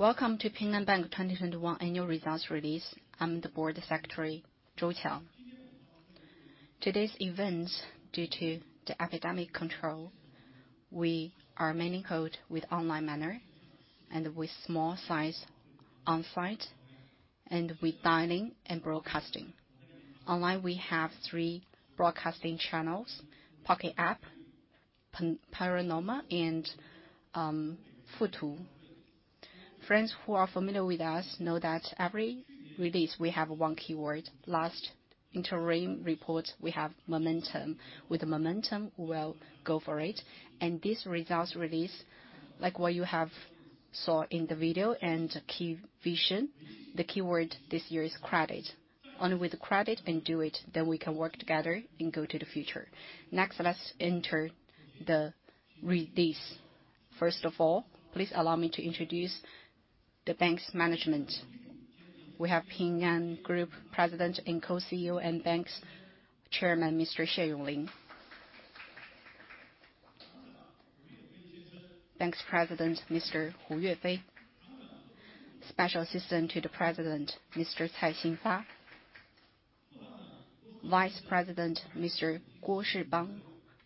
Welcome to Ping An Bank 2021 annual results release. I'm the board secretary, Zhou Qiang. Today's event, due to the epidemic control, we are holding it in an online manner and with small size on-site and with dialing and broadcasting. Online, we have three broadcasting channels, Pocket App, Panorama, and Futu. Friends who are familiar with us know that every release we have one keyword. Last interim report, we have momentum. With the momentum, we'll go for it. This results release, like what you have saw in the video and key vision, the keyword this year is credit. Only with credit can do it, then we can work together and go to the future. Next, let's enter the release. First of all, please allow me to introduce the bank's management. We have Ping An Group President and Co-CEO and Bank's Chairman, Mr. Xie Yonglin. Bank's President, Mr. Hu Yuefei, Special Assistant to the President, Mr. Cai Xinfa, Vice President, Mr. Guo Shibang,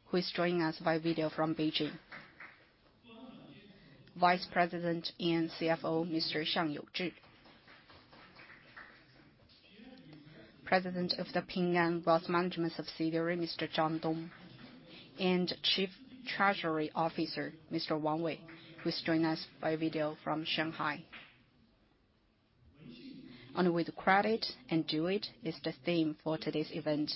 who is joining us by video from Beijing. Vice President and CFO, Mr. Xiang Youzhi. President of the Ping An Wealth Management Subsidiary, Mr. Zhang Dong. Chief Treasury Officer, Mr. Wang Wei, who's joined us by video from Shanghai. Only with credit can we do it is the theme for today's event.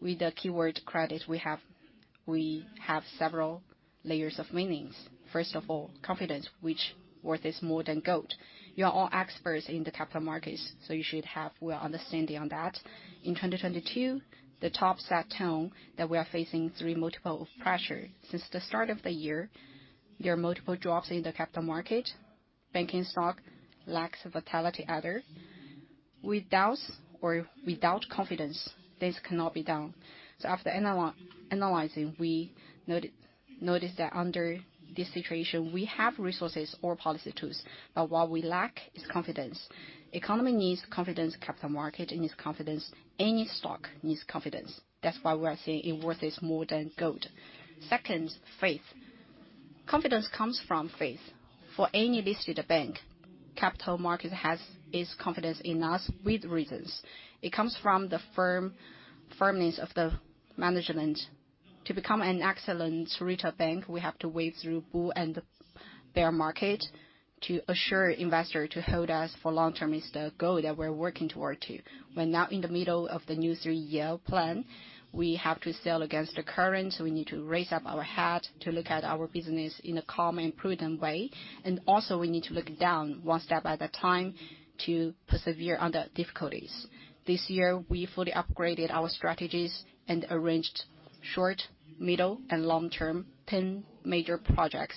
With the keyword credit, we have several layers of meanings. First of all, confidence, whose worth is more than gold. You are all experts in the capital markets, so you should have a good understanding of that. In 2022, the top set the tone that we are facing triple pressure. Since the start of the year, there are multiple drops in the capital market. Banking stocks lack vitality altogether. Without confidence, this cannot be done. After analyzing, we noticed that under this situation, we have resources or policy tools, but what we lack is confidence. Economy needs confidence, capital market needs confidence, any stock needs confidence. That's why we are saying its worth is more than gold. Second, faith. Confidence comes from faith. For any listed bank, capital market has its confidence in us with reasons. It comes from the firmness of the management. To become an excellent retail bank, we have to wade through bull and bear market. To assure investor to hold us for long term is the goal that we're working toward to. We're now in the middle of the new three-year plan. We have to sail against the current, so we need to raise up our hat to look at our business in a calm and prudent way. Also we need to look down one step at a time to persevere on the difficulties. This year, we fully upgraded our strategies and arranged short-, middle-, and long-term ten major projects.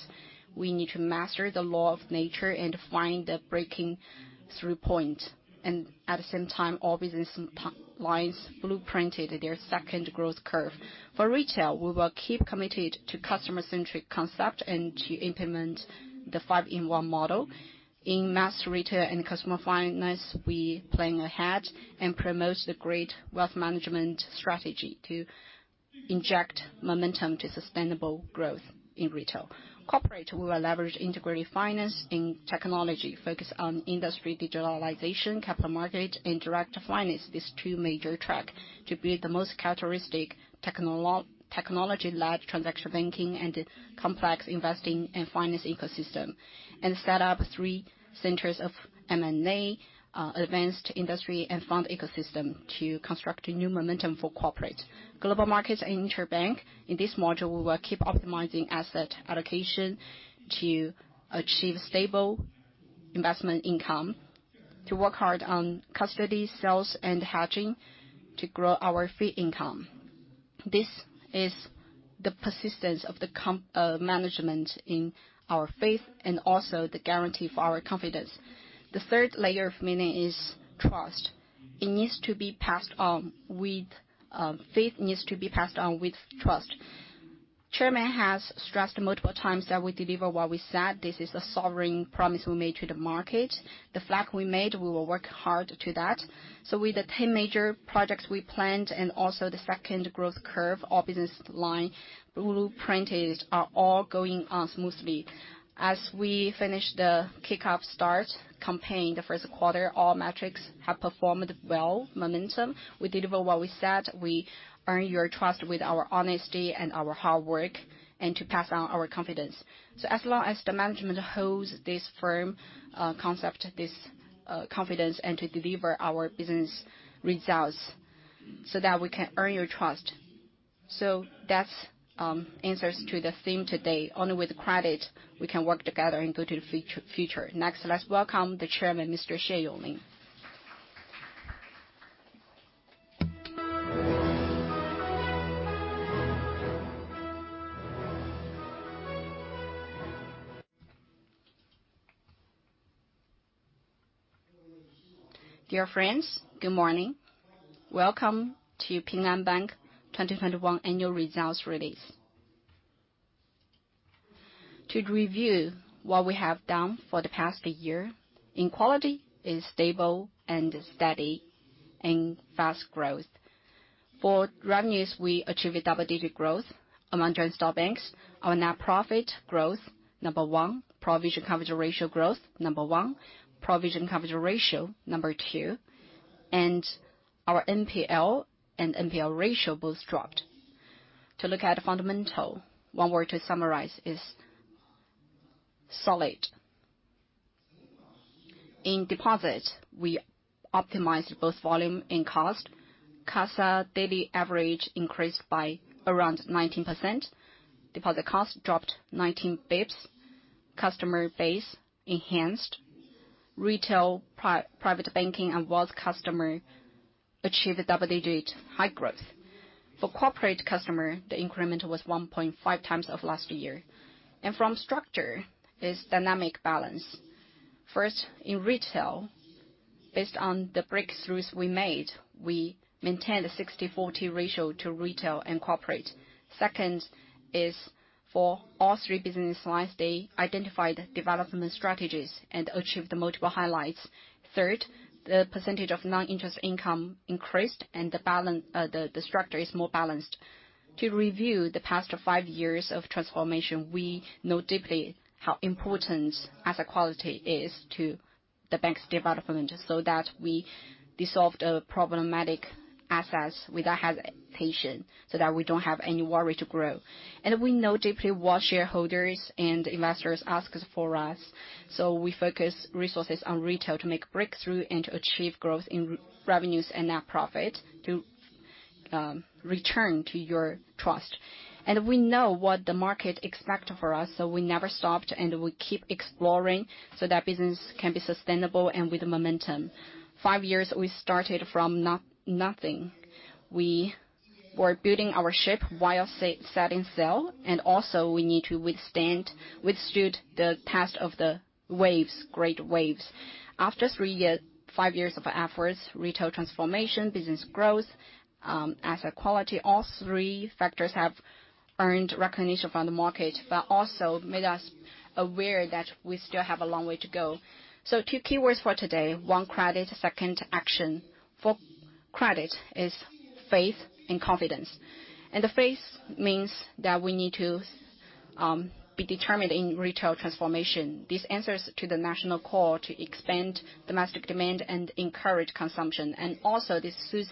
We need to master the law of nature and find the breakthrough point. At the same time, all business lines blueprinted their second growth curve. For retail, we will keep committed to customer-centric concept and to implement the Five‑in‑one model. In mass retail and customer finance, we planning ahead and promote the great wealth management strategy to inject momentum to sustainable growth in retail. For corporate, we will leverage integrated finance in technology, focus on industry digitalization, capital market, and direct finance. These two major tracks to build the most characteristic technology-led transaction banking and comprehensive investment and financing ecosystem. Set up three centers of M&A, advanced industry, and fund ecosystem to construct a new momentum for corporate global markets and interbank. In this model, we will keep optimizing asset allocation to achieve stable investment income, to work hard on custody, sales, and hedging to grow our fee income. This is the persistence of the company management in our faith and also the guarantee for our confidence. The third layer of meaning is trust. Faith needs to be passed on with trust. Chairman has stressed multiple times that we deliver what we said. This is a solemn promise we made to the market. The flag we made, we will work hard to that. With the 10 major projects we planned and also the second growth curve, our business line blueprints are all going on smoothly. As we finish the kickoff start campaign, the first quarter, all metrics have performed well. Momentum. We deliver what we said. We earn your trust with our honesty and our hard work and to pass on our confidence. As long as the management holds this firm concept, this confidence, and to deliver our business results so that we can earn your trust. That's answers to the theme today. Only with credit, we can work together and go to the future. Next, let's welcome the Chairman, Mr. Xie Yonglin. Dear friends, good morning. Welcome to Ping An Bank 2021 annual results release. To review what we have done for the past year, in quality is stable and steady and fast growth. For revenues, we achieved double-digit growth among joint stock banks. Our net profit growth, number one. Provision coverage ratio growth, number one. Provision coverage ratio, number two. Our NPL and NPL ratio both dropped. To look at fundamental, one word to summarize is solid. In deposits, we optimized both volume and cost. CASA daily average increased by around 19%. Deposit cost dropped 19 basis points. Customer base enhanced. Retail, private banking and wealth customer achieved a double-digit high growth. For corporate customer, the increment was 1.5x of last year. From structure is dynamic balance. First, in retail, based on the breakthroughs we made, we maintained a 60/40 ratio to retail and corporate. Second is for all three business lines, they identified development strategies and achieved multiple highlights. Third, the percentage of non-interest income increased and the balance, the structure is more balanced. To review the past five years of transformation, we know deeply how important asset quality is to the bank's development, so that we dissolved a problematic assets without hesitation, so that we don't have any worry to grow. We know deeply what shareholders and investors ask for us, so we focus resources on retail to make breakthrough and to achieve growth in revenues and net profit to return to your trust. We know what the market expect for us, so we never stopped and we keep exploring so that business can be sustainable and with momentum. Five years, we started from nothing. We were building our ship while setting sail, and also we withstood the test of the waves, great waves. After five years of efforts, retail transformation, business growth, asset quality, all three factors have earned recognition from the market, but also made us aware that we still have a long way to go. Two keywords for today, one credit, second action. For credit is faith and confidence. The faith means that we need to be determined in retail transformation. This answers to the national call to expand domestic demand and encourage consumption. This suits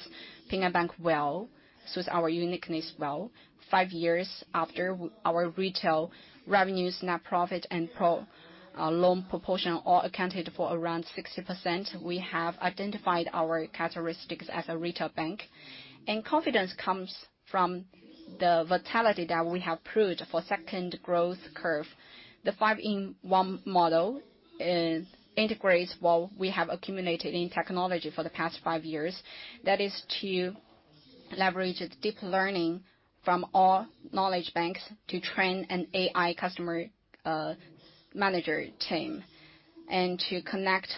Ping An Bank well, suits our uniqueness well. Five years after our retail revenues, net profit and loan proportion all accounted for around 60%, we have identified our characteristics as a retail bank. Confidence comes from the vitality that we have proved for second growth curve. The Five‑in‑one model integrates what we have accumulated in technology for the past five years. That is to leverage deep learning from all knowledge banks to train an AI customer manager team. To connect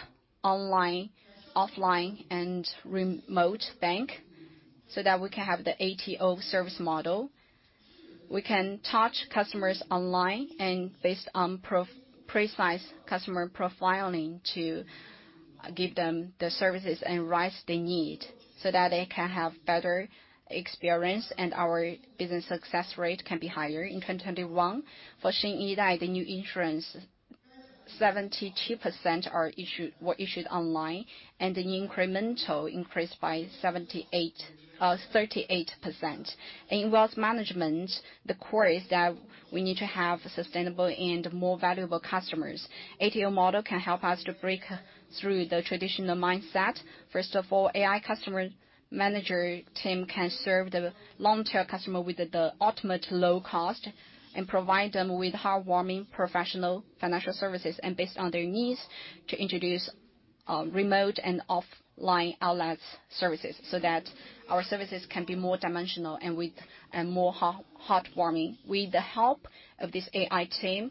online, offline and remote bank so that we can have the ATO service model. We can touch customers online and based on precise customer profiling to give them the services and advice they need, so that they can have better experience and our business success rate can be higher. In 2021, for Xin Yi Dai, the new insurance, 72% were issued online, and the incremental increased by 78%, 38%. In wealth management, the core is that we need to have sustainable and more valuable customers. ATO model can help us to break through the traditional mindset. First of all, AI customer manager team can serve the long-term customer with the ultimate low cost and provide them with heartwarming professional financial services and based on their needs to introduce remote and offline outlet services so that our services can be more dimensional and more heartwarming. With the help of this AI team,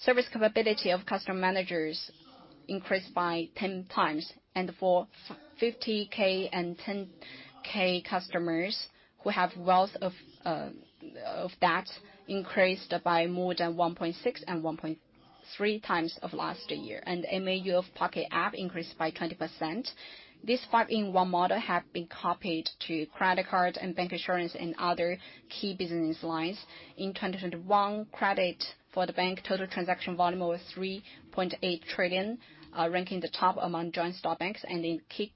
service capability of customer managers increased by 10x. For 50,000 and 10,000 customers who have wealth of that increased by more than 1.6x and 1.3x of last year. MAU of Pocket App increased by 20%. This Five‑in‑one model have been copied to credit cards and bancassurance and other key business lines. In 2021, corporate banking total transaction volume was 3.8 trillion, ranking the top among joint stock banks. In key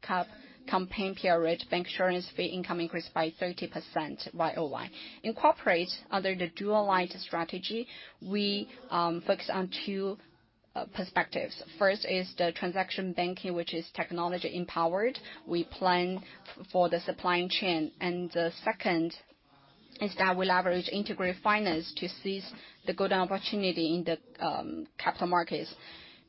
campaign period, bancassurance fee income increased by 30% YoY. In corporate, under the dual-line strategy, we focus on two perspectives. First is the transaction banking, which is technology empowered. We plan for the supply chain. The second is that we leverage integrated finance to seize the good opportunity in the capital markets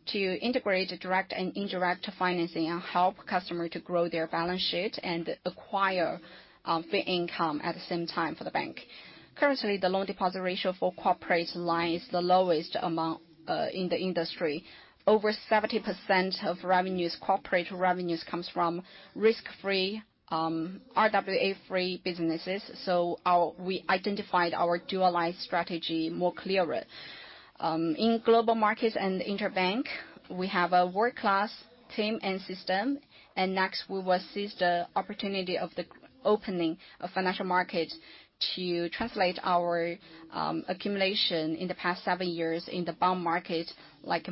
to integrate direct and indirect financing and help customer to grow their balance sheet and acquire fee income at the same time for the bank. Currently, the loan deposit ratio for corporate line is the lowest in the industry. Over 70% of revenues, corporate revenues, comes from risk-free, RWA-free businesses. We identified our dual-line strategy more clearly. In global markets and interbank, we have a world-class team and system. Next, we will seize the opportunity of the opening of financial markets to translate our accumulation in the past seven years in the bond market, like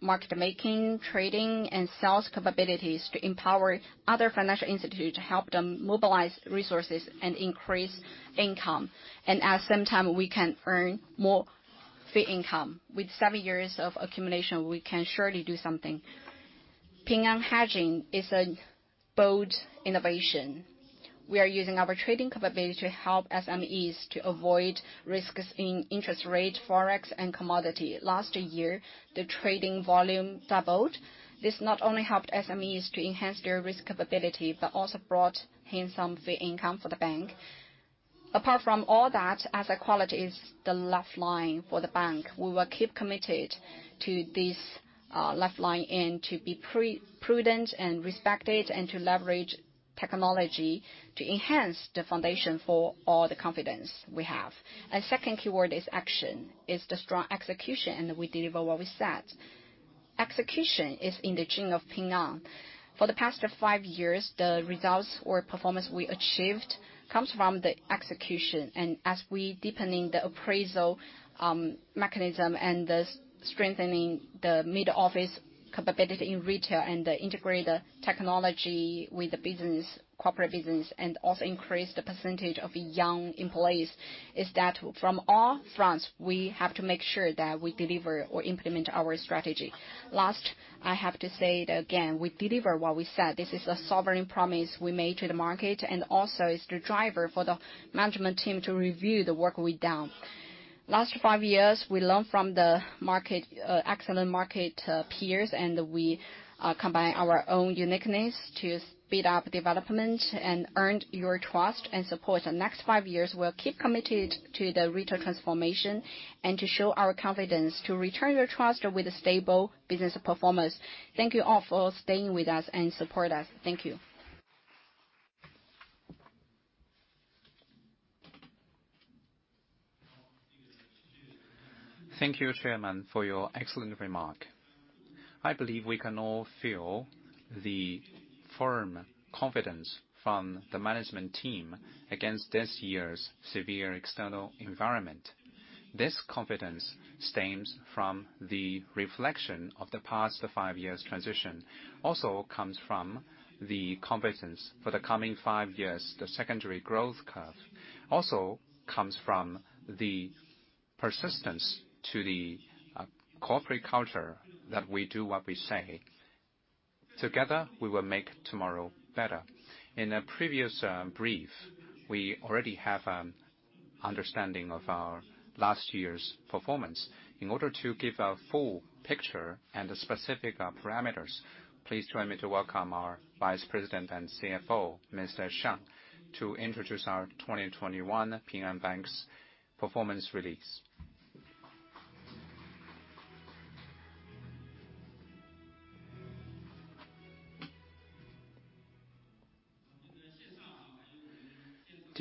market making, trading, and sales capabilities to empower other financial institutions, to help them mobilize resources and increase income. At the same time, we can earn more fee income. With seven years of accumulation, we can surely do something. Ping An Hedging is a bold innovation. We are using our trading capability to help SMEs to avoid risks in interest rate, forex, and commodity. Last year, the trading volume doubled. This not only helped SMEs to enhance their risk capability, but also brought in some fee income for the bank. Apart from all that, asset quality is the lifeline for the bank. We will keep committed to this lifeline and to be pre-prudent and respected and to leverage technology to enhance the foundation for all the confidence we have. Second keyword is action. It's the strong execution, and we deliver what we said. Execution is in the gene of Ping An. For the past five years, the results or performance we achieved comes from the execution. As we deepening the appraisal mechanism and thus strengthening the mid-office capability in retail and integrate technology with the business, corporate business, and also increase the percentage of young employees, is that from all fronts, we have to make sure that we deliver or implement our strategy. Last, I have to say it again, we deliver what we said. This is a sovereign promise we made to the market and also is the driver for the management team to review the work we've done. Last five years, we learned from the market, excellent market peers, and we combine our own uniqueness to speed up development and earned your trust and support. The next five years, we'll keep committed to the retail transformation and to show our confidence to return your trust with a stable business performance. Thank you all for staying with us and support us. Thank you. Thank you, Chairman, for your excellent remark. I believe we can all feel the firm confidence from the management team against this year's severe external environment. This confidence stems from the reflection of the past five years transition. Also comes from the confidence for the coming five years, the secondary growth curve. Also comes from the persistence to the corporate culture that we do what we say. Together, we will make tomorrow better. In a previous brief, we already have an understanding of our last year's performance. In order to give a full picture and specific parameters, please join me to welcome our Vice President and CFO, Mr. Xiang, to introduce our 2021 Ping An Bank performance release.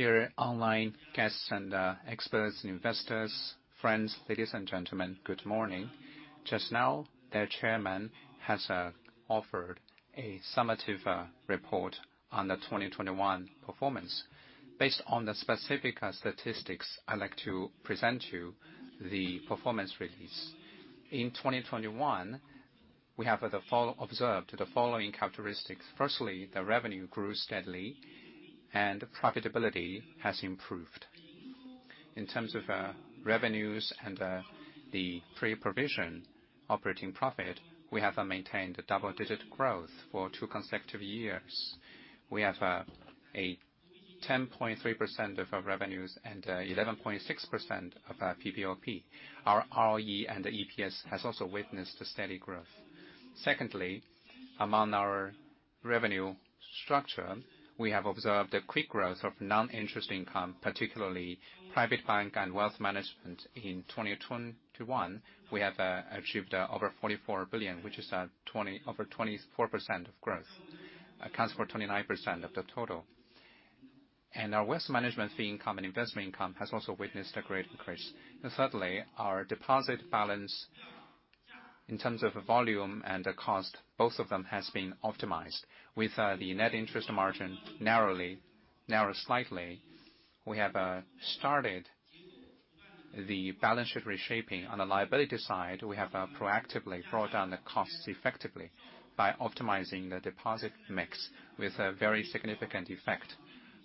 Dear online guests and experts, investors, friends, ladies and gentlemen, good morning. Just now, the Chairman has offered a summative report on the 2021 performance. Based on the specific statistics, I'd like to present you the performance release. In 2021, we observed the following characteristics. Firstly, the revenue grew steadily and profitability has improved. In terms of revenues and the pre-provision operating profit, we have maintained a double-digit growth for two consecutive years. We have a 10.3% of our revenues and 11.6% of our PPOP. Our ROE and EPS has also witnessed a steady growth. Secondly, among our revenue structure, we have observed a quick growth of non-interest income, particularly private bank and wealth management. In 2021, we achieved over 44 billion, which is over 24% growth, accounts for 29% of the total. Our wealth management fee income and investment income has also witnessed a great increase. Thirdly, our deposit balance in terms of volume and the cost, both of them has been optimized. With the net interest margin narrow slightly, we have started the balance sheet reshaping. On the liability side, we have proactively brought down the costs effectively by optimizing the deposit mix with a very significant effect.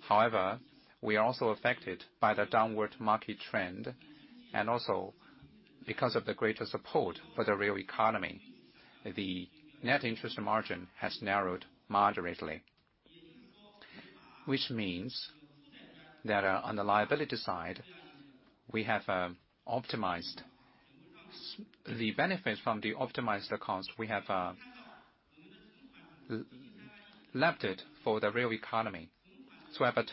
However, we are also affected by the downward market trend, and also because of the greater support for the real economy, the net interest margin has narrowed moderately. Which means that, on the liability side, we have optimized the benefits from the optimized cost. We have left it for the real economy to have a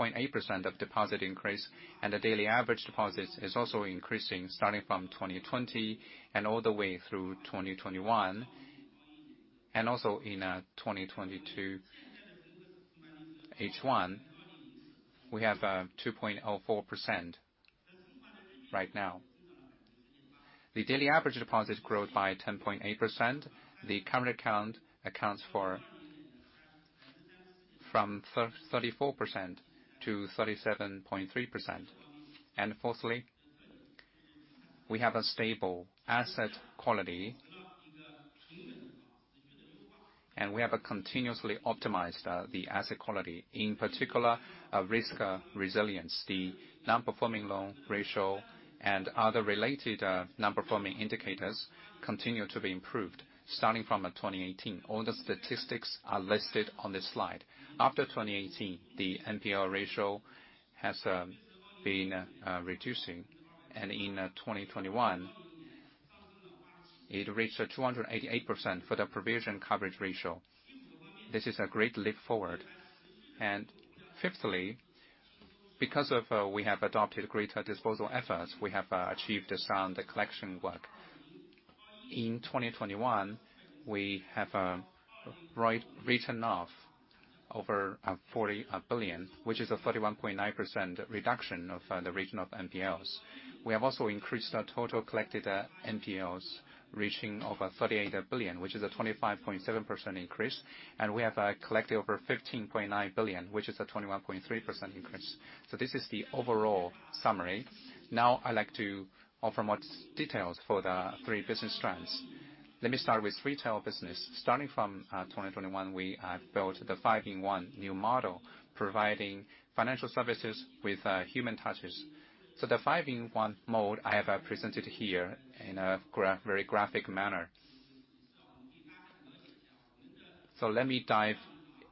10.8% deposit increase, and the daily average deposits is also increasing starting from 2020 and all the way through 2021, and also in 2022 H1, we have 2.04% right now. The daily average deposit growth by 10.8%. The current account accounts for from 34% to 37.3%. Fourthly, we have a stable asset quality. We have a continuously optimized the asset quality, in particular, a risk resilience. The non-performing loan ratio and other related non-performing indicators continue to be improved starting from 2018. All the statistics are listed on this slide. After 2018, the NPL ratio has been reducing, and in 2021, it reached 288% for the provision coverage ratio. This is a great leap forward. Fifthly, because we have adopted greater disposal efforts, we have achieved a sound collection work. In 2021, we have written off over 40 billion, which is a 31.9% reduction of the balance of NPLs. We have also increased our total collected NPLs, reaching over 38 billion, which is a 25.7% increase. We have collected over 15.9 billion, which is a 21.3% increase. This is the overall summary. Now, I'd like to offer more details for the three business trends. Let me start with retail business. Starting from 2021, we have built the Five‑in‑one new model, providing financial services with human touches. The Five‑in‑one mode I have presented here in a very graphic manner. Let me dive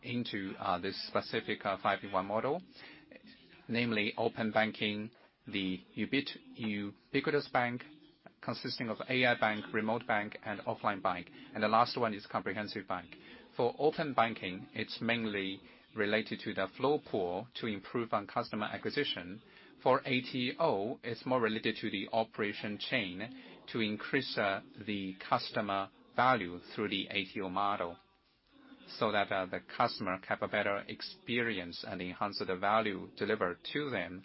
into this specific Five‑in‑one model, namely open banking, the ubiquitous bank consisting of AI bank, remote bank, and offline bank. The last one is comprehensive bank. For open banking, it's mainly related to the flow pool to improve on customer acquisition. For ATO, it's more related to the operation chain to increase the customer value through the ATO model so that the customer can have a better experience and enhance the value delivered to them,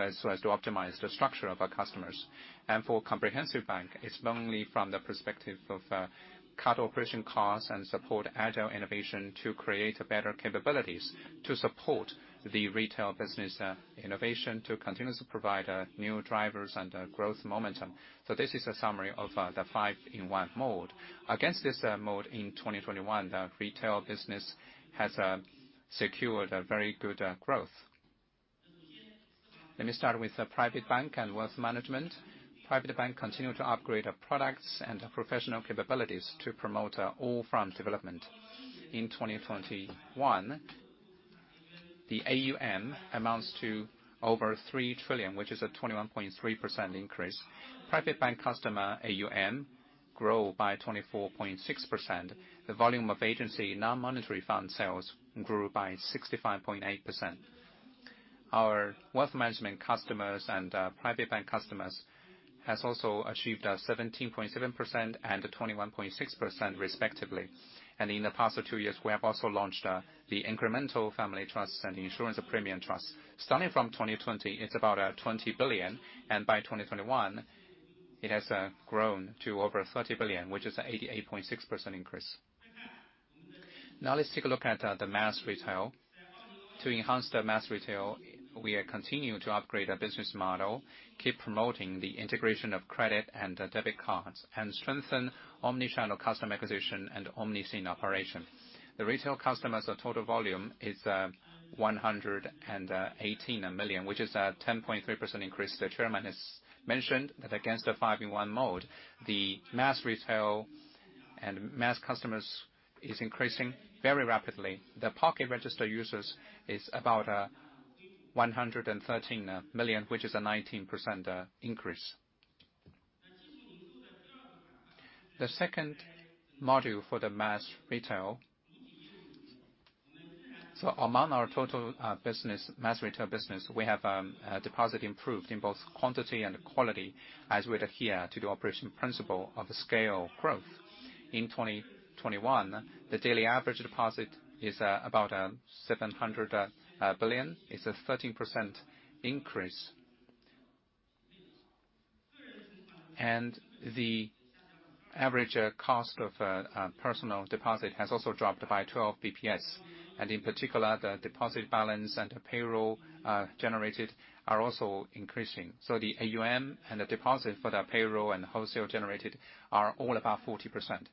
as well as to optimize the structure of our customers. For comprehensive bank, it's not only from the perspective of cutting operating costs and supporting agile innovation to create better capabilities to support the retail business innovation to continuously provide new drivers of growth momentum. This is a summary of the Five‑in‑one mode. Against this mode in 2021, the retail business has secured a very good growth. Let me start with the Private Bank and Wealth Management. Private Bank continues to upgrade our products and professional capabilities to promote all-round development. In 2021, the AUM amounts to over 3 trillion, which is a 21.3% increase. Private Bank customer AUM grow by 24.6%. The volume of agency non-monetary fund sales grew by 65.8%. Our wealth management customers and private bank customers has also achieved 17.7% and 21.6% respectively. In the past 2 years, we have also launched the incremental family trust and the insurance premium trust. Starting from 2020, it's about 20 billion. By 2021, it has grown to over 30 billion, which is 88.6% increase. Now, let's take a look at the mass retail. To enhance the mass retail, we continue to upgrade our business model, keep promoting the integration of credit and debit cards, and strengthen omni-channel customer acquisition and omni-scene operation. The retail customers of total volume is 118 million, which is a 10.3% increase. The chairman has mentioned that against the Five‑in‑one model, the mass retail and mass customers is increasing very rapidly. The Pocket registered users is about 113 million, which is a 19% increase. The second module for the mass retail. Among our total business, mass retail business, we have deposit improved in both quantity and quality as we adhere to the operation principle of scale growth. In 2021, the daily average deposit is about 700 billion. It's a 13% increase. The average cost of personal deposit has also dropped by 12 basis points. In particular, the deposit balance and the payroll-generated are also increasing. The AUM and the deposit for the payroll- and wholesale-generated are all about 40%.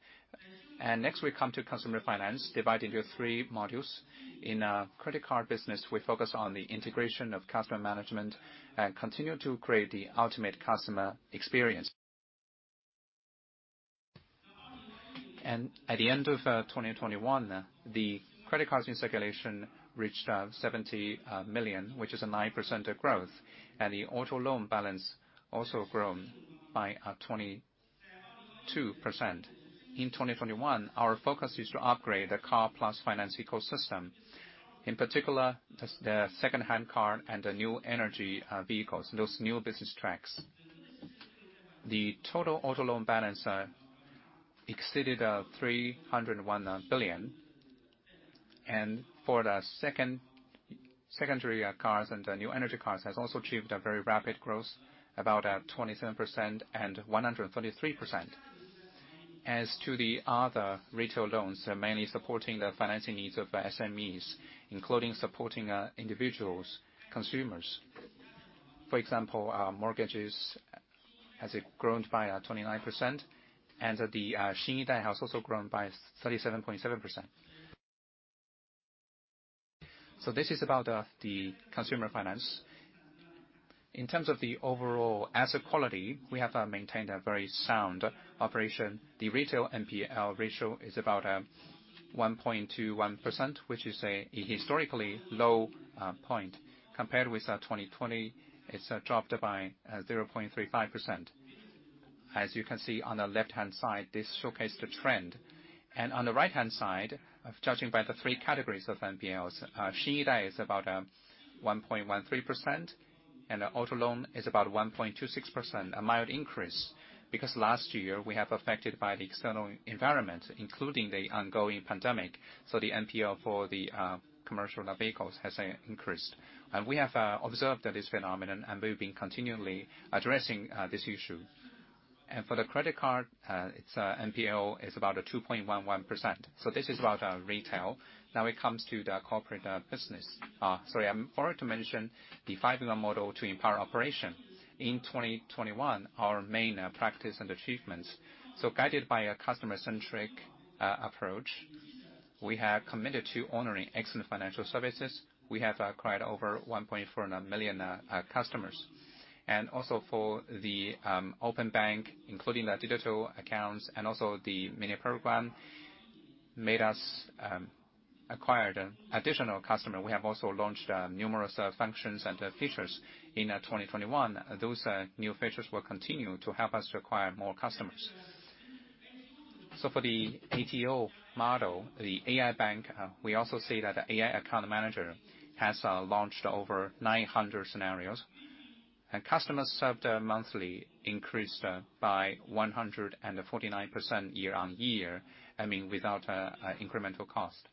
Next, we come to customer finance, divided into three modules. In credit card business, we focus on the integration of customer management and continue to create the ultimate customer experience. At the end of 2021, the credit card in circulation reached 70 million, which is a 9% growth. The auto loan balance also grown by 22%. In 2021, our focus is to upgrade the car plus finance ecosystem, in particular, the secondhand car and the new energy vehicles, those new business tracks. The total auto loan balance exceeded CNY 301 billion. For the secondary cars and the new energy cars has also achieved a very rapid growth about 27% and 133%. As to the other retail loans, they're mainly supporting the financing needs of SMEs, including supporting individuals, consumers. For example, mortgages has grown by 29% and the Xin Yi Dai has also grown by 37.7%. This is about the consumer finance. In terms of the overall asset quality, we have maintained a very sound operation. The retail NPL ratio is about 1.21%, which is a historically low point. Compared with 2020, it's dropped by 0.35%. As you can see on the left-hand side, this shows the trend. On the right-hand side, judging by the three categories of NPLs, Xin Yi Dai is about 1.13%, and the auto loan is about 1.26%, a mild increase. Because last year we have affected by the external environment, including the ongoing pandemic. The NPL for the commercial vehicles has increased. We have observed this phenomenon, and we've been continually addressing this issue. For the credit card, its NPL is about 2.11%. This is about retail. Now it comes to the corporate business. Sorry, I'm forgot to mention the Five‑in‑one model to empower operation. In 2021, our main practice and achievements, guided by a customer-centric approach, we have committed to honoring excellent financial services. We have acquired over 1.4 million customers. Also for the open bank, including the digital accounts and also the mini program, made us acquire the additional customer. We have also launched numerous functions and features in 2021. Those new features will continue to help us acquire more customers. For the ATO model, the AI bank, we also see that the AI account manager has launched over 900 scenarios, and customers served monthly increased by 149% year-over-year, I mean, without incremental cost.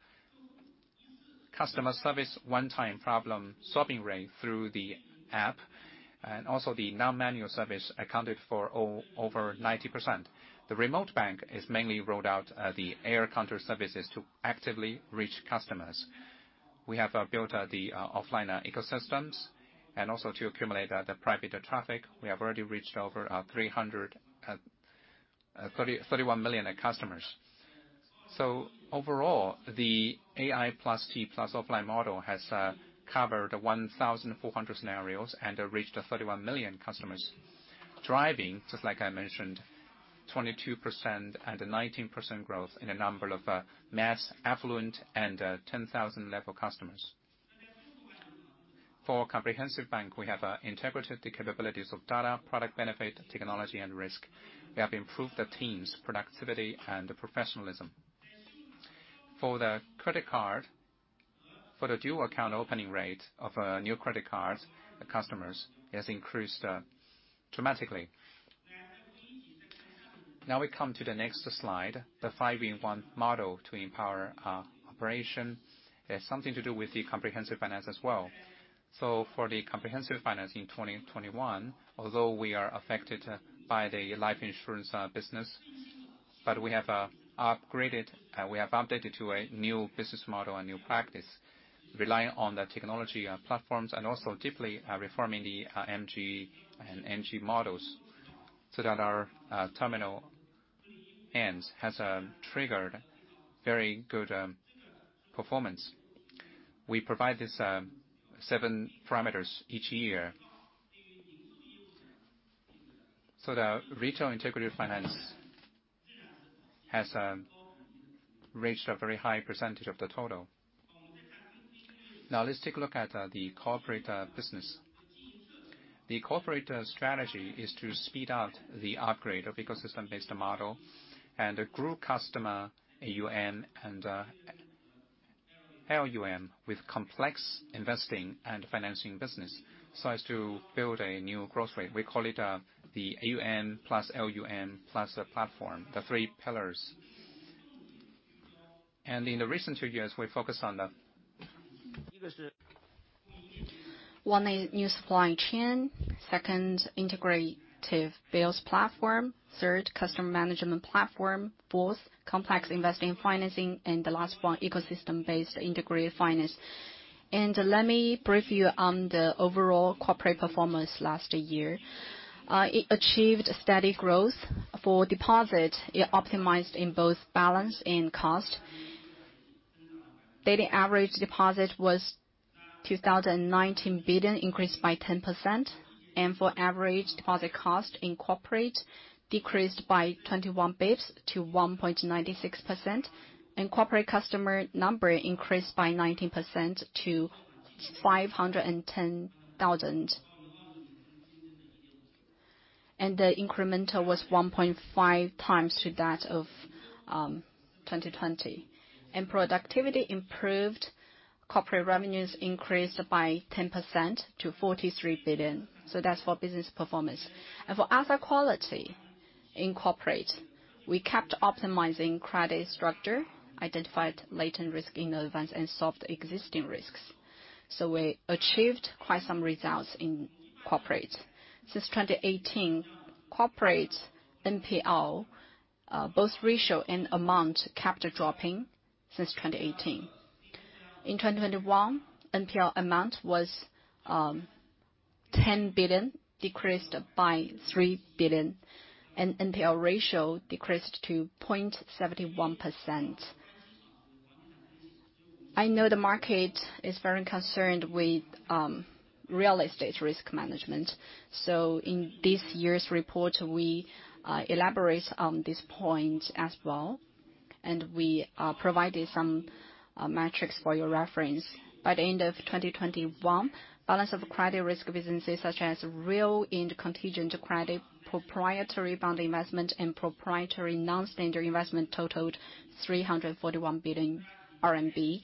Customer service one-time problem solving rate through the app, and also the non-manual service accounted for over 90%. The remote bank has mainly rolled out the AI counter services to actively reach customers. We have built the offline ecosystems and also to accumulate the private traffic. We have already reached over 331 million customers. Overall, the AI plus remote plus offline model has covered 1,400 scenarios and reached 31 million customers, driving, just like I mentioned, 22% and 19% growth in a number of mass affluent and 10,000 level customers. For comprehensive bank, we have integrated the capabilities of data, product benefit, technology and risk. We have improved the team's productivity and professionalism. For the credit card, for the dual account opening rate of new credit cards, the customers has increased dramatically. Now we come to the next slide, the Five-in-one Model to empower operation. It has something to do with the comprehensive finance as well. For the comprehensive finance in 2021, although we are affected by the life insurance business, we have updated to a new business model and new practice relying on the technology platforms and also deeply reforming the MG and NG models so that our terminal ends has triggered very good performance. We provide these seven parameters each year. The retail integrated finance has reached a very high percentage of the total. Now let's take a look at the corporate business. The corporate strategy is to speed up the upgrade of ecosystem-based model and grow customer AUM and LUM with complex investing and financing business so as to build a new growth rate. We call it the AUM plus LUM plus the platform, the three pillars. In the recent two years, we focused on the. One is new supply chain. Second, integrative bills platform. Third, customer management platform. Fourth, complex investing and financing. The last one, ecosystem-based integrated finance. Let me brief you on the overall corporate performance last year. It achieved steady growth. For deposit, it optimized in both balance and cost. Daily average deposit was 2,019 billion, increased by 10%. For average deposit cost in corporate, decreased by 21 basis points to 1.96%. Corporate customer number increased by 19% to 510,000 cusomers. The incremental was 1.5x to that of 2020. Productivity improved. Corporate revenues increased by 10% to 43 billion. That's for business performance. For asset quality in corporate, we kept optimizing credit structure, identified latent risk in advance, and solved existing risks. We achieved quite some results in corporate. Since 2018, corporate NPL both ratio and amount kept dropping since 2018. In 2021, NPL amount was 10 billion, decreased by 3 billion. NPL ratio decreased to 0.71%. I know the market is very concerned with real estate risk management. In this year's report, we elaborate on this point as well, and we provided some metrics for your reference. By the end of 2021, balance of credit risk businesses such as real estate and contingent credit proprietary bond investment and proprietary non-standard investment totaled 341 billion RMB.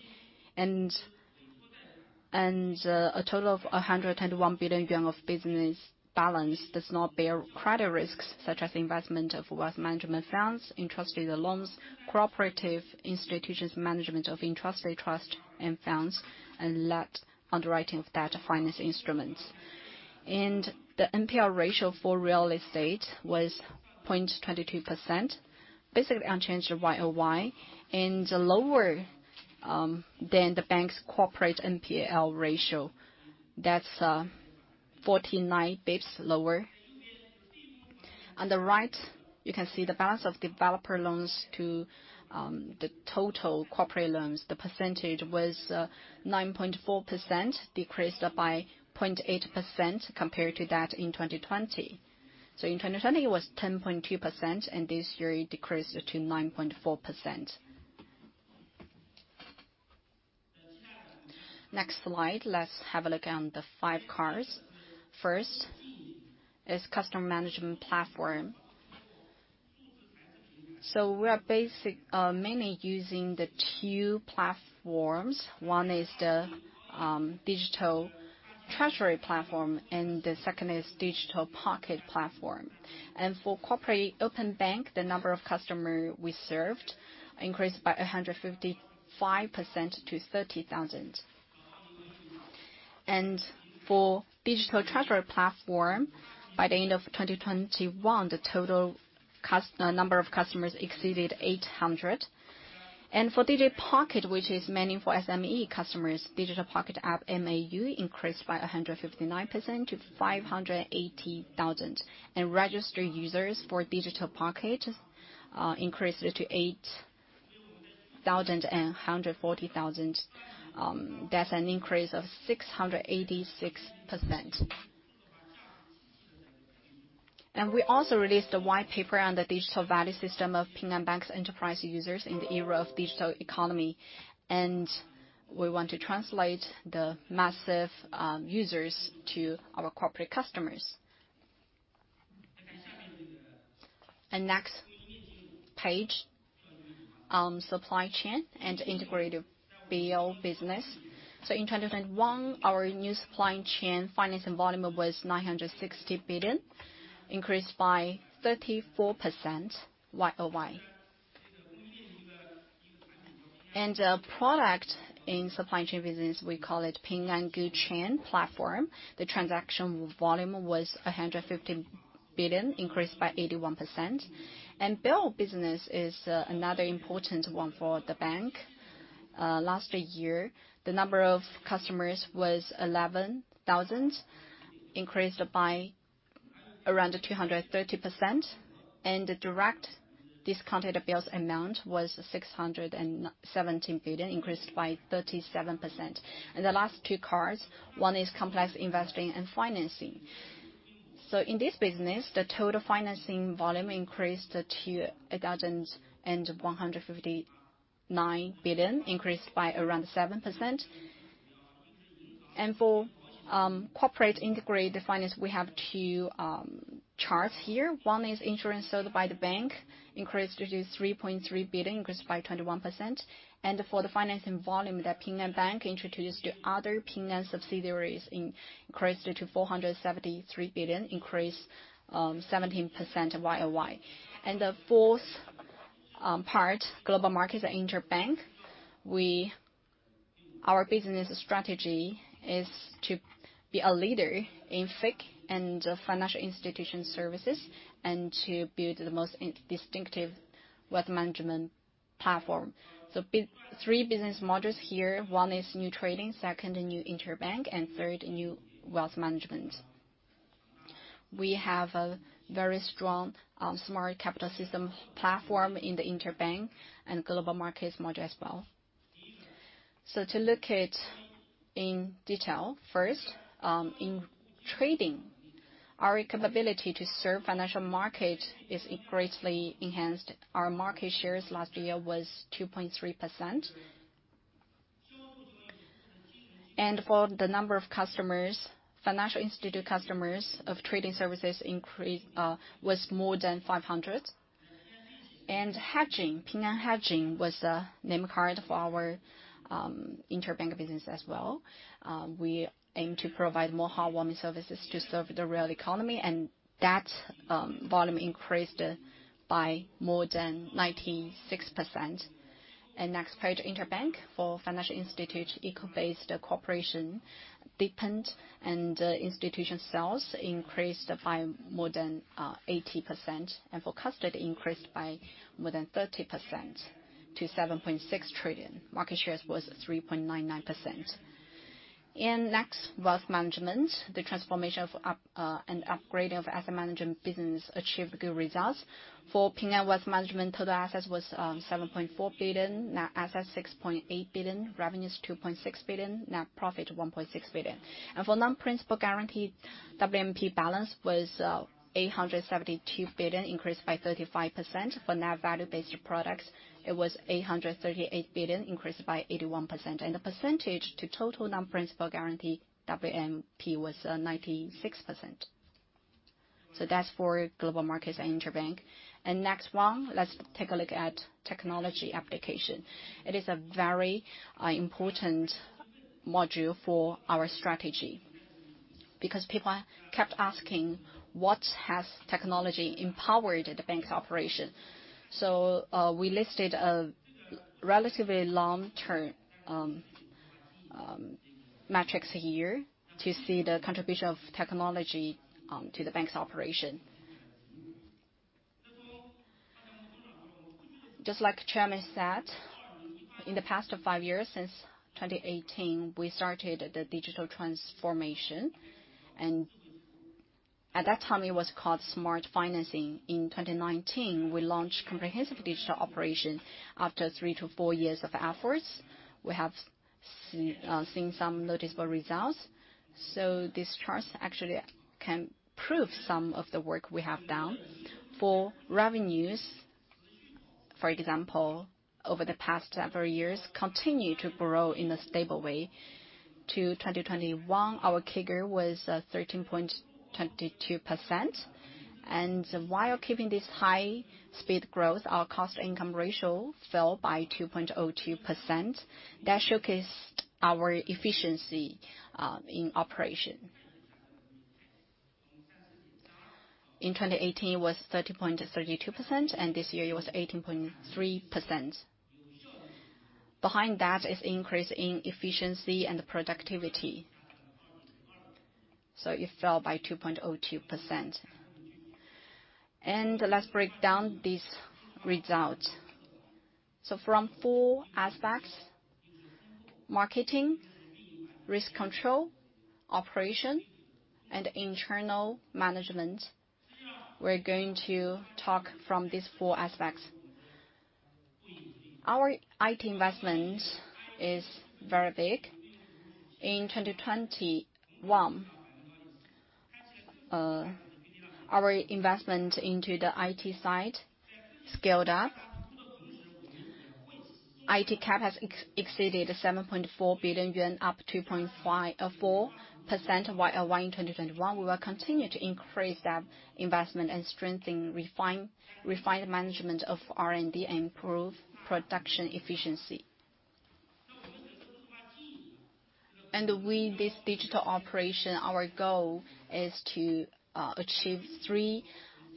A total of 101 billion yuan of business balance does not bear credit risks such as investment of wealth management funds, entrusted loans, cooperative institutions management of entrusted trust and funds, and debt underwriting of financial instruments. The NPL ratio for real estate was 0.22%. Basically unchanged YoY, and lower than the bank's corporate NPL ratio. That's 149 basis points lower. On the right, you can see the balance of developer loans to the total corporate loans. The percentage was 9.4%, decreased by 0.8% compared to that in 2020. In 2020 it was 10.2%, and this year it decreased to 9.4%. Next slide, let's have a look at the five cores. First is customer management platform. We are basic... Mainly using the two platforms. One is the digital treasury platform, and the second is digital pocket platform. For corporate open bank, the number of customers we served increased by 155% to 30,000. For digital treasury platform, by the end of 2021, the number of customers exceeded 800. For digital pocket, which is mainly for SME customers, digital pocket app MAU increased by 159% to 580,000. Registered users for digital pocket increased to 840,000, that's an increase of 686%. We also released a white paper on the digital value system of Ping An Bank's enterprise users in the era of digital economy. We want to translate the massive users to our corporate customers. Next page, supply chain and integrated bill business. In 2021, our new supply chain financing volume was 960 billion, increased by 34% YoY. Our product in supply chain business, we call it Ping An Good Chain platform. The transaction volume was 150 billion, increased by 81%. Bill business is another important one for the bank. Last year, the number of customers was 11,000, increased by around 230%. The direct discounted bills amount was 670 billion, increased by 37%. The last two cards, one is complex investing and financing. In this business, the total financing volume increased to 1,159 billion, increased by around 7%. For corporate integrated finance, we have two charts here. One is insurance sold by the bank, increased to 3.3 billion, increased by 21%. For the financing volume that Ping An Bank introduced to other Ping An subsidiaries increased to 473 billion, increased 17% YoY. The fourth part, global markets interbank. Our business strategy is to be a leader in FICC and financial institution services, and to build the most distinctive wealth management platform. Three business models here. One is new trading, second, a new interbank, and third, a new wealth management. We have a very strong smart capital system platform in the interbank and global markets model as well. To look at in detail, first, in trading, our capability to serve financial market is greatly enhanced. Our market shares last year was 2.3%. For the number of customers, financial institution customers of trading services increased, was more than 500 customers. Hedging, Ping An hedging was the name card for our interbank business as well. We aim to provide more heartwarming services to serve the real economy, and that volume increased by more than 96%. Next page, interbank. For financial institution ecosystem-based cooperation deepened, and institution sales increased by more than 80%. For custody, increased by more than 30% to 7.6 trillion. Market shares was 3.99%. Next, wealth management. The transformation and upgrade of asset management business achieved good results. For Ping An Wealth Management, total assets was 7.4 billion. Net assets, 6.8 billion. Revenue is 2.6 billion. Net profit, 1.6 billion. For non-principal guaranteed WMP balance was 872 billion, increased by 35%. For net value-based products, it was 838 billion, increased by 81%. The percentage to total non-principal guarantee WMP was 96%. That's for global markets and interbank. Next one, let's take a look at technology application. It is a very important module for our strategy because people kept asking what has technology empowered the bank's operation. We listed a relatively long-term metrics here to see the contribution of technology to the bank's operation. Just like Chairman said, in the past five years, since 2018, we started the digital transformation. At that time, it was called smart financing. In 2019, we launched comprehensive digital operation after three to four years of efforts. We have seen some noticeable results. This trust actually can prove some of the work we have done. For revenues, for example, over the past several years, continue to grow in a stable way. To 2021, our CAGR was 13.22%. While keeping this high speed growth, our cost-income ratio fell by 2.02%. That showcased our efficiency in operation. In 2018, it was 30.32%, and this year it was 18.3%. Behind that is increase in efficiency and productivity. It fell by 2.02%. Let's break down these results. From four aspects, marketing, risk control, operation, and internal management. We're going to talk from these four aspects. Our IT investment is very big. In 2021, our investment into the IT side scaled up. IT cap has exceeded 7.4 billion yuan, up 2.54% YoY in 2021. We will continue to increase that investment and strengthen refine management of R&D and improve production efficiency. With this digital operation, our goal is to achieve three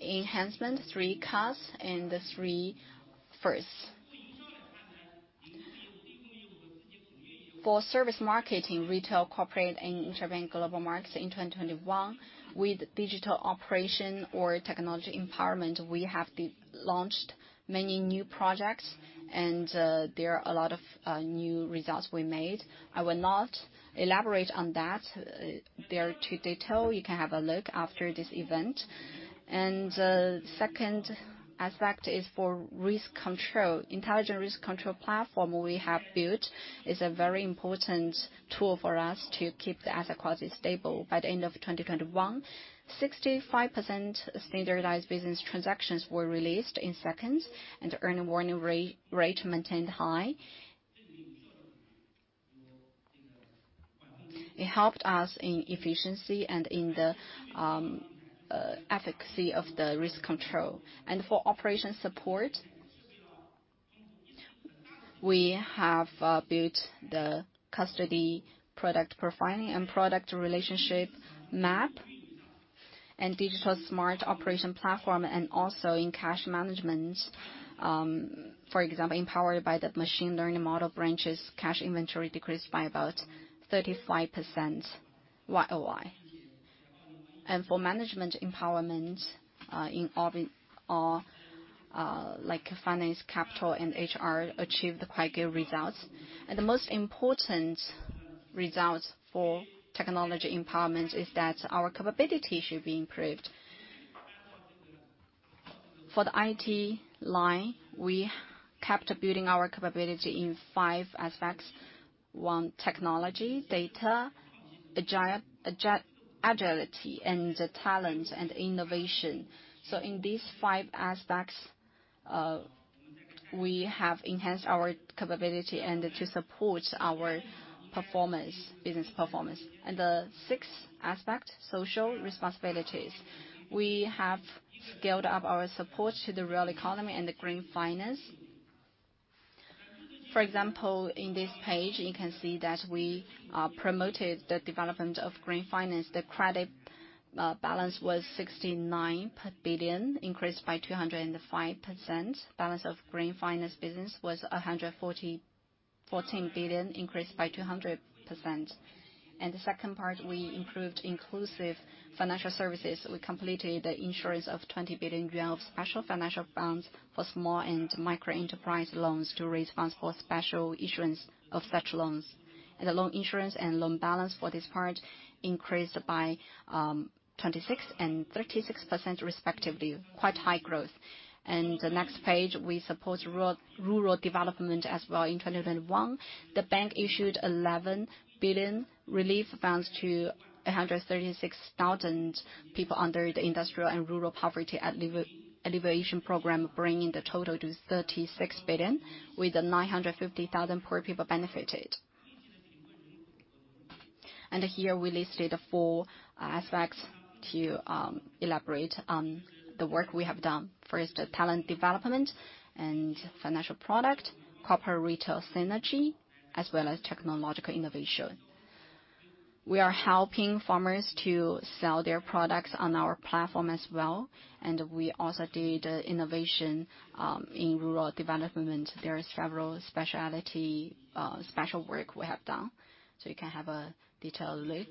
enhancements, three cuts, and three firsts. For service marketing, retail, corporate, and interbank global markets in 2021, with digital operation or technology empowerment, we have launched many new projects, and there are a lot of new results we made. I will not elaborate on that. They are too detailed. You can have a look after this event. Second aspect is for risk control. Intelligent risk control platform we have built is a very important tool for us to keep the asset quality stable. By the end of 2021, 65% standardized business transactions were released in seconds, and early warning rate maintained high. It helped us in efficiency and in the efficacy of the risk control. For operation support, we have built the custody product profiling and product relationship map and digital smart operation platform, and also in cash management, for example, empowered by the machine learning model, branches cash inventory decreased by about 35% YoY. For management empowerment, in all the like finance, capital, and HR achieved quite good results. The most important result for technology empowerment is that our capability should be improved. For the IT line, we kept building our capability in five aspects. One, technology, data, agility, and talent and innovation. In these five aspects, we have enhanced our capability to support our performance, business performance. The sixth aspect, social responsibilities. We have scaled up our support to the real economy and green finance. For example, in this page, you can see that we promoted the development of green finance. The credit balance was 69 billion, increased by 205%. Balance of green finance business was 144 billion, increased by 200%. The second part, we improved inclusive financial services. We completed the issuance of 20 billion yuan of special financial bonds for small and micro enterprise loans to raise funds for special issuance of such loans. The loan issuance and loan balance for this part increased by 26% and 36% respectively. Quite high growth. The next page, we support rural development as well. In 2021, the bank issued 11 billion relief funds to 136,000 people under the industrial and rural poverty alleviation program, bringing the total to 36 billion, with 950 poor people benefited. Here, we listed four aspects to elaborate on the work we have done. First, talent development and financial product, proper retail synergy, as well as technological innovation. We are helping farmers to sell their products on our platform as well, and we also did innovation in rural development. There are several special work we have done, so you can have a detailed look.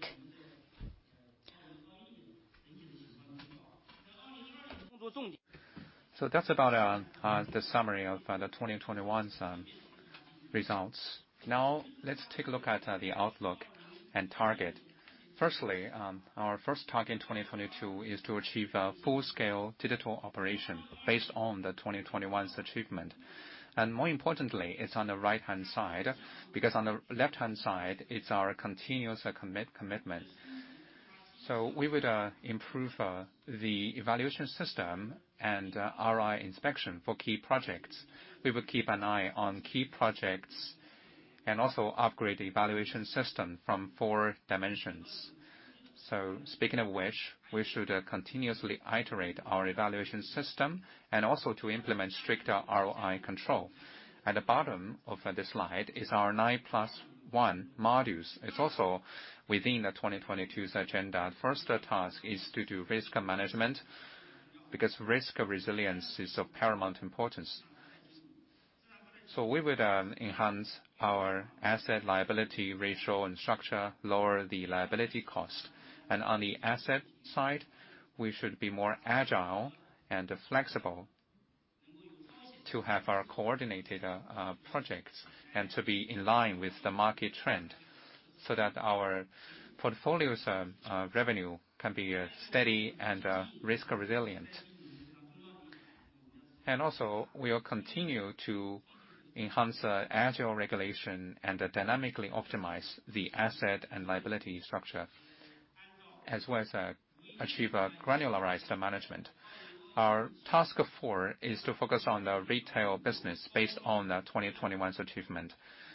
That's about the summary of the 2021 results. Now let's take a look at the outlook and target. Firstly, our first target in 2022 is to achieve full-scale digital operation based on the 2021's achievement. More importantly, it's on the right-hand side, because on the left-hand side, it's our continuous commitment. We would improve the evaluation system and ROI inspection for key projects. We will keep an eye on key projects and also upgrade the evaluation system from four dimensions. Speaking of which, we should continuously iterate our evaluation system and also to implement stricter ROI control. At the bottom of the slide is our Five‑in‑one module. It's also within the 2022's agenda. First task is to do risk management, because risk resilience is of paramount importance. We would enhance our asset-liability ratio and structure, lower the liability cost. On the asset side, we should be more agile and flexible to have our coordinated projects and to be in line with the market trend so that our portfolio's revenue can be steady and risk-resilient. We'll continue to enhance agile allocation and dynamically optimize the asset and liability structure, as well as achieve a granular management. Our task four is to focus on the retail business based on the 2021's achievement.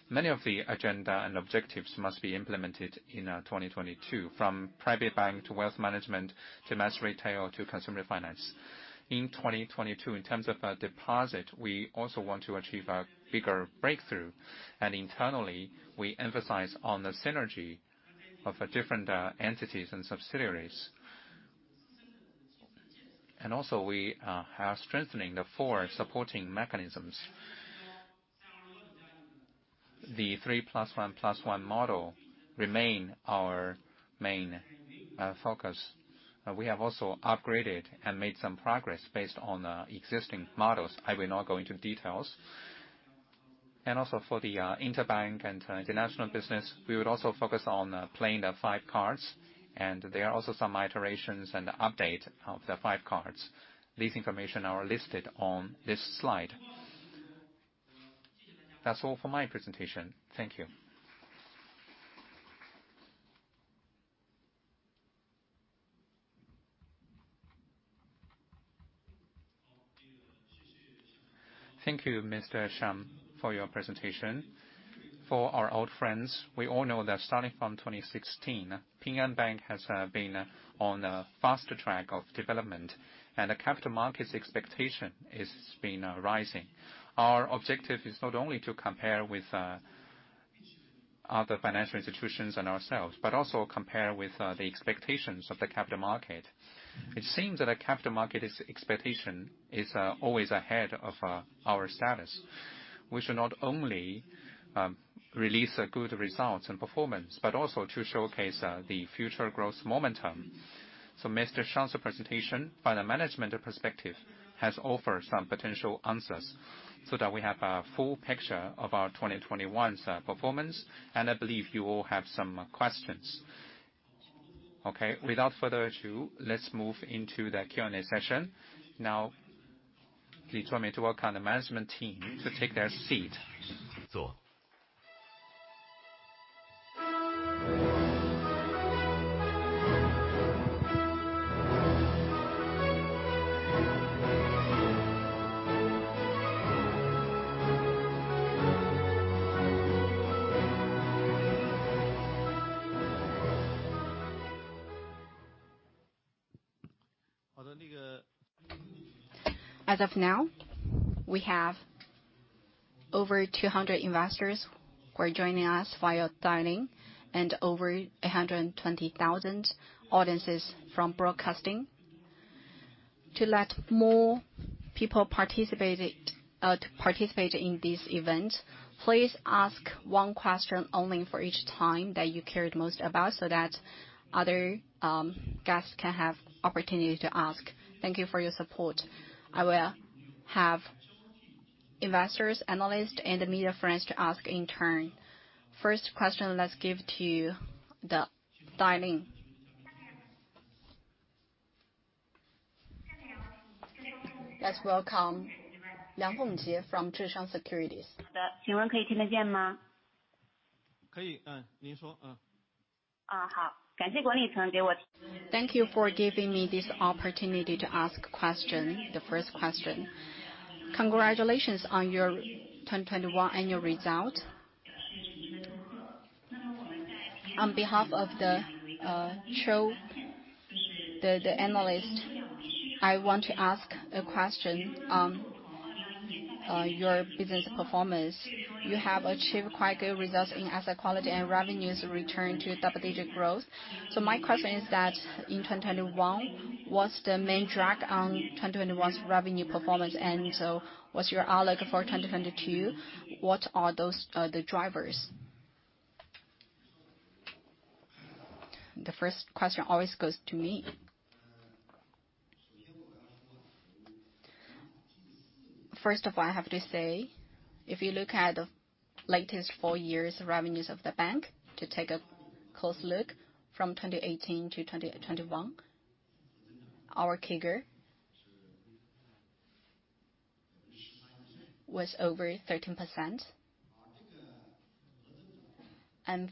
Many of the agenda and objectives must be implemented in 2022, from private bank to wealth management to mass retail to consumer finance. In 2022, in terms of deposit, we also want to achieve a bigger breakthrough. Internally, we emphasize on the synergy of different, entities and subsidiaries. We are strengthening the four supporting mechanisms. The 3+2+1 model remains our main focus. We have also upgraded and made some progress based on existing models. I will not go into details. For the interbank and international business, we would also focus on playing the five cards. There are also some iterations and update of the five cards. These information are listed on this slide. That's all for my presentation. Thank you. Thank you, Mr. Xiang, for your presentation. For our old friends, we all know that starting from 2016, Ping An Bank has been on a faster track of development and the capital markets expectation has been rising. Our objective is not only to compare with other financial institutions and ourselves, but also compare with the expectations of the capital market. It seems that the capital market's expectation is always ahead of our status. We should not only release good results and performance, but also to showcase the future growth momentum. Mr. Xiang's presentation by the management perspective has offered some potential answers so that we have a full picture of our 2021's performance, and I believe you all have some questions. Okay. Without further ado, let's move into the Q&A session. Now, please allow me to welcome the management team to take their seat. As of now, we have over 200 investors who are joining us via dialing and over 120,000 audiences from broadcasting. To let more people participate in this event, please ask one question only for each time that you cared most about so that other guests can have opportunity to ask. Thank you for your support. I will have investors, analysts and media friends to ask in turn. First question, let's give to the dialing. Let's welcome Zhou Jingjing from Zheshang Securities. Can you hear me? Yes, please go ahead. Okay. Thank you for giving me this opportunity to ask a question. The first question. Congratulations on your 2021 annual result. On behalf of the analysts, I want to ask a question on your business performance. You have achieved quite good results in asset quality and revenues return to double-digit growth. My question is that in 2021, what's the main drag on 2021's revenue performance? What's your outlook for 2022? What are those, the drivers? The first question always goes to me. First of all, I have to say, if you look at the latest four years revenues of the bank to take a close look from 2018 to 2021, our CAGR was over 13%.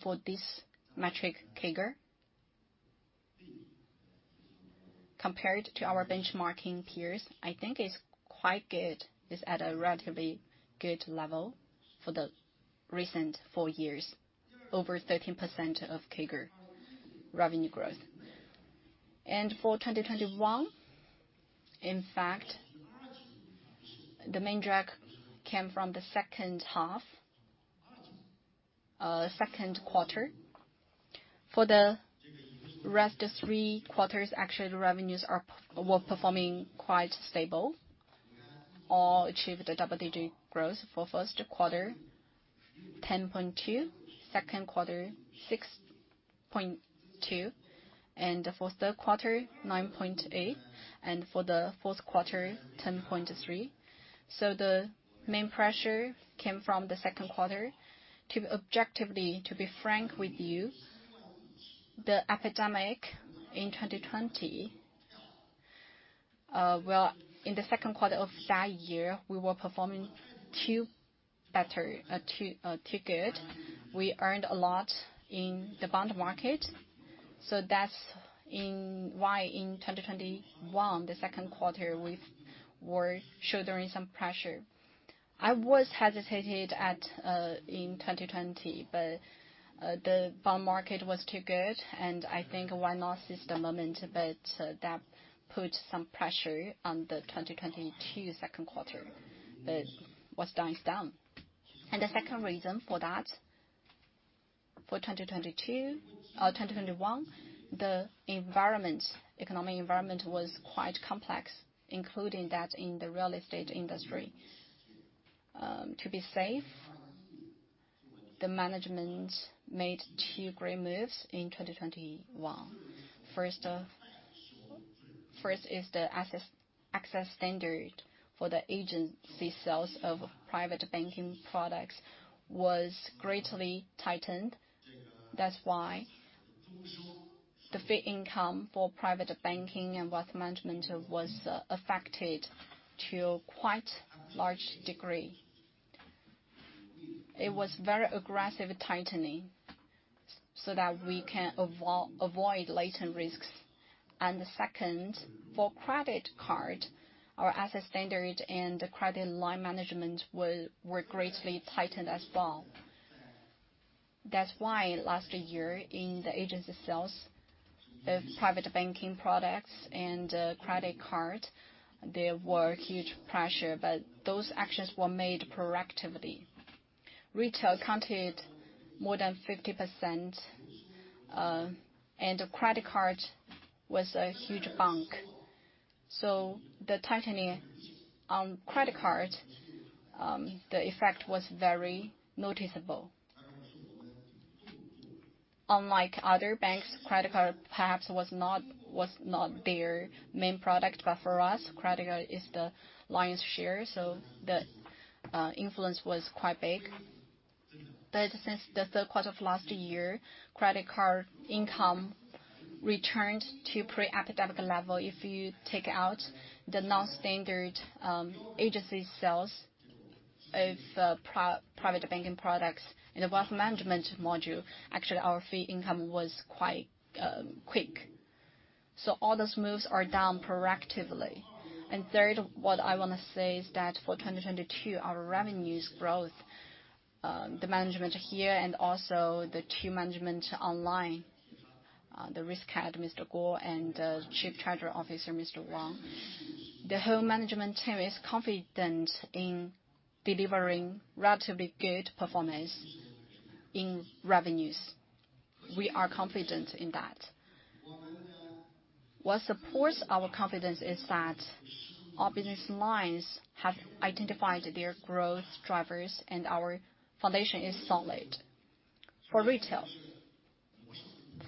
For this metric CAGR, compared to our benchmarking peers, I think it's quite good. It's at a relatively good level for the recent four years, over 13% CAGR revenue growth. For 2021, in fact, the main drag came from the second quarter. For the rest of three quarters, actually, the revenues were performing quite stable or achieved a double-digit growth. For first quarter, 10.2%. Second quarter, 6.2%. For third quarter, 9.8%. For the fourth quarter, 10.3%. The main pressure came from the second quarter. To objectively, to be frank with you, the epidemic in 2020, well, in the second quarter of that year, we were performing too good. We earned a lot in the bond market, so that's why in 2021, the second quarter, we're shouldering some pressure. I hesitated at in 2020, but the bond market was too good, and I think why not seize the moment? That put some pressure on the 2022 second quarter. What's done is done. The second reason for that, for 2022, 2021, the economic environment was quite complex, including that in the real estate industry. To be safe, the management made two great moves in 2021. First is the access standard for the agency sales of private banking products was greatly tightened. That's why the fee income for private banking and wealth management was affected to a quite large degree. It was very aggressive tightening so that we can avoid latent risks. The second, for credit card, our asset standard and the credit line management were greatly tightened as well. That's why last year in the agency sales, the private banking products and credit card, there were huge pressure, but those actions were made proactively. Retail accounted more than 50%, and the credit card was a huge bank. The tightening on credit card, the effect was very noticeable. Unlike other banks, credit card perhaps was not their main product, but for us, credit card is the lion's share, so the influence was quite big. Since the third quarter of last year, credit card income returned to pre-epidemic level if you take out the non-standard agency sales of private banking products. In the wealth management module, actually our fee income was quite quick. All those moves are done proactively. Third, what I wanna say is that for 2022, our revenue growth, the management here and also the two management online, the Risk Head, Mr. Guo, and Chief Treasury Officer, Mr. Wang. The whole management team is confident in delivering relatively good performance in revenues. We are confident in that. What supports our confidence is that our business lines have identified their growth drivers and our foundation is solid. For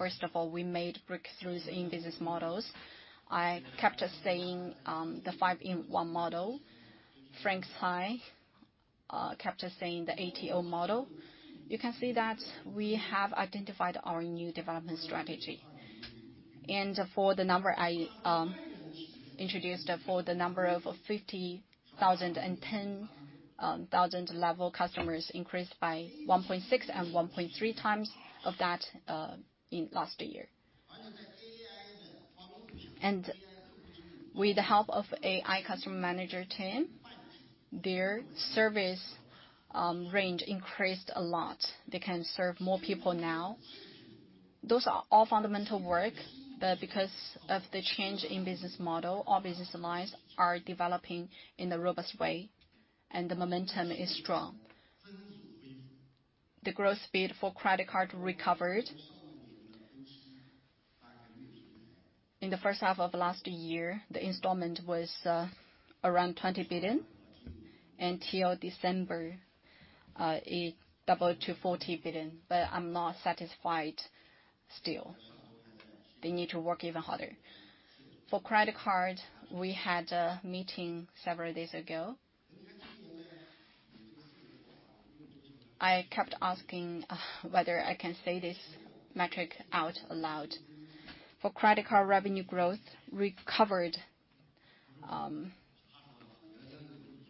retail, first of all, we made breakthroughs in business models. I kept saying the Five‑in‑one model. Frank Cai kept saying the ATO model. You can see that we have identified our new development strategy. For the number I introduced for the number of 50,000 and 10,000 level customers increased by 1.6x and 1.3x that in last year. With the help of AI customer manager team, their service range increased a lot. They can serve more people now. Those are all fundamental work, but because of the change in business model, our business lines are developing in a robust way, and the momentum is strong. The growth speed for credit card recovered. In the first half of last year, the installment was around 20 billion. Until December, it doubled to 40 billion, but I'm not satisfied still. They need to work even harder. For credit card, we had a meeting several days ago. I kept asking whether I can say this metric out loud. For credit card revenue growth recovered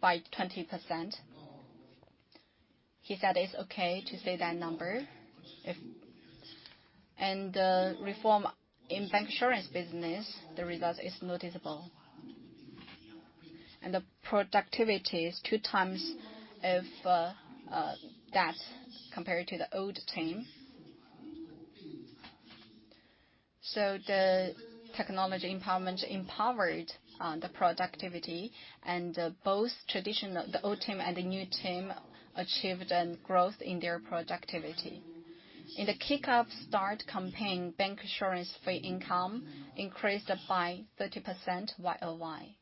by 20%. He said it's okay to say that number if. The reform in bancassurance business, the result is noticeable. The productivity is 2x of that compared to the old team. The technology empowerment empowered the productivity and both the old team and the new team achieved a growth in their productivity. In the kick off start campaign, bancassurance fee income increased by 30% YoY.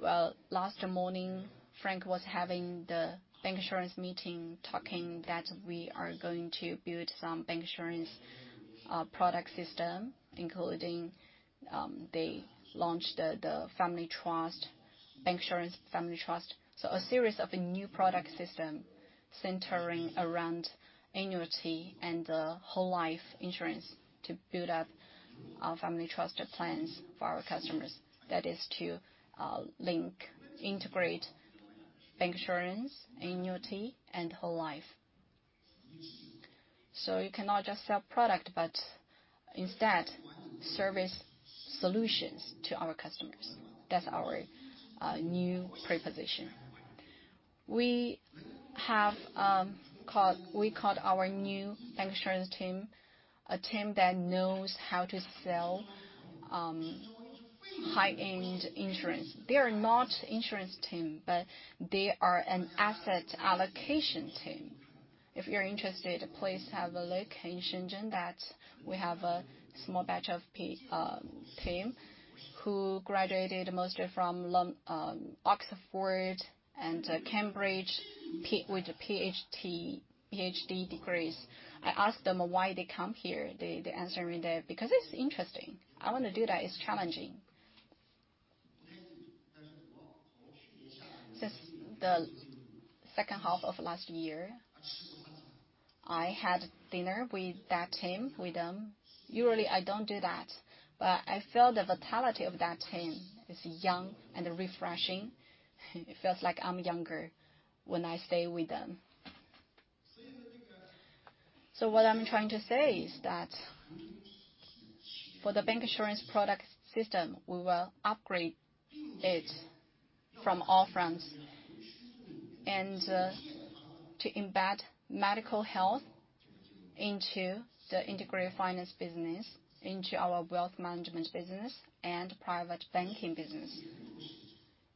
Well, last morning, Frank was having the bancassurance meeting, talking that we are going to build some bancassurance product system, including they launched the family trust, bancassurance family trust. A series of new product system centering around annuity and whole life insurance to build up our family trust plans for our customers. That is to link, integrate bancassurance, annuity, and whole life. You cannot just sell product, but instead service solutions to our customers. That's our new proposition. We called our new bancassurance team, a team that knows how to sell high-end insurance. They are not insurance team, but they are an asset allocation team. If you're interested, please have a look in Shenzhen that we have a small batch of team who graduated mostly from London, Oxford and Cambridge with Ph.D. degrees. I asked them why they come here. They answer me that, "Because it's interesting. I wanna do that. It's challenging." Since the second half of last year, I had dinner with that team, with them. Usually I don't do that. I feel the vitality of that team is young and refreshing. It feels like I'm younger when I stay with them. What I'm trying to say is that for the bancassurance product system, we will upgrade it from all fronts and to embed medical health into the integrated finance business, into our wealth management business and private banking business,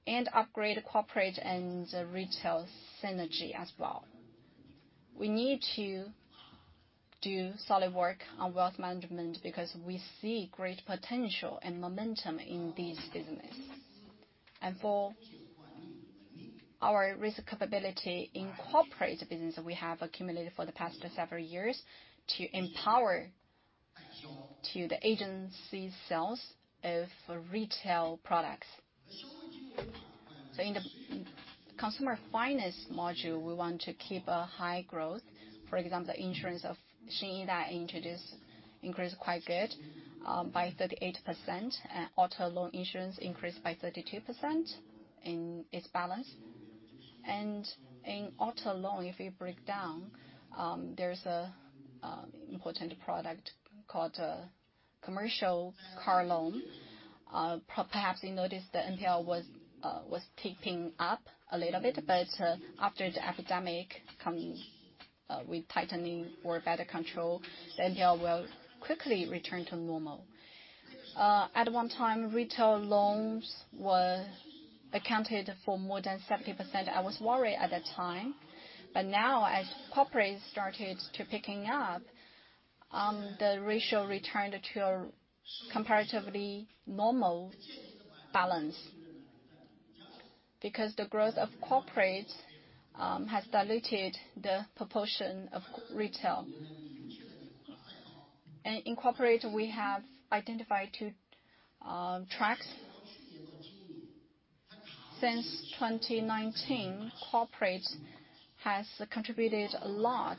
and upgrade corporate and retail synergy as well. We need to do solid work on wealth management because we see great potential and momentum in this business. For our risk capability in corporate business that we have accumulated for the past several years to empower the agency sales of retail products. In the SME customer finance module, we want to keep a high growth. For example, the insurance of Xin Yi Dai that I introduced increased quite good by 38%. Auto loan insurance increased by 32% in its balance. In auto loan, if you break it down, there's an important product called commercial car loan. Perhaps you noticed the NPL was ticking up a little bit, but after the epidemic come with tightening for better control, the NPL will quickly return to normal. At one time, retail loans was accounted for more than 70%. I was worried at that time, but now as corporate started to picking up, the ratio returned to a comparatively normal balance because the growth of corporates has diluted the proportion of retail. In corporate, we have identified two tracks. Since 2019, corporate has contributed a lot,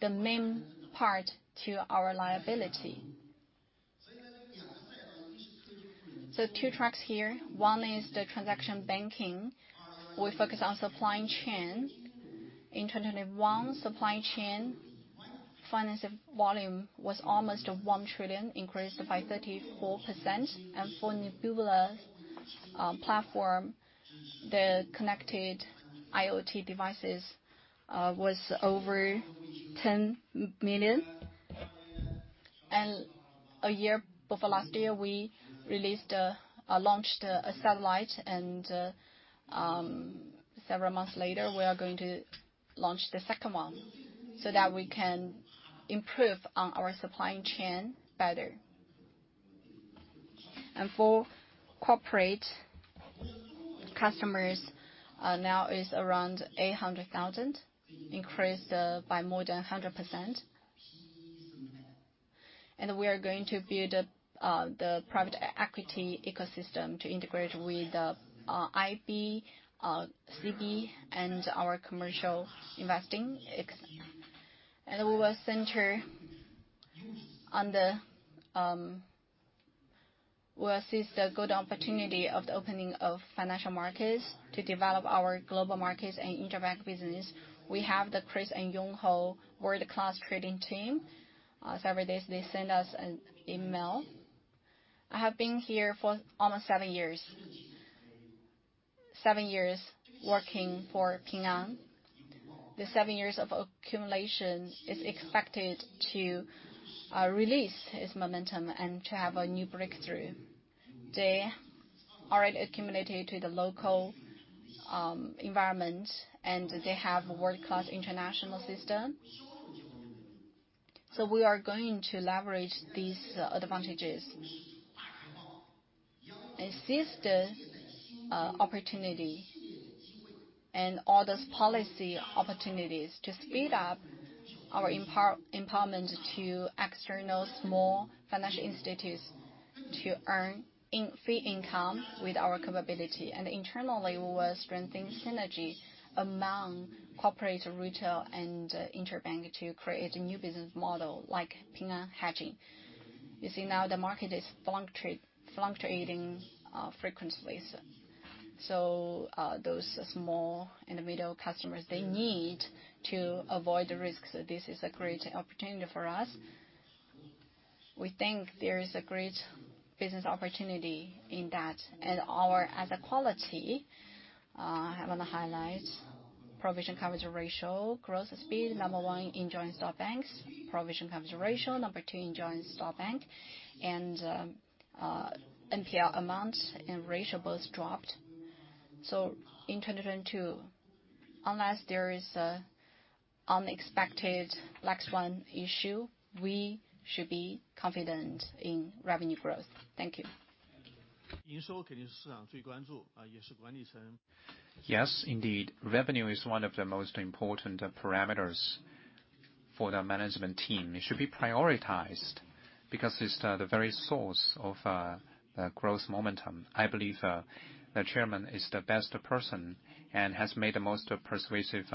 the main part to our liability. Two tracks here. One is the transaction banking. We focus on supply chain. In 2021, supply chain financing volume was almost 1 trillion, increased by 34%. For Nebula platform, the connected IoT devices was over 10 million. A year... Before last year, we released or launched a satellite and several months later, we are going to launch the second one so that we can improve on our supply chain better. For corporate customers, now is around 800,000, increased by more than 100%. We are going to build up the private equity ecosystem to integrate with the IB, CB, and our commercial investing. We will seize the good opportunity of the opening of financial markets to develop our global markets and international business. We have the Chris and Yunho world-class trading team. Several days, they send us an email. I have been here for almost seven years. Seven years working for Ping An. The seven years of accumulation is expected to release its momentum and to have a new breakthrough. They are already accumulated to the local environment, and they have world-class international system. We are going to leverage these advantages and seize this opportunity and all those policy opportunities to speed up our empowerment to external small financial institutes to earn fee income with our capability. Internally, we will strengthen synergy among corporate, retail, and interbank to create a new business model like Ping An Hatching. You see now the market is fluctuating frequently. Those small and the middle customers, they need to avoid the risks. This is a great opportunity for us. We think there is a great business opportunity in that. Our asset quality, I wanna highlight provision coverage ratio growth speed, number one in joint-stock banks, provision coverage ratio, number two in joint-stock banks, and NPL amounts and ratio both dropped. In 2022, unless there is an unexpected last-minute issue, we should be confident in revenue growth. Thank you. Yes, indeed, revenue is one of the most important parameters for the management team. It should be prioritized because it's the very source of the growth momentum. I believe the chairman is the best person and has made the most persuasive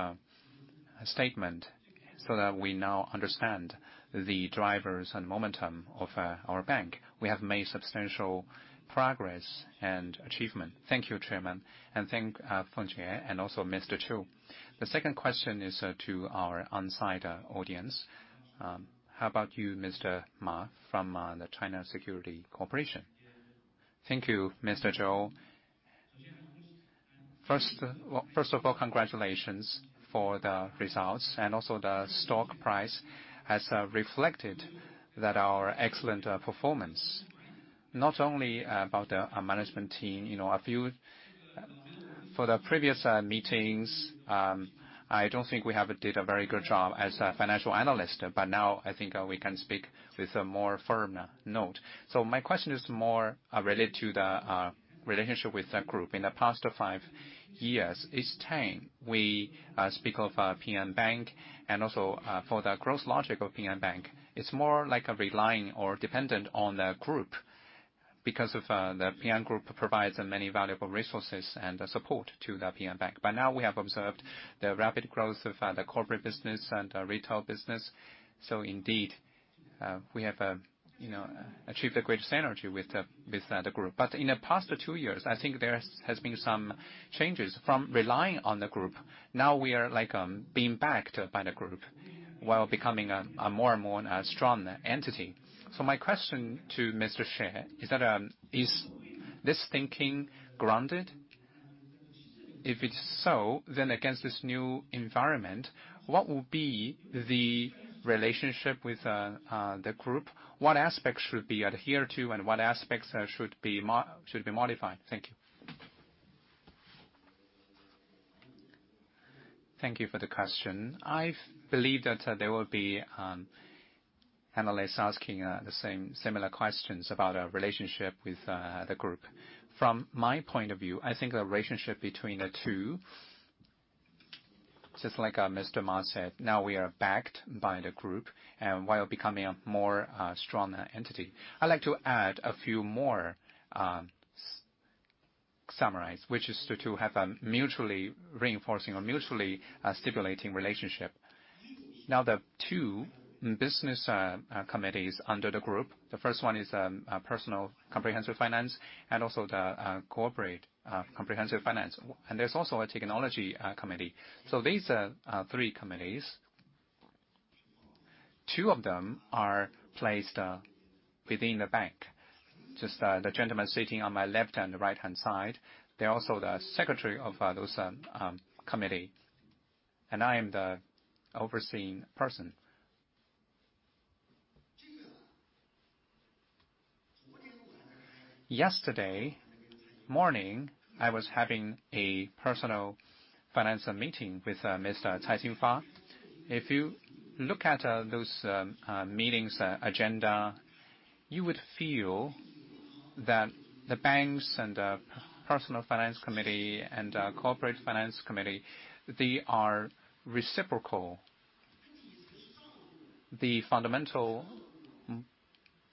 statement so that we now understand the drivers and momentum of our bank. We have made substantial progress and achievement. Thank you, Chairman, and thank Xie Yonglin, and also Mr. Chu. The second question is to our on-site audience. How about you, Mr. Ma, from the China Securities? Thank you, Mr. Zhou. First of all, congratulations for the results and also the stock price has reflected that our excellent performance, not only about our management team. You know, a few For the previous meetings, I don't think we have did a very good job as a financial analyst, but now I think we can speak with a more firm note. My question is more related to the relationship with the group. In the past five years, each time we speak of Ping An Bank and also for the growth logic of Ping An Bank, it's more like a relying or dependent on the group. Because the Ping An Group provides many valuable resources and the support to the Ping An Bank. By now, we have observed the rapid growth of the corporate business and retail business. Indeed, we have you know achieved a great synergy with the group. In the past two years, I think there has been some changes from relying on the group. Now we are like being backed by the group while becoming a more and more strong entity. My question to Mr. Xie is that is this thinking grounded? If it's so, then against this new environment, what will be the relationship with the group? What aspects should be adhered to, and what aspects should be modified? Thank you. Thank you for the question. I believe that there will be analysts asking the similar questions about our relationship with the group. From my point of view, I think the relationship between the two, just like Mr. Ma said, now we are backed by the group and while becoming a more strong entity. I'd like to add a few more, summarize, which is to have a mutually reinforcing or mutually stimulating relationship. Now, the two business committees under the group, the first one is personal comprehensive finance and also the corporate comprehensive finance. There's also a technology committee. These three committees, two of them are placed within the bank. Just the gentleman sitting on my left and the right-hand side, they're also the secretary of those committee, and I am the overseeing person. Yesterday morning, I was having a personal finance meeting with Mr. Cai Xinfa. If you look at those meetings agenda, you would feel that the banks and personal finance committee and corporate finance committee, they are reciprocal. The fundamental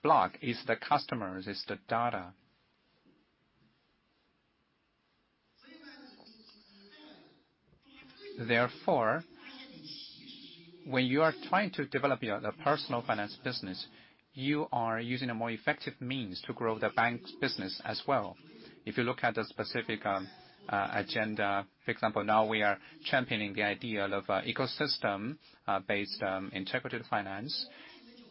block is the customers, the data. Therefore, when you are trying to develop the personal finance business, you are using a more effective means to grow the bank's business as well. If you look at the specific agenda, for example, now we are championing the idea of ecosystem based integrated finance.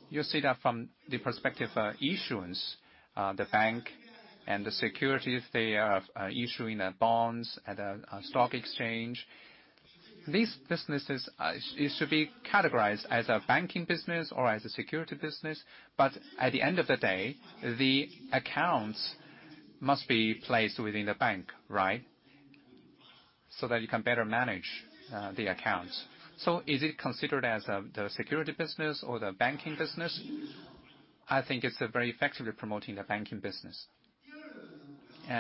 You'll see that from the perspective issuance, the bank and the securities are issuing their bonds at a stock exchange. These businesses it should be categorized as a banking business or as a securities business. But at the end of the day, the accounts must be placed within the bank, right? So that you can better manage the accounts. So is it considered as the securities business or the banking business? I think it's very effectively promoting the banking business.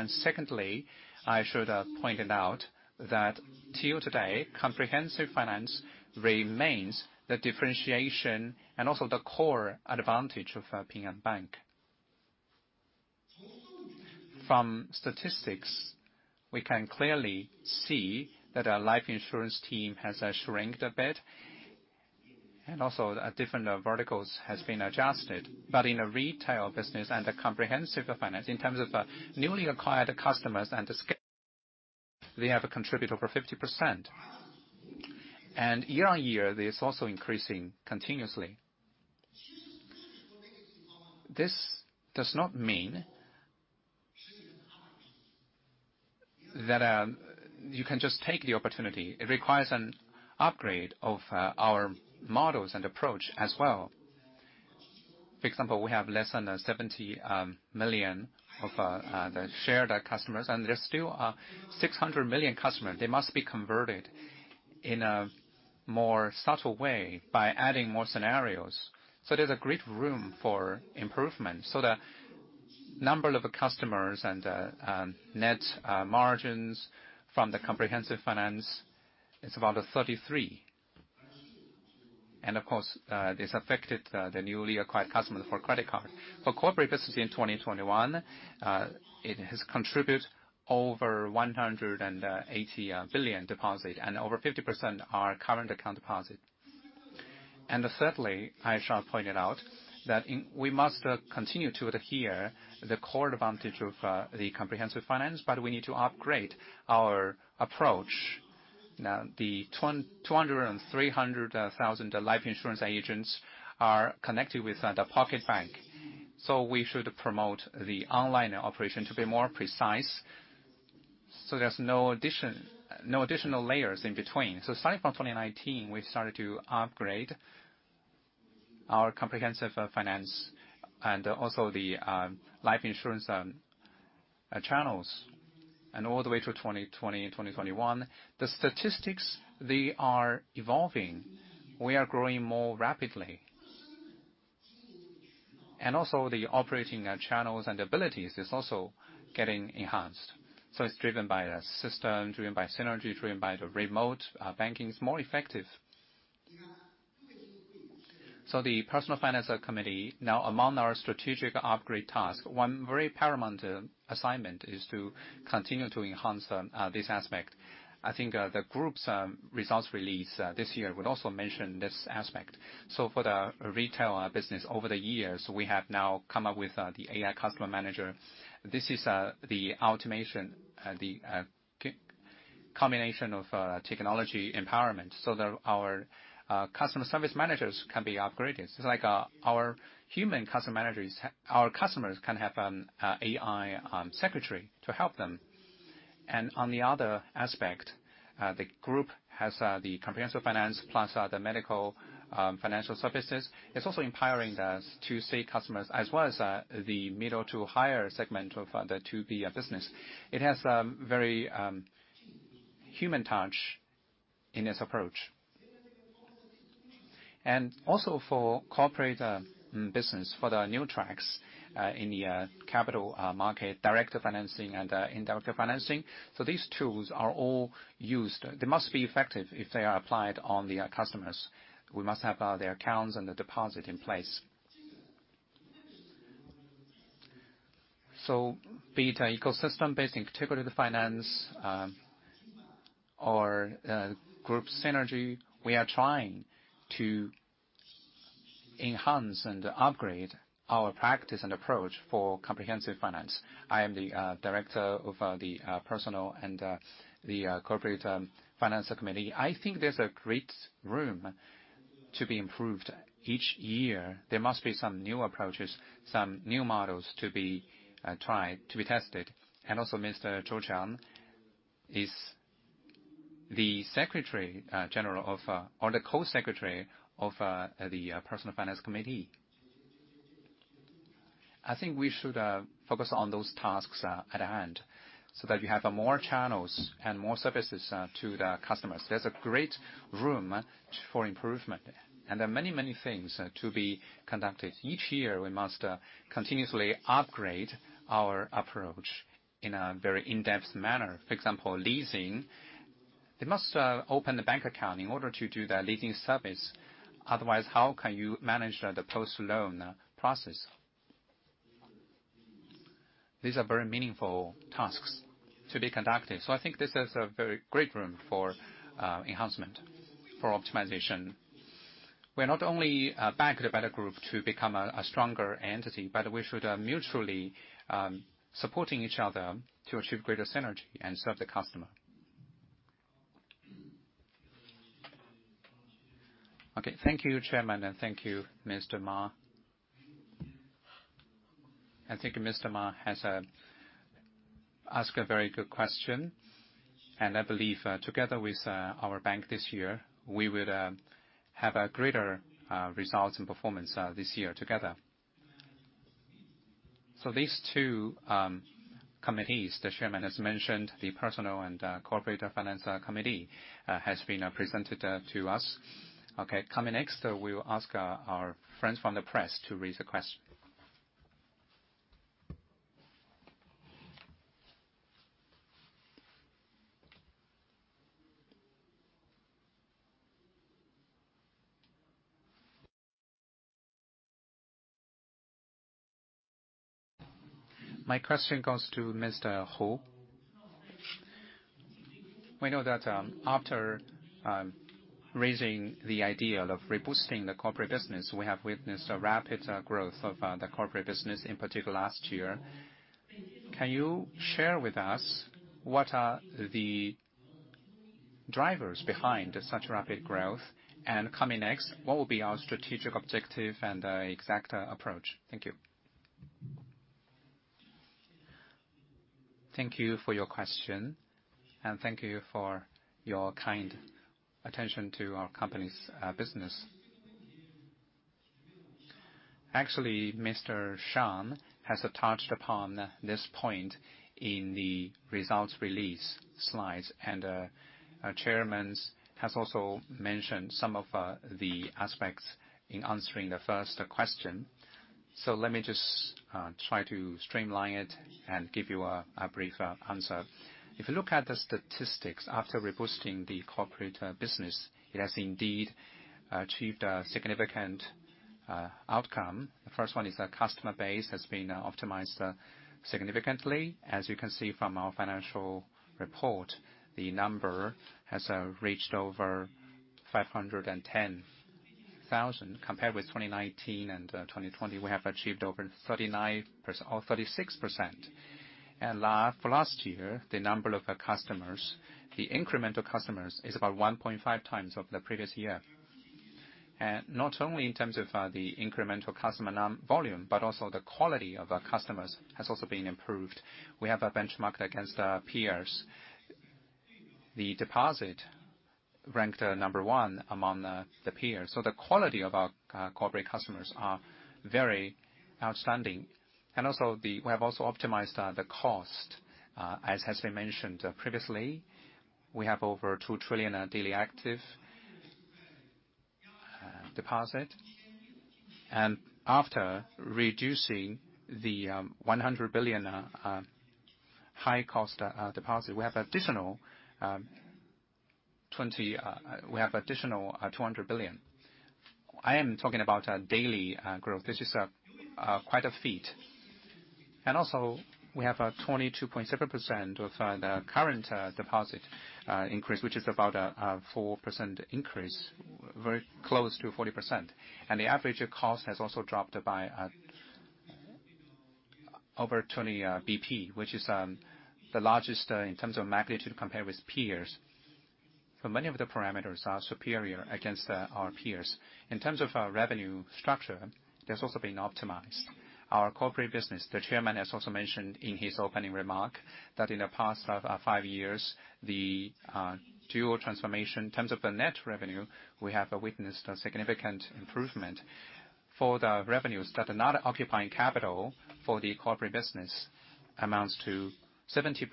Secondly, I should have pointed out that till today, comprehensive finance remains the differentiation and also the core advantage of Ping An Bank. From statistics, we can clearly see that our life insurance team has shrunk a bit, and also different verticals have been adjusted. In a retail business and a comprehensive finance, in terms of newly acquired customers and the scale, they have contributed over 50%. Year-on-year, this is also increasing continuously. This does not mean that you can just take the opportunity. It requires an upgrade of our models and approach as well. For example, we have less than 70 million of the shared customers, and there's still 600 million customers. They must be converted in a more subtle way by adding more scenarios. There's a great room for improvement. The number of customers and net margins from the comprehensive finance is around 33%. Of course, this affected the newly acquired customer for credit card. For corporate business in 2021, it has contribute over 180 billion deposit, and over 50% are current account deposit. Thirdly, I shall point it out that we must continue to adhere the core advantage of the comprehensive finance, but we need to upgrade our approach. Now, the 200,000-300,000 life insurance agents are connected with the Pocket Bank. We should promote the online operation to be more precise, so there's no additional layers in between. Starting from 2019, we've started to upgrade our comprehensive finance and also the life insurance channels. All the way through 2020, 2021, the statistics, they are evolving. We are growing more rapidly. Also the operating channels and abilities is also getting enhanced. It's driven by the system, driven by synergy, driven by the remote banking. It's more effective. The Personal Finance Committee, now among our strategic upgrade task, one very paramount assignment is to continue to enhance this aspect. I think the group's results release this year would also mention this aspect. For the retail business over the years, we have now come up with the AI customer manager. This is the automation, the combination of technology empowerment so that our customer service managers can be upgraded. It's like our human customer managers. Our customers can have AI secretary to help them. On the other aspect, the group has the comprehensive finance plus the medical financial services. It's also empowering us to see customers as well as the middle to higher segment of the B2B business. It has a very human touch in its approach. Also for corporate business, for the new tracks in the capital market, direct financing and indirect financing. These tools are all used. They must be effective if they are applied on the customers. We must have their accounts and the deposit in place. Be it ecosystem-based, in particular the finance or group synergy, we are trying to enhance and upgrade our practice and approach for comprehensive finance. I am the director of the personal and the corporate finance committee. I think there's a great room for improvement. Each year, there must be some new approaches, some new models to be tried, to be tested. Also Mr. Zhou Chen is the secretary general of, or the co-secretary of, the Personal Finance Committee. I think we should focus on those tasks at hand so that you have more channels and more services to the customers. There's a great room for improvement, and there are many things to be conducted. Each year, we must continuously upgrade our approach in a very in-depth manner. For example, leasing. They must open the bank account in order to do the leasing service. Otherwise, how can you manage the post-loan process? These are very meaningful tasks to be conducted. I think this is a very great room for enhancement for optimization. We're not only back the parent group to become a stronger entity, but we should mutually supporting each other to achieve greater synergy and serve the customer. Okay. Thank you, Chairman, and thank you, Mr. Ma. I think Mr. Ma has asked a very good question, and I believe together with our bank this year, we would have greater results and performance this year together. These two committees, the Chairman has mentioned, the personal and corporate finance committee has been presented to us. Okay. Coming next, we will ask our friends from the press to raise a question. My question goes to Mr. Hu. We know that after raising the idea of reboosting the corporate business, we have witnessed a rapid growth of the corporate business, in particular last year. Can you share with us what are the drivers behind such rapid growth? Coming next, what will be our strategic objective and exact approach? Thank you. Thank you for your question, and thank you for your kind attention to our company's business. Actually, Mr. Xiang has touched upon this point in the results release slides, and our chairman has also mentioned some of the aspects in answering the first question. Let me just try to streamline it and give you a brief answer. If you look at the statistics after reboosting the corporate business, it has indeed achieved a significant outcome. The first one is our customer base has been optimized significantly. As you can see from our financial report, the number has reached over 510,000 customers. Compared with 2019 and 2020, we have achieved over 39% or 36%. For last year, the number of customers, the incremental customers is about 1.5x of the previous year. Not only in terms of the incremental customer volume, but also the quality of our customers has also been improved. We have benchmarked against our peers. The deposit ranked number one among the peers. So the quality of our corporate customers are very outstanding. We have also optimized the cost. As has been mentioned previously, we have over 2 trillion daily active deposit. After reducing the 100 billion high-cost deposit. We have additional 200 billion. I am talking about our daily growth. This is quite a feat. We have a 22.7% of the current deposit increase, which is about a 4% increase, very close to 40%. The average cost has also dropped by over 20 basis points, which is the largest in terms of magnitude compared with peers. For many of the parameters are superior against our peers. In terms of our revenue structure, that's also been optimized. Our corporate business, the chairman has also mentioned in his opening remark that in the past five years, the dual transformation in terms of the net revenue, we have witnessed a significant improvement for the revenues that are not occupying capital for the corporate business amounts to 70%.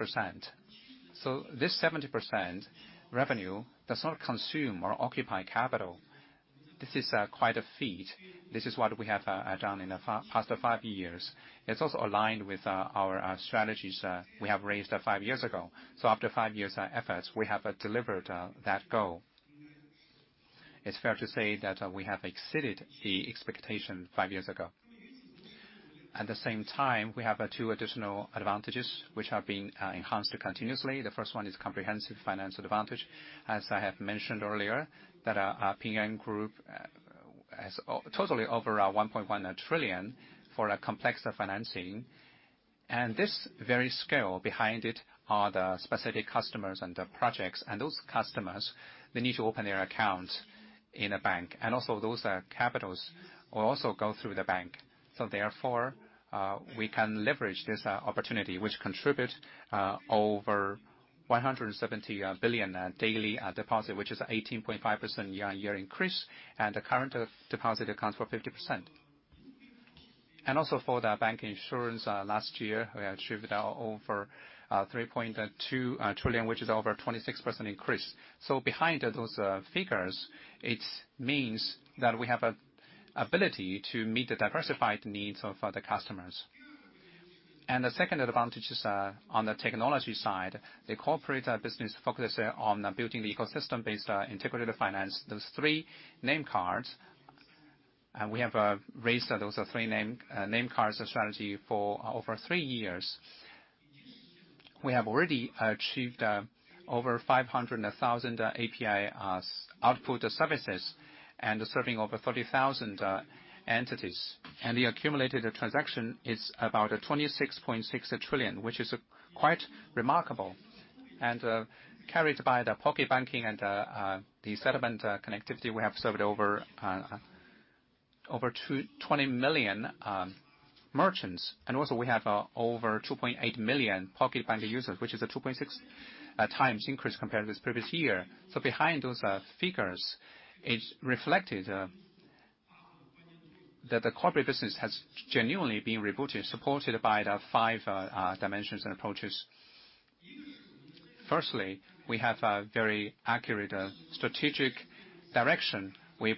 This 70% revenue does not consume or occupy capital. This is quite a feat. This is what we have done in the past five years. It's also aligned with our strategies we have raised five years ago. After five years of efforts, we have delivered that goal. It's fair to say that we have exceeded the expectation five years ago. At the same time, we have two additional advantages which are being enhanced continuously. The first one is comprehensive financial advantage. As I have mentioned earlier, our Ping An Group has totally over 1.1 trillion for a complex of financing. This very scale behind it are the specific customers and the projects, and those customers, they need to open their account in a bank. Those capitals will also go through the bank. Therefore, we can leverage this opportunity, which contributes over 170 billion daily deposit, which is 18.5% year-over-year increase, and the current of deposit accounts for 50%. For the bancassurance, last year, we achieved over 3.2 trillion, which is over 26% increase. Behind those figures, it means that we have a ability to meet the diversified needs of the customers. The second advantage is on the technology side, the corporate business focuses on building the ecosystem-based integrated finance. We have raised those three name cards strategy for over three years. We have already achieved over 500 and 1,000 API output services and serving over 30,000 entities. The accumulated transaction is about 26.6 trillion, which is quite remarkable. Carried by the pocket banking and the settlement connectivity, we have served over 20 million merchants. We also have over 2.8 million pocket banking users, which is a 2.6x increase compared with previous year. Behind those figures, it's reflected that the corporate business has genuinely been rebooted, supported by the five dimensions and approaches. Firstly, we have a very accurate strategic direction. We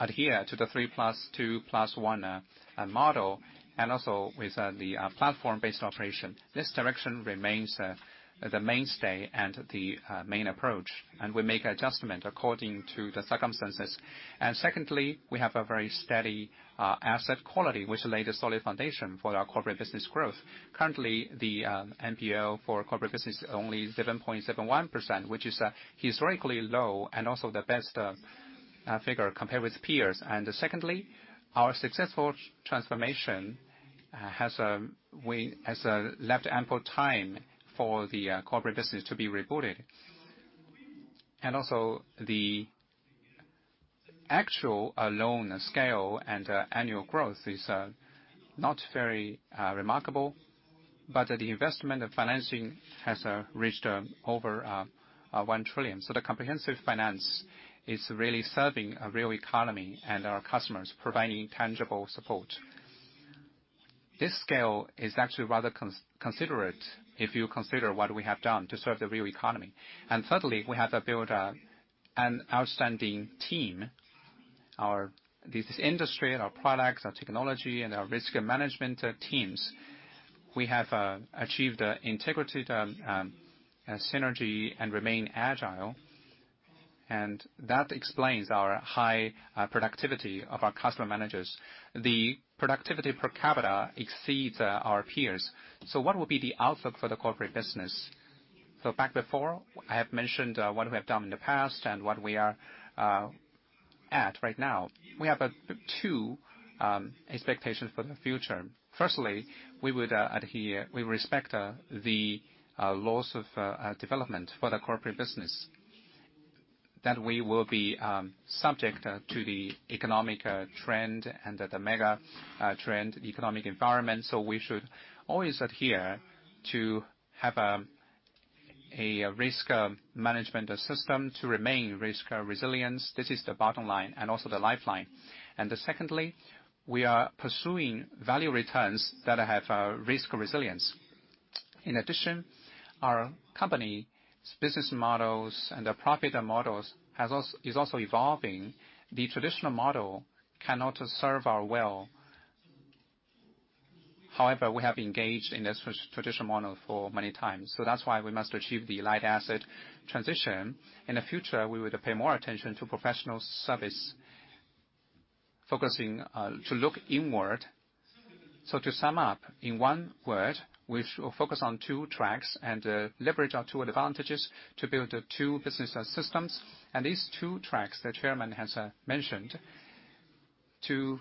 adhere to the 3+2+1 model, and also with the platform-based operation. This direction remains the mainstay and the main approach, and we make adjustment according to the circumstances. Secondly, we have a very steady asset quality, which lay the solid foundation for our corporate business growth. Currently, the NPL for corporate business is only 7.71%, which is historically low and also the best figure compared with peers. Secondly, our successful transformation has left ample time for the corporate business to be rebooted. Also the actual loan scale and annual growth is not very remarkable, but the investment and financing has reached over 1 trillion. The comprehensive finance is really serving the real economy and our customers providing tangible support. This scale is actually rather considerable if you consider what we have done to serve the real economy. Thirdly, we have to build an outstanding team. Our industry, our products, our technology, and our risk management teams. We have achieved integration and synergy and remain agile, and that explains our high productivity of our customer managers. The productivity per capita exceeds our peers. What will be the outlook for the corporate business? Back before, I have mentioned what we have done in the past and what we are at right now. We have two expectations for the future. Firstly, we would adhere, we respect the laws of development for the corporate business. That we will be subject to the economic trend and the mega trend economic environment. We should always adhere to have a risk management system to remain risk resilient. This is the bottom line and also the lifeline. Secondly, we are pursuing value returns that have risk resilience. In addition, our company-business models and the profit models is also evolving. The traditional model cannot serve our well. However, we have engaged in this traditional model for many times. That's why we must achieve the light asset transition. In the future, we would pay more attention to professional service, focusing to look inward. To sum up, in one word, we focus on two tracks and leverage our two advantages to build the two business systems. These two tracks the chairman has mentioned. To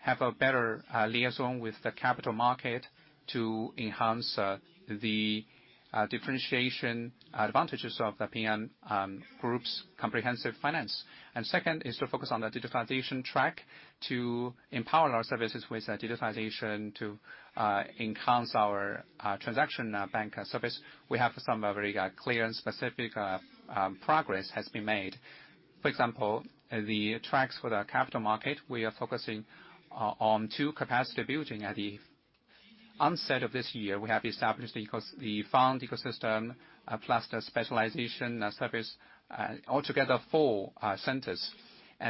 have a better liaison with the capital market to enhance the differentiation advantages of the Ping An Group's comprehensive finance. Second is to focus on the digitalization track to empower our services with digitalization to enhance our transaction banking service. We have some very clear and specific progress has been made. For example, the tracks for the capital market, we are focusing on two capacity building. At the onset of this year, we have established the fund ecosystem plus the specialization service, altogether four centers.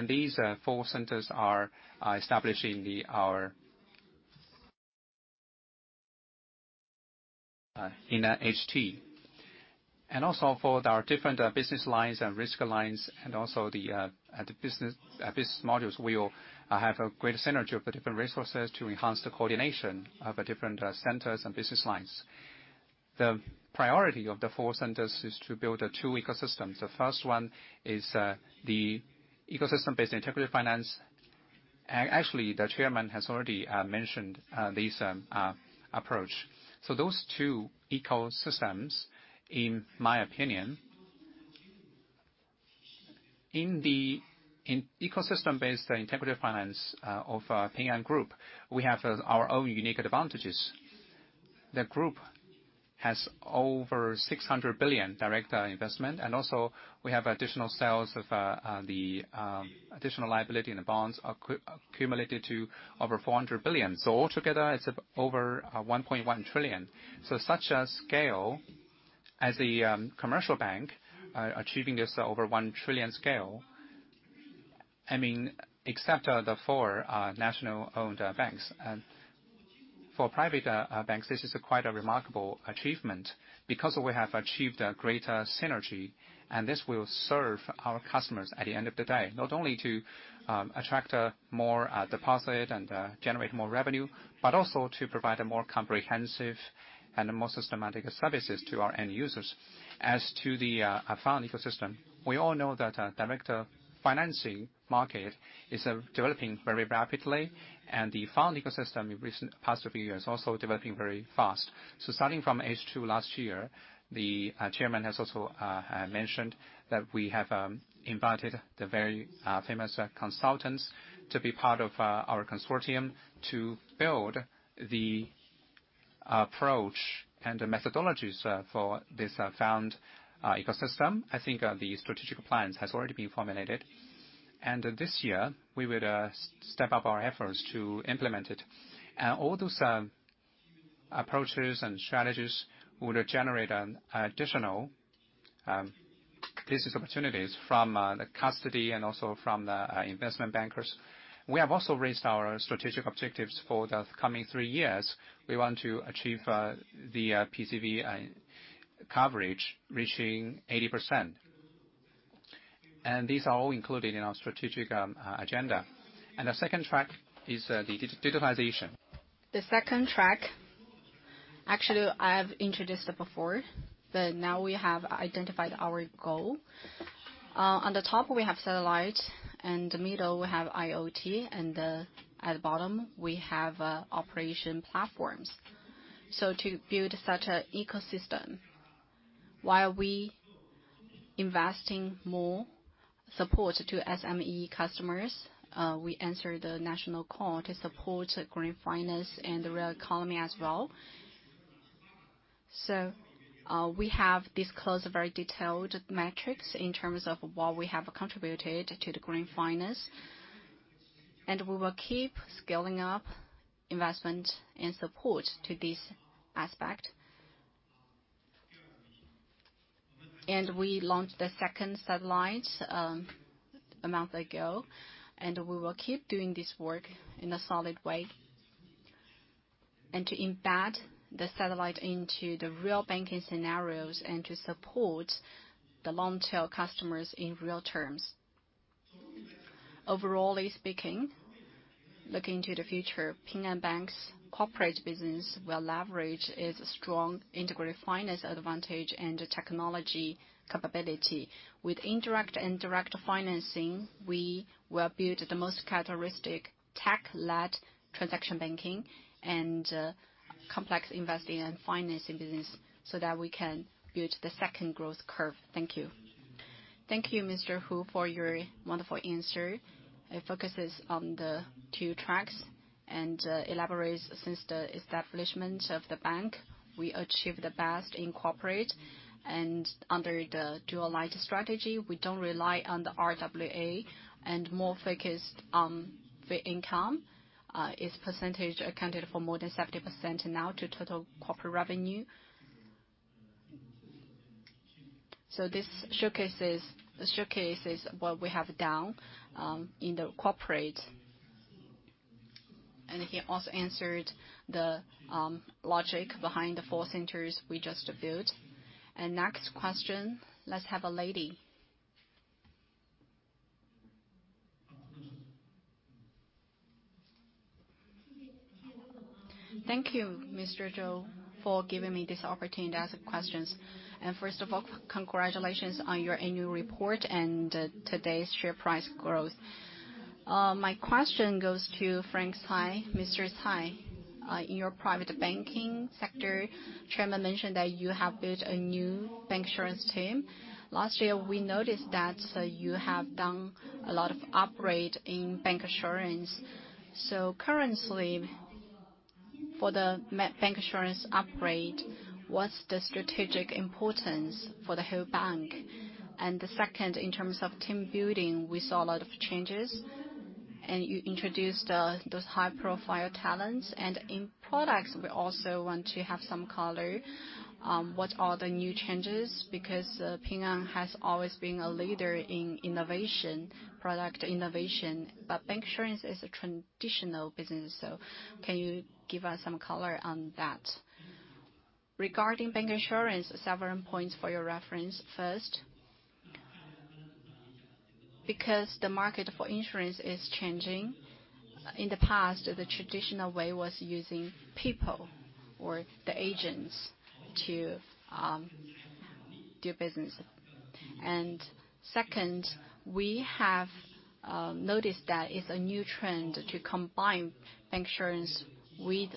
These four centers are establishing our in HT. Also for our different business lines and risk lines and also the business modules, we'll have a great synergy of the different resources to enhance the coordination of the different centers and business lines. The priority of the four centers is to build the two ecosystems. The first one is the ecosystem-based integrated finance. Actually, the chairman has already mentioned this approach. Those two ecosystems, in my opinion. In the ecosystem-based integrated finance of Ping An Group, we have our own unique advantages. The group has over 600 billion direct investment. We have additional sales of the additional liability in the bonds accumulated to over 400 billion. Altogether, it's over 1.1 trillion. Such a scale as a commercial bank achieving this over 1 trillion scale, I mean, except the four state-owned banks. For private banks, this is quite a remarkable achievement because we have achieved a greater synergy, and this will serve our customers at the end of the day. Not only to attract more deposit and generate more revenue, but also to provide a more comprehensive and a more systematic services to our end users. As to the fund ecosystem, we all know that direct financing market is developing very rapidly, and the fund ecosystem in recent past few years also developing very fast. Starting from H2 last year, the chairman has also mentioned that we have invited the very famous consultants to be part of our consortium to build the approach and the methodologies for this fund ecosystem. I think the strategic plans has already been formulated. This year, we would step up our efforts to implement it. All those approaches and strategies would generate an additional business opportunities from the custody and also from the investment bankers. We have also raised our strategic objectives for the coming three years. We want to achieve the PCR coverage reaching 80%. These are all included in our strategic agenda. The second track is the digitalization. The second track, actually, I have introduced it before, but now we have identified our goal. On the top we have satellite, and the middle we have IoT, and at the bottom we have operation platforms. To build such a ecosystem, while we investing more support to SME customers, we answer the national call to support green finance and the real economy as well. We have disclosed very detailed metrics in terms of what we have contributed to the green finance, and we will keep scaling up investment and support to this aspect. We launched the second satellite a month ago, and we will keep doing this work in a solid way, and to embed the satellite into the real banking scenarios and to support the long-tail customers in real terms. Overall speaking, looking to the future, Ping An Bank's corporate business will leverage its strong integrated finance advantage and technology capability. With indirect and direct financing, we will build the most characteristic tech-led transaction banking and complex investing and financing business so that we can build the second growth curve. Thank you. Thank you, Mr. Hu, for your wonderful answer. It focuses on the two tracks and, elaborates since the establishment of the bank, we achieved the best in corporate and under the dual-line strategy, we don't rely on the RWA and more focused on fee income. Its percentage accounted for more than 70% now to total corporate revenue. This showcases what we have done in the corporate. He also answered the logic behind the four centers we just built. Next question, let's have a lady. Thank you, Mr. Zhou, for giving me this opportunity to ask questions. First of all, congratulations on your annual report and today's share price growth. My question goes to Cai Xinfa. Mr. Cai, in your private banking sector, chairman mentioned that you have built a new bancassurance team. Last year, we noticed that you have done a lot of upgrade in bancassurance. Currently, for the bancassurance upgrade, what's the strategic importance for the whole bank? The second, in terms of team building, we saw a lot of changes, and you introduced those high-profile talents. In products, we also want to have some color, what are the new changes? Because Ping An has always been a leader in innovation, product innovation, but bancassurance is a traditional business, so can you give us some color on that? Regarding bancassurance, several points for your reference. First, because the market for insurance is changing. In the past, the traditional way was using people or the agents to do business. Second, we have noticed that it's a new trend to combine bancassurance with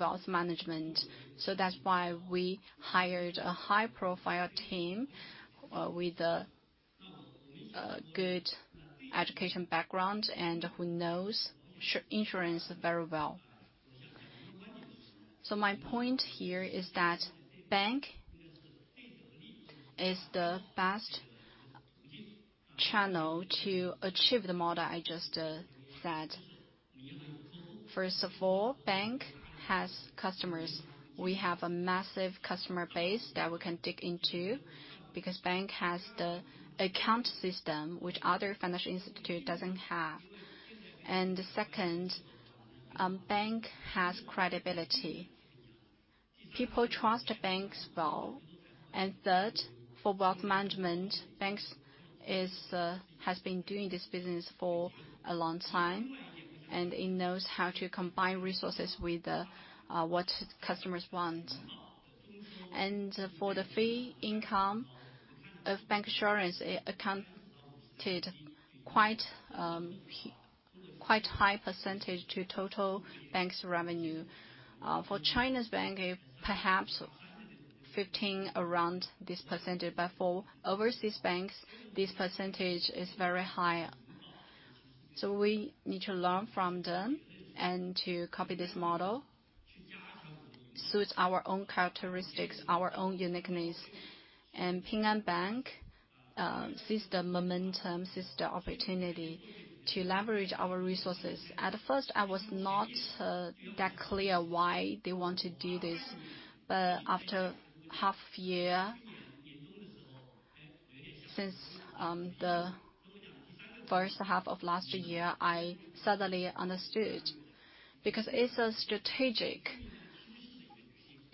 wealth management. So that's why we hired a high-profile team with a good education background and who knows insurance very well. My point here is that bank is the best channel to achieve the model I just said. First of all, bank has customers. We have a massive customer base that we can dig into because bank has the account system which other financial institute doesn't have. Second, bank has credibility. People trust banks well. Third, for wealth management, banks has been doing this business for a long time, and it knows how to combine resources with what customers want. For the fee income of bancassurance, it accounted quite high percentage to total bank's revenue. For China's bank, perhaps 15%, around this percentage. For overseas banks, this percentage is very high. We need to learn from them and to copy this model, suit our own characteristics, our own uniqueness. Ping An Bank sees the momentum, sees the opportunity to leverage our resources. At first, I was not that clear why they want to do this. After half year, since the first half of last year, I suddenly understood. Because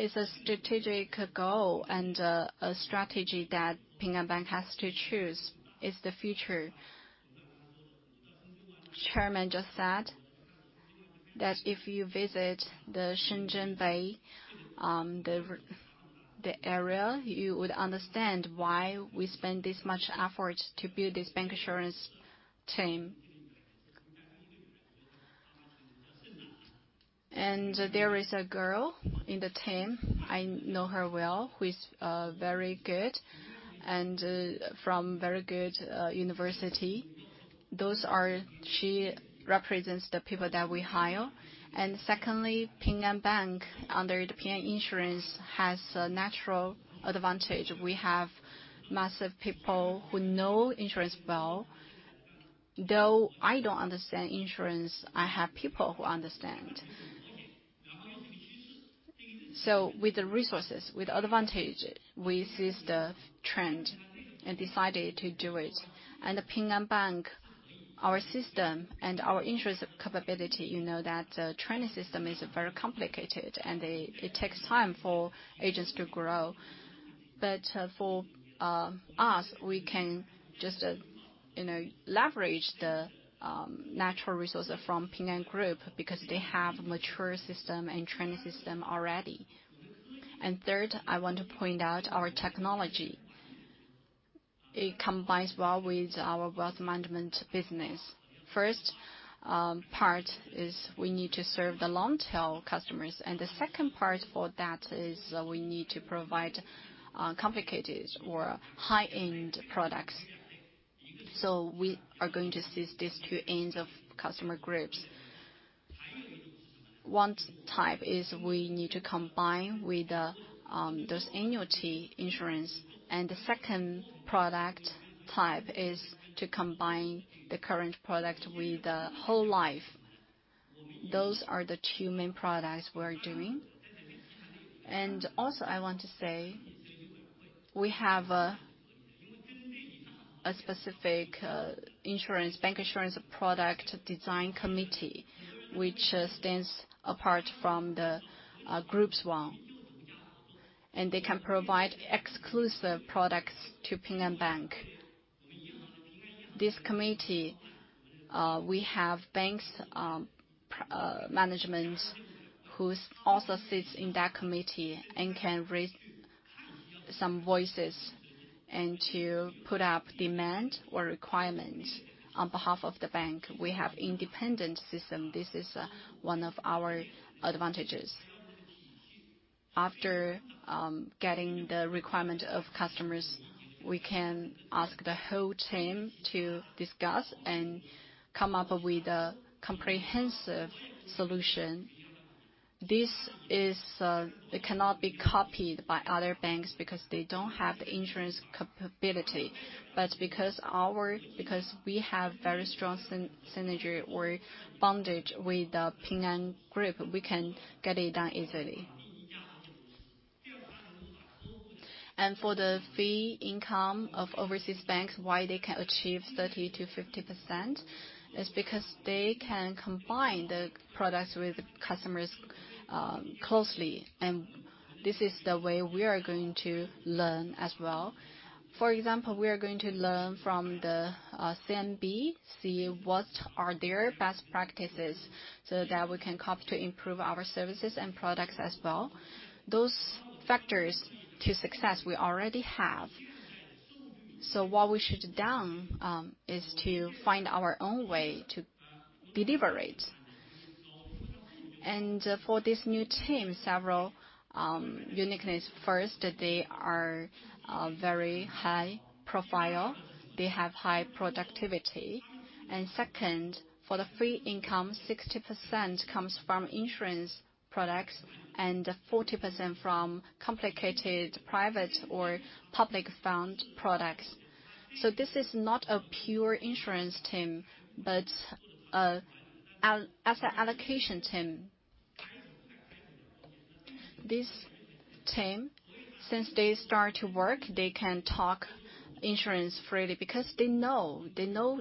it's a strategic goal and a strategy that Ping An Bank has to choose. It's the future. Chairman just said that if you visit the Shenzhen Bay, the area, you would understand why we spend this much effort to build this bancassurance team. There is a girl in the team, I know her well, who is very good and from very good university. Those are. She represents the people that we hire. Secondly, Ping An Bank, under the Ping An Insurance, has a natural advantage. We have massive people who know insurance well. Though I don't understand insurance, I have people who understand. With the resources, with advantage, we seized the trend and decided to do it. Ping An Bank, our system and our insurance capability, you know that training system is very complicated, and it takes time for agents to grow. For us, we can just you know leverage the natural resources from Ping An Group because they have mature system and training system already. Third, I want to point out our technology. It combines well with our wealth management business. First part is we need to serve the long-tail customers, and the second part for that is we need to provide complicated or high-end products. We are going to seize these two ends of customer groups. One type is we need to combine with those annuity insurance. The second product type is to combine the current product with the whole life. Those are the two main products we're doing. I want to say we have a specific insurance-bank insurance product design committee, which stands apart from the group's one, and they can provide exclusive products to Ping An Bank. This committee, we have bank management who also sits in that committee and can raise some voices and to put up demand or requirements on behalf of the bank. We have independent system. This is one of our advantages. After getting the requirement of customers, we can ask the whole team to discuss and come up with a comprehensive solution. This it cannot be copied by other banks because they don't have the insurance capability. Because we have very strong synergy or bond with Ping An Group, we can get it done easily. For the fee income of overseas banks, why they can achieve 30%-50% is because they can combine the products with customers closely. This is the way we are going to learn as well. For example, we are going to learn from the CNB, see what are their best practices so that we can copy to improve our services and products as well. Those factors to success we already have. What we should done is to find our own way to deliver it. For this new team, several uniqueness. First, they are very high profile. They have high productivity. Second, for the free income, 60% comes from insurance products and 40% from complicated private or public fund products. This is not a pure insurance team, but an asset allocation team. This team, since they start to work, they can talk insurance freely because they know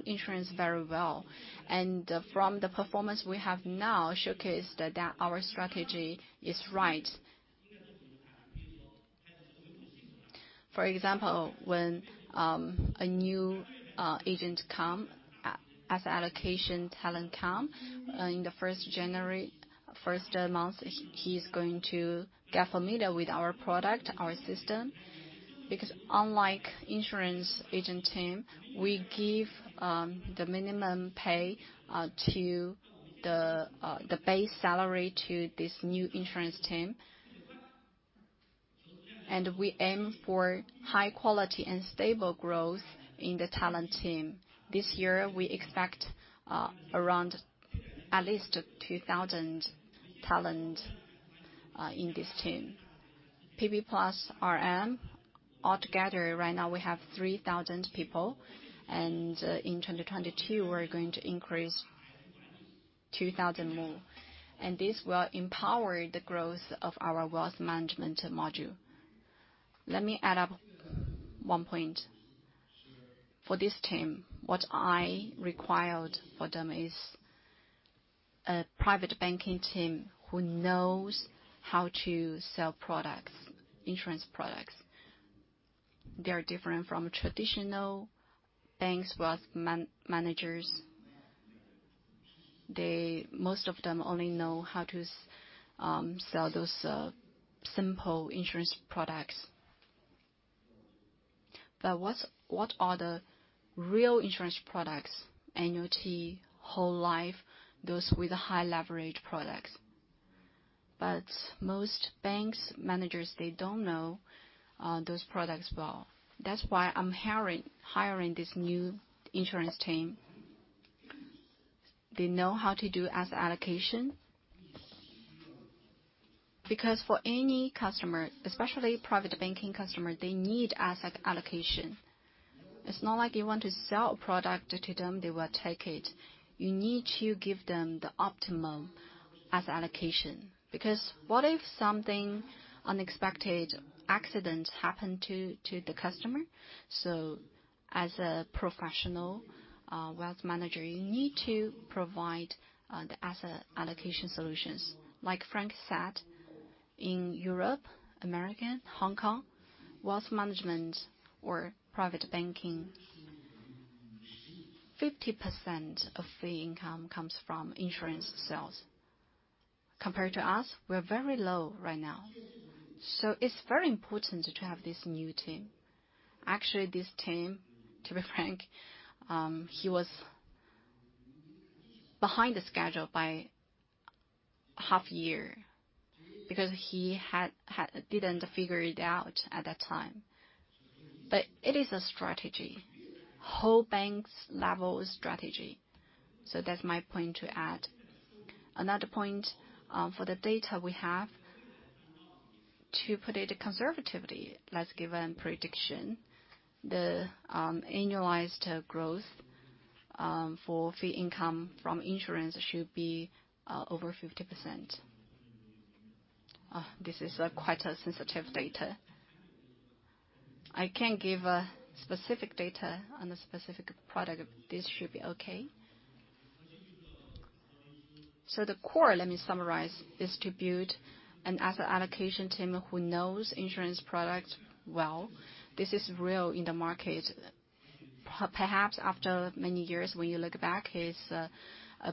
insurance very well. From the performance we have now showcased that our strategy is right. For example, when a new agent come, as allocation talent come, in the first January, first month, he is going to get familiar with our product, our system, because unlike insurance agent team, we give the minimum pay to the base salary to this new insurance team. We aim for high quality and stable growth in the talent team. This year, we expect around at least 2,000 talent in this team. PB plus RM altogether right now we have 3,000 people, and in 2022 we're going to increase 2,000 more. This will empower the growth of our wealth management module. Let me add one point. For this team, what I required for them is a private banking team who knows how to sell products, insurance products. They are different from traditional banks' wealth managers. Most of them only know how to sell those simple insurance products. But what are the real insurance products? Annuity, whole life, those with the high-leverage products. But most banks' managers, they don't know those products well. That's why I'm hiring this new insurance team. They know how to do asset allocation. Because for any customer, especially private banking customer, they need asset allocation. It's not like you want to sell a product to them, they will take it. You need to give them the optimum asset allocation. Because what if something unexpected accident happen to the customer? So as a professional, wealth manager, you need to provide the asset allocation solutions. Like Frank said, in Europe, America, Hong Kong, wealth management or private banking, 50% of fee income comes from insurance sales. Compared to us, we're very low right now. So it's very important to have this new team. Actually, this team, to be frank, he was behind the schedule by half year. Because he didn't figure it out at that time. It is a strategy. Whole bank level strategy. That's my point to add. Another point, for the data we have, to put it conservatively, let's give a prediction. The annualized growth for fee income from insurance should be over 50%. This is quite a sensitive data. I can't give a specific data on the specific product. This should be okay. The core, let me summarize, distribute an asset allocation team who knows insurance products well. This is real in the market. Perhaps after many years, when you look back, it's a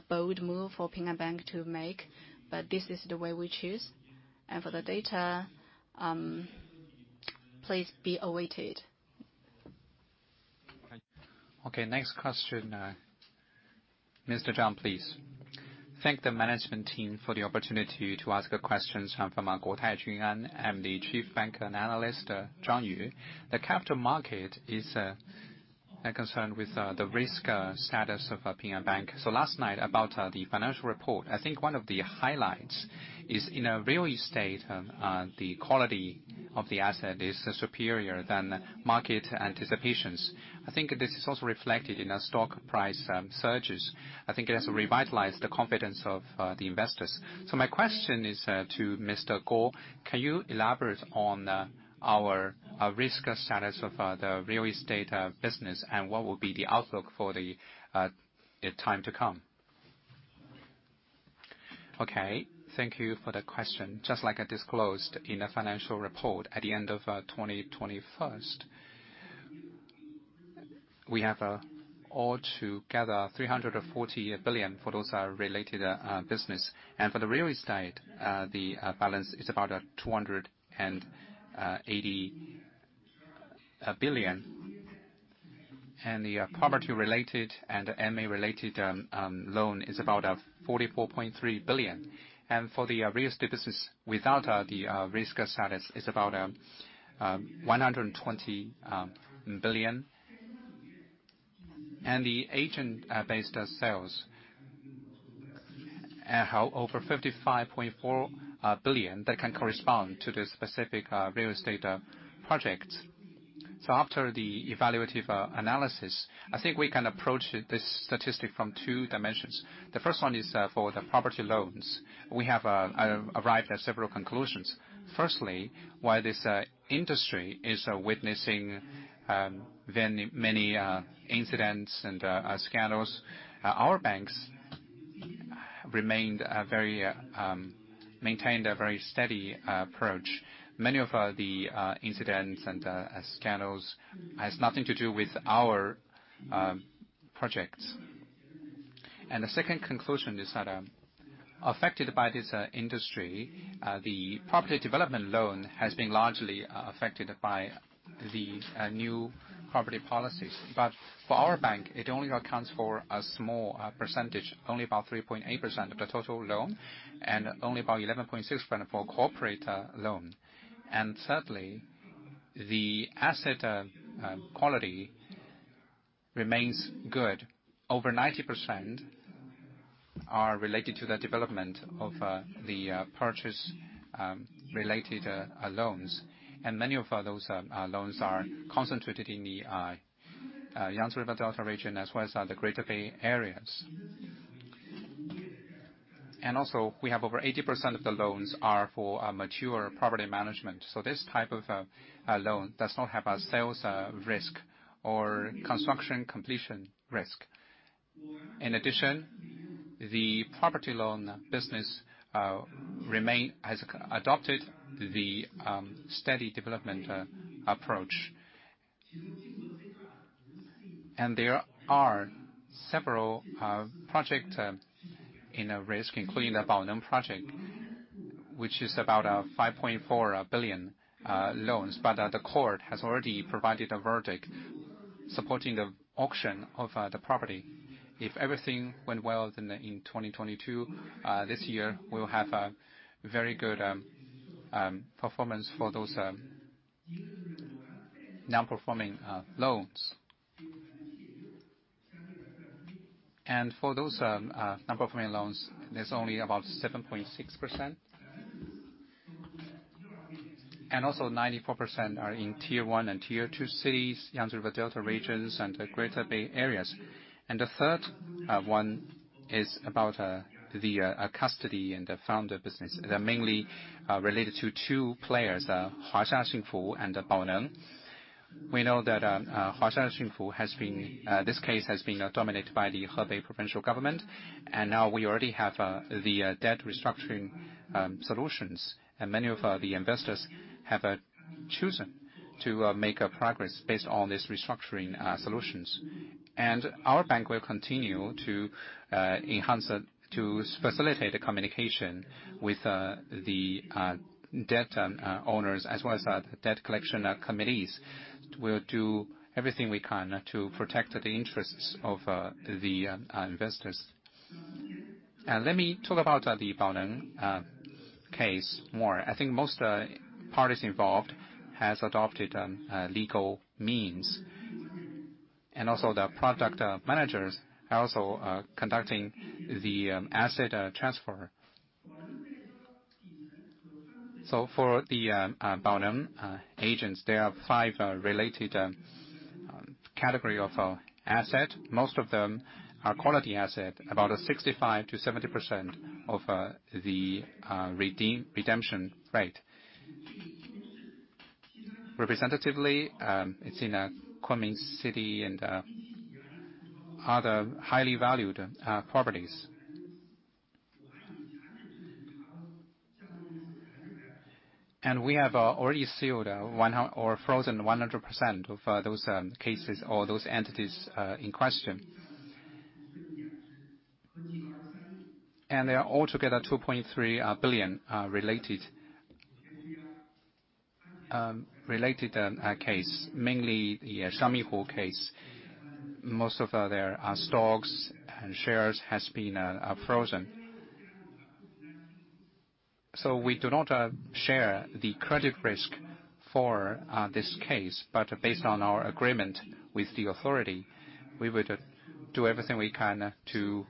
bold move for Ping An Bank to make, but this is the way we choose. For the data, please be awaited. Okay, next question, Mr. Zhang, please. Thank the management team for the opportunity to ask a question. I'm from Guotai Junan. I'm the Chief Bank Analyst, Zhang Yu. The capital market is concerned with the risk status of Ping An Bank. Last night about the financial report, I think one of the highlights is in real estate the quality of the asset is superior than market anticipations. I think this is also reflected in a stock price surges. I think it has revitalized the confidence of the investors. My question is to Mr. Guo. Can you elaborate on our risk status of the real estate business and what will be the outlook for the time to come? Okay. Thank you for the question. Just like I disclosed in a financial report, at the end of 2021, we have altogether 340 billion for those related business. For the real estate, the balance is about 280 billion. The property-related and M&A-related loan is about 44.3 billion. For the real estate business without the risk status is about 120 billion. The agent-based sales have over 55.4 billion that can correspond to the specific real estate projects. After the evaluative analysis, I think we can approach this statistic from 2 dimensions. The first one is for the property loans. We have arrived at several conclusions. Firstly, while this industry is witnessing then many incidents and scandals, our bank maintained a very steady approach. Many of the incidents and scandals has nothing to do with our projects. The second conclusion is that, affected by this industry, the property development loan has been largely affected by the new property policies. For our bank, it only accounts for a small percentage, only about 3.8% of the total loan, and only about 11.6% for corporate loan. Certainly, the asset quality remains good. Over 90% are related to the development of the purchase related loans. Many of those loans are concentrated in the Yangtze River Delta region, as well as the Greater Bay Area. We have over 80% of the loans are for a mature property management. This type of loan does not have a sales risk or construction completion risk. In addition, the property loan business has adopted the steady development approach. There are several projects at risk, including the Baoneng project, which is about 5.4 billion loans, but the court has already provided a verdict supporting the auction of the property. If everything went well then in 2022 this year, we'll have a very good performance for those non-performing loans. For those non-performing loans, there's only about 7.6%. Also, 94% are in tier one and tier two cities, Yangtze River Delta regions, and the Greater Bay areas. The third one is about the custody and the Founder business. They're mainly related to two players, Hua Xia Xing Fu and Baoneng. We know that Hua Xia Xing Fu has been, this case has been dominated by the Hebei provincial government. Now we already have the debt restructuring solutions. Many of the investors have chosen to make a progress based on this restructuring solutions. Our bank will continue to enhance it to facilitate the communication with the debt owners as well as our debt collection committees will do everything we can to protect the interests of the investors. Let me talk about the Baoneng case more. I think most parties involved has adopted legal means. Also the product managers are also conducting the asset transfer. For the Baoneng assets, there are five related category of asset. Most of them are quality asset, about a 65%-70% of the redemption rate. Representatively, it's in Kunming City and other highly valued properties. We have already frozen 100% of those cases or those entities in question. They are all together 2.3 billion related case, mainly the Shahe Huajiao case. Most of their stocks and shares has been frozen. We do not share the credit risk for this case, but based on our agreement with the authority, we would do everything we can to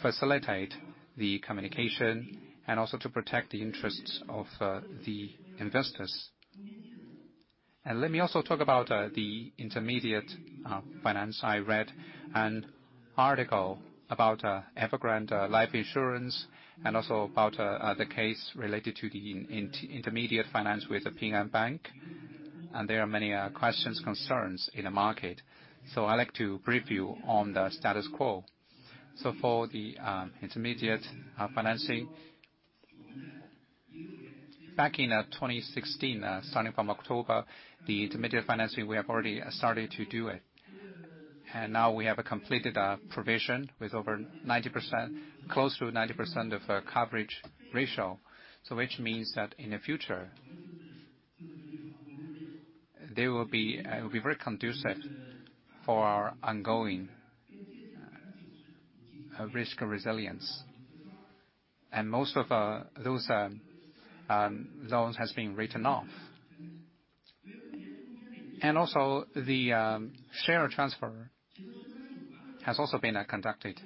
facilitate the communication and also to protect the interests of the investors. Let me also talk about the intermediate finance. I read an article about Evergrande Life Insurance and also about the case related to the intermediate finance with Ping An Bank. There are many questions, concerns in the market. I'd like to brief you on the status quo. For the intermediate financing, back in 2016, starting from October, the intermediate financing, we have already started to do it. Now we have completed a provision with over 90%, close to 90% of coverage ratio. Which means that in the future, they will be very conducive for our ongoing risk resilience. Most of those loans has been written off. Also the share transfer has also been conducted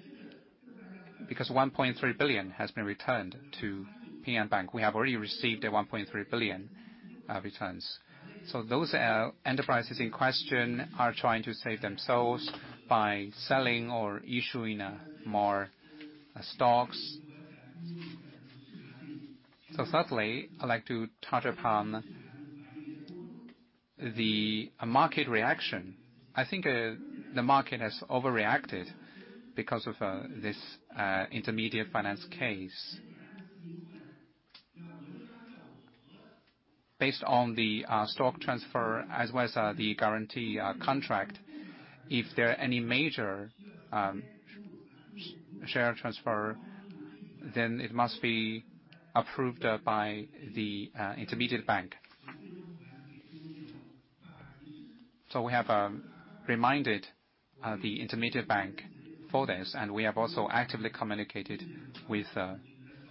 because 1.3 billion has been returned to Ping An Bank. We have already received a 1.3 billion returns. Those enterprises in question are trying to save themselves by selling or issuing more stocks. Thirdly, I'd like to touch upon the market reaction. I think the market has overreacted because of this intermediate finance case. Based on the stock transfer as well as the guarantee contract, if there are any major share transfer, then it must be approved by the intermediate bank. We have reminded the intermediate bank for this, and we have also actively communicated with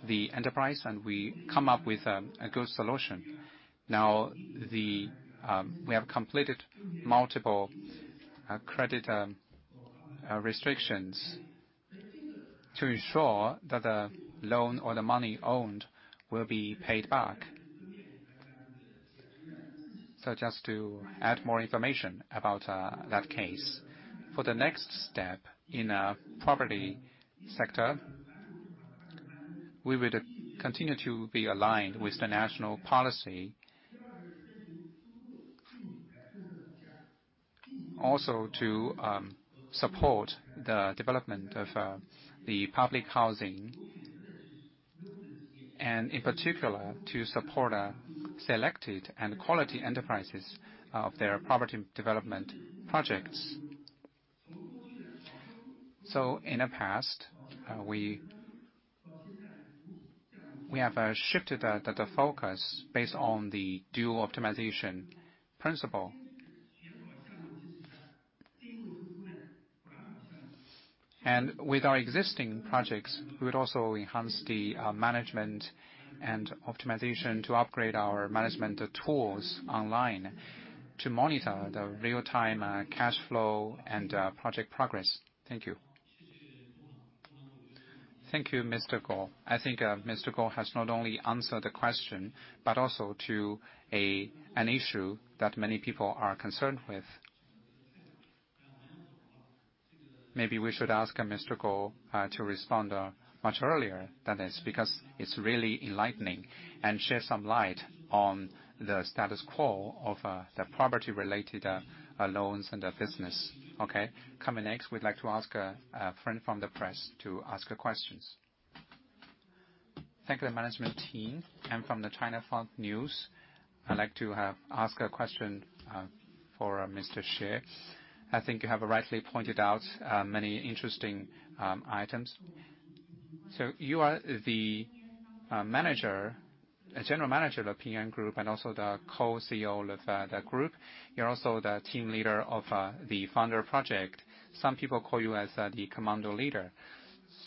the enterprise, and we come up with a good solution. Now we have completed multiple credit restrictions to ensure that the loan or the money owed will be paid back. Just to add more information about that case. For the next step in property sector, we would continue to be aligned with the national policy. To support the development of the public housing, and in particular, to support selected and quality enterprises of their property development projects. In the past, we have shifted the focus based on the dual optimization principle. With our existing projects, we'd also enhance the management and optimization to upgrade our management tools online to monitor the real-time cash flow and project progress. Thank you. Thank you, Mr. Guo. I think Mr. Guo has not only answered the question, but also to an issue that many people are concerned with. Maybe we should ask Mr. Guo to respond much earlier than this, because it's really enlightening and sheds some light on the status quo of the property-related loans and the business. Okay. Coming next, we'd like to ask a friend from the press to ask a question. Thank you to the management team. I'm from the China Fund News. I'd like to ask a question for Mr. Xie. I think you have rightly pointed out many interesting items. So you are the general manager of Ping An Group and also the co-CEO of the group. You're also the team leader of the Founder Group. Some people call you the commando leader.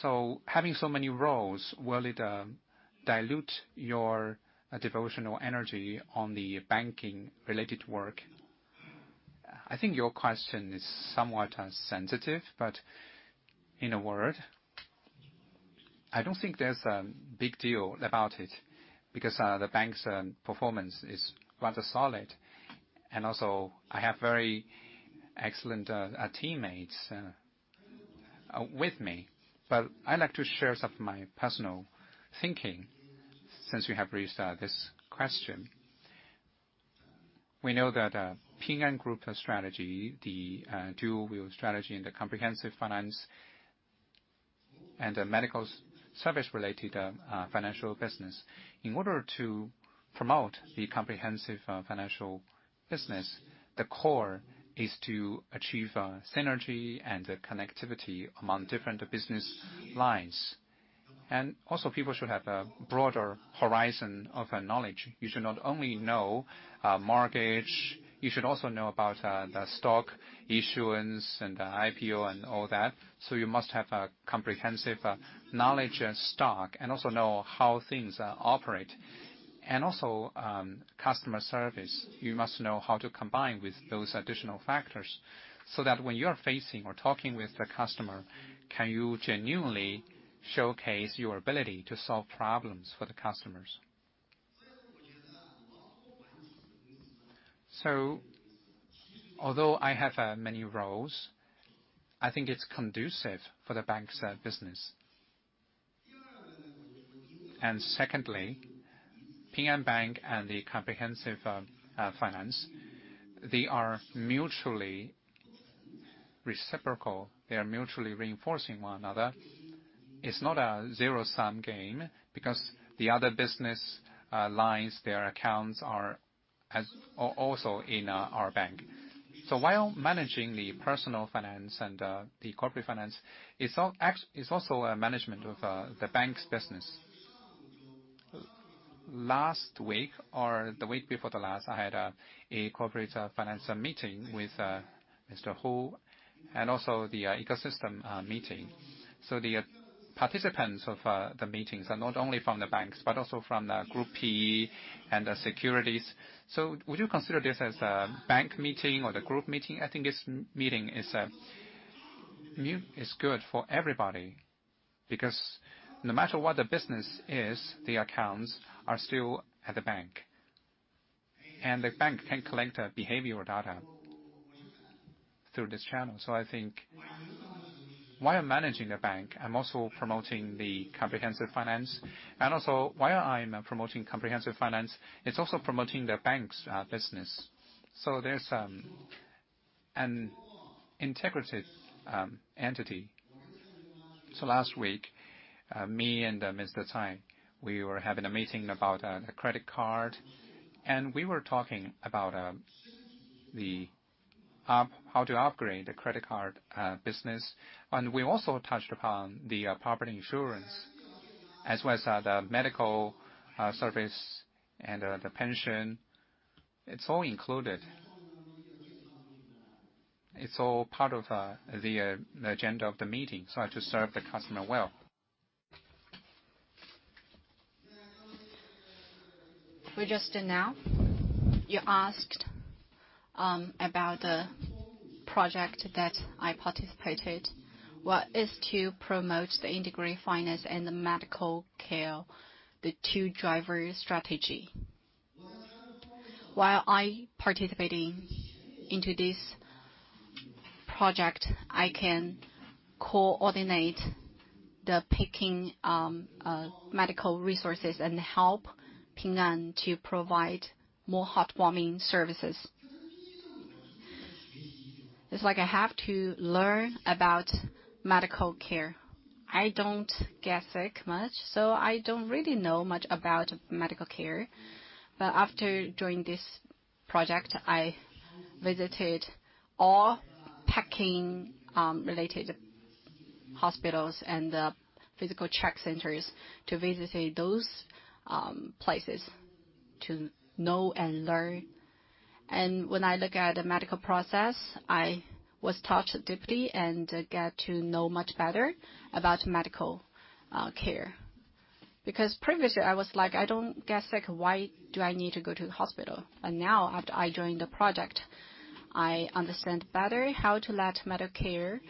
So having so many roles, will it dilute your devotional energy on the banking-related work? I think your question is somewhat sensitive, but in a word, I don't think there's a big deal about it, because the bank's performance is rather solid. Also, I have very excellent teammates with me. I'd like to share some of my personal thinking since you have raised this question. We know that Ping An Group strategy, the dual-wheel strategy and the comprehensive finance and the medical service-related financial business. In order to promote the comprehensive financial business, the core is to achieve synergy and connectivity among different business lines. People should have a broader horizon of knowledge. You should not only know mortgage, you should also know about the stock issuance and the IPO and all that. You must have a comprehensive knowledge of stock and also know how things operate. Customer service. You must know how to combine with those additional factors, so that when you are facing or talking with the customer, can you genuinely showcase your ability to solve problems for the customers. Although I have many roles, I think it's conducive for the bank's business. Secondly, Ping An Bank and the comprehensive finance, they are mutually reciprocal. They are mutually reinforcing one another. It's not a zero-sum game because the other business lines, their accounts are also in our bank. While managing the personal finance and the corporate finance, it's also a management of the bank's business. Last week or the week before the last, I had a corporate finance meeting with Mr. Hu and also the ecosystem meeting. The participants of the meetings are not only from the banks, but also from the Ping An Group and Ping An Securities. Would you consider this as a bank meeting or the group meeting? I think this meeting is good for everybody because no matter what the business is, the accounts are still at the bank, and the bank can collect behavioral data through this channel. I think while managing the bank, I'm also promoting the comprehensive finance. While I'm promoting comprehensive finance, it's also promoting the bank's business. There's an integrated entity. Last week, me and Mr. Cai, we were having a meeting about the credit card, and we were talking about how to upgrade the credit card business. We also touched upon the property insurance as well as the medical service and the pension. It's all included. It's all part of the agenda of the meeting to serve the customer well. We just did now. You asked about the project that I participated, what is to promote the integrated finance and the medical care, the two driver strategy. While I participating into this project, I can coordinate the Peking Medical resources and help Ping An to provide more heartwarming services. It's like I have to learn about medical care. I don't get sick much, so I don't really know much about medical care. But after joining this project, I visited all Peking related hospitals and the physical check centers to visit those places to know and learn. When I look at the medical process, I was touched deeply and get to know much better about medical care. Because previously, I was like, I don't get sick. Why do I need to go to the hospital? Now, after I joined the project, I understand better how to let medical care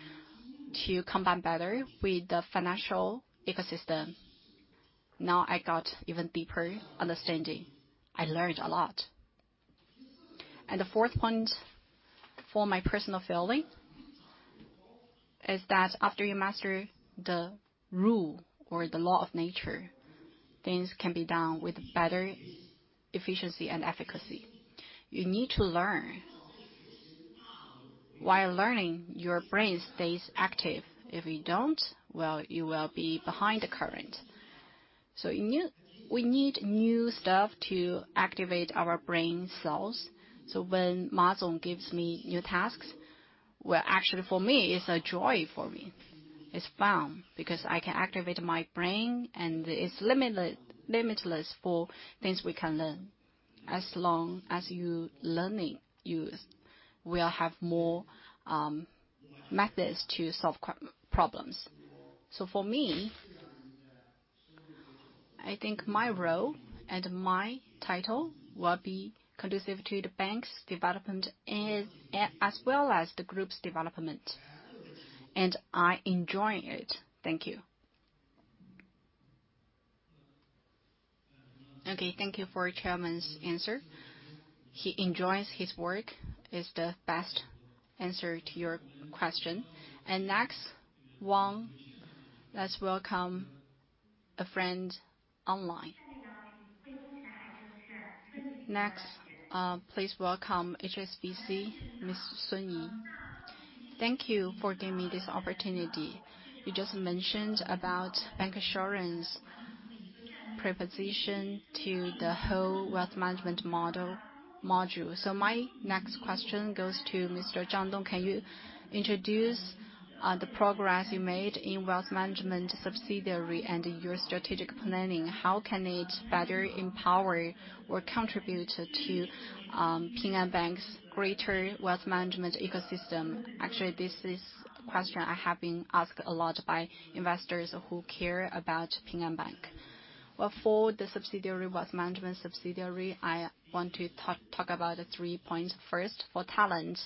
to combine better with the financial ecosystem. Now I got even deeper understanding. I learned a lot. The fourth point for my personal feeling is that after you master the rule or the law of nature, things can be done with better efficiency and efficacy. You need to learn. While learning, your brain stays active. If you don't, well, you will be behind the current. We need new stuff to activate our brain cells. When Mr. Ma gives me new tasks, well, actually for me, it's a joy for me. It's fun, because I can activate my brain and it's limitless for things we can learn. As long as you learning, you will have more methods to solve current problems. For me, I think my role and my title will be conducive to the bank's development as well as the group's development, and I enjoying it. Thank you. Okay, thank you for Chairman's answer. He enjoys his work, is the best answer to your question. Next, Wang, let's welcome a friend online. Next, please welcome HSBC, Ms. Sun Yi. Thank you for giving me this opportunity. You just mentioned about bancassurance position to the whole wealth management model. My next question goes to Mr. Zhang Dong. Can you introduce the progress you made in wealth management subsidiary and your strategic planning? How can it better empower or contribute to Ping An Bank's greater wealth management ecosystem? Actually, this question I have been asked a lot by investors who care about Ping An Bank. Well, for the subsidiary, wealth management subsidiary, I want to talk about three points. First, for talent.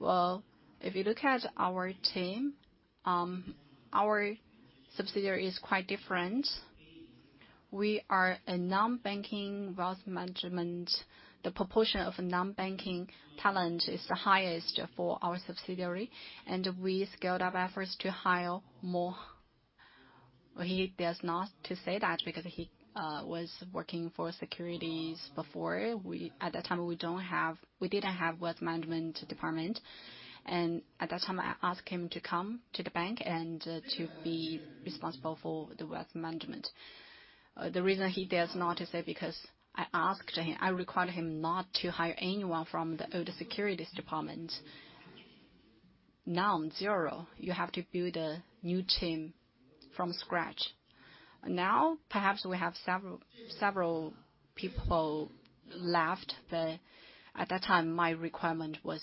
Well, if you look at our team, our subsidiary is quite different. We are a non-banking wealth management. The proportion of non-banking talent is the highest for our subsidiary, and we scaled up efforts to hire more. He dares not to say that because he was working for securities before. At that time, we didn't have wealth management department. At that time, I asked him to come to the bank and to be responsible for the wealth management. The reason he dares not to say because I asked him, I required him not to hire anyone from the old securities department. None, zero. You have to build a new team from scratch. Now, perhaps we have several people left, but at that time, my requirement was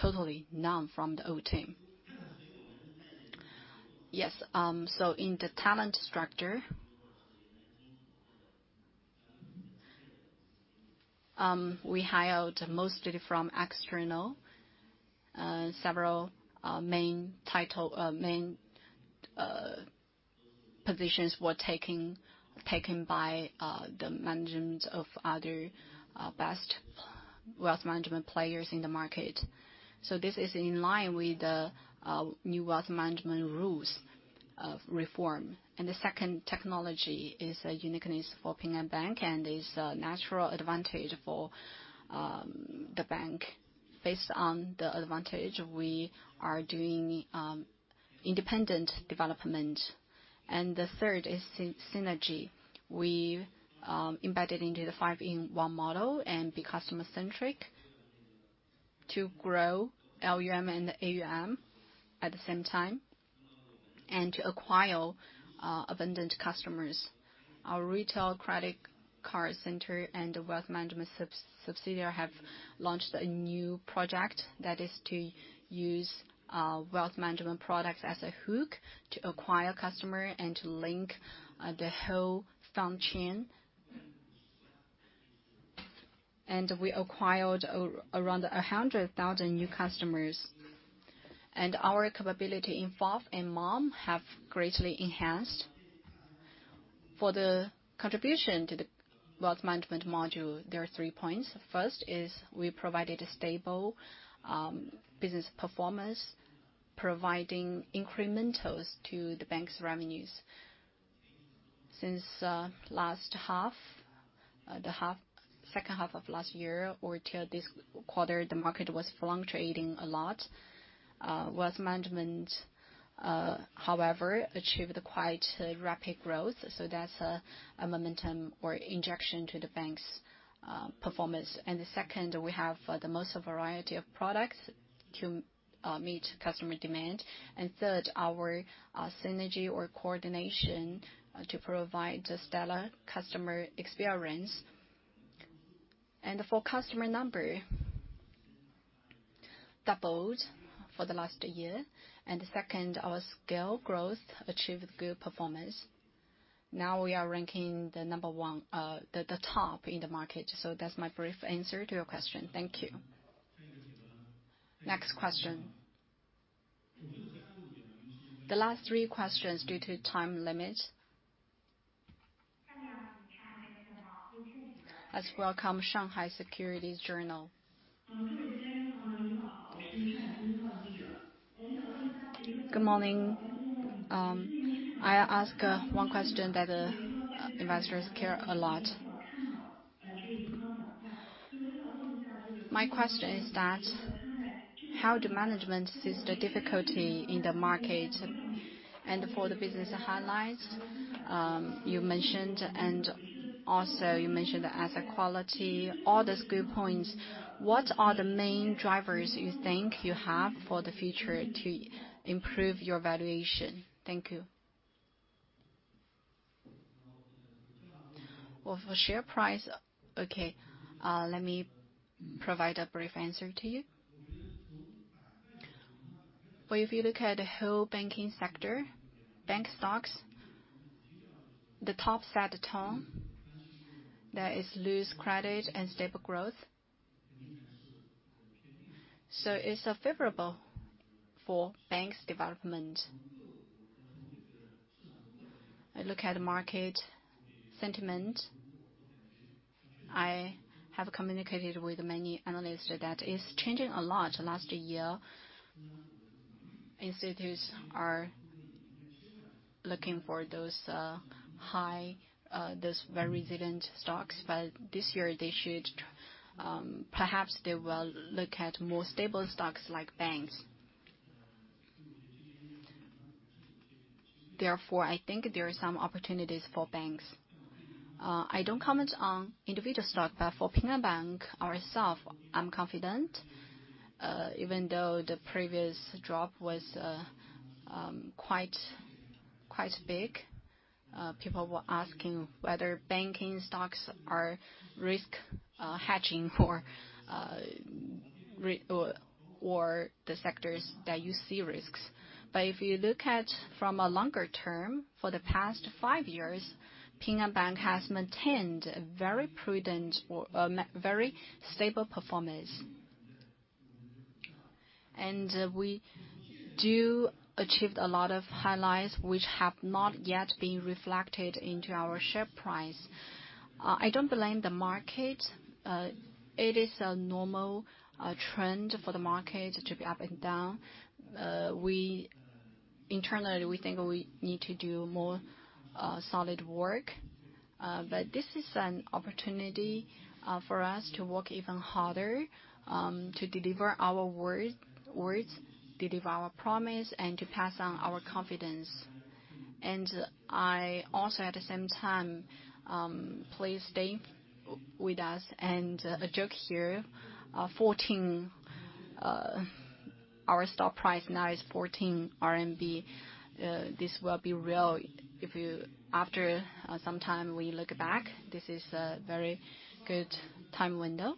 totally none from the old team. Yes, in the talent structure, we hired mostly from external. Several main positions were taken by the managements of other best wealth management players in the market. This is in line with the new wealth management rules of reform. The second technology is a uniqueness for Ping An Bank and is a natural advantage for the bank. Based on the advantage, we are doing independent development. The third is synergy. We've embedded into the Five‑in‑one model and be customer-centric to grow LUM and AUM at the same time and to acquire abundant customers. Our retail credit card center and the wealth management subsidiary have launched a new project that is to use wealth management products as a hook to acquire customer and to link the whole front chain. We acquired around 100,000 new customers, and our capability in FOF and MOM have greatly enhanced. For the contribution to the wealth management module, there are three points. First, we provided a stable business performance, providing incrementals to the bank's revenues. Since the second half of last year or till this quarter, the market was fluctuating a lot. Wealth management, however, achieved quite rapid growth, so that's a momentum or injection to the bank's performance. The second, we have the most variety of products to meet customer demand. Third, our synergy or coordination to provide a stellar customer experience. Our customer number doubled last year. Second, our scale growth achieved good performance. Now we are ranking number one, the top in the market. That's my brief answer to your question. Thank you. Next question. The last three questions due to time limit. Let's welcome Shanghai Securities News. Good morning. I ask one question that investors care a lot. My question is that how the management sees the difficulty in the market and for the business highlights you mentioned, and also you mentioned the asset quality, all those good points. What are the main drivers you think you have for the future to improve your valuation? Thank you. Well, for share price. Okay, let me provide a brief answer to you. Well, if you look at the whole banking sector, bank stocks, the top set the tone. There is loose credit and stable growth. It's favorable for banks' development. I look at market sentiment. I have communicated with many analysts that it's changing a lot. Last year, institutes are looking for those very resilient stocks. This year, perhaps they will look at more stable stocks like banks. Therefore, I think there are some opportunities for banks. I don't comment on individual stock, but for Ping An Bank ourselves, I'm confident, even though the previous drop was quite big. People were asking whether banking stocks are risk hedging for real estate or the sectors that you see risks. If you look at from a longer term, for the past five years, Ping An Bank has maintained a very prudent very stable performance. We do achieve a lot of highlights which have not yet been reflected into our share price. I don't blame the market. It is a normal trend for the market to be up and down. Internally, we think we need to do more solid work. This is an opportunity for us to work even harder, to deliver our words, deliver our promise, and to pass on our confidence. I also, at the same time, please stay with us. A joke here, our stock price now is 14 RMB. This will be real if you. After some time we look back, this is a very good time window.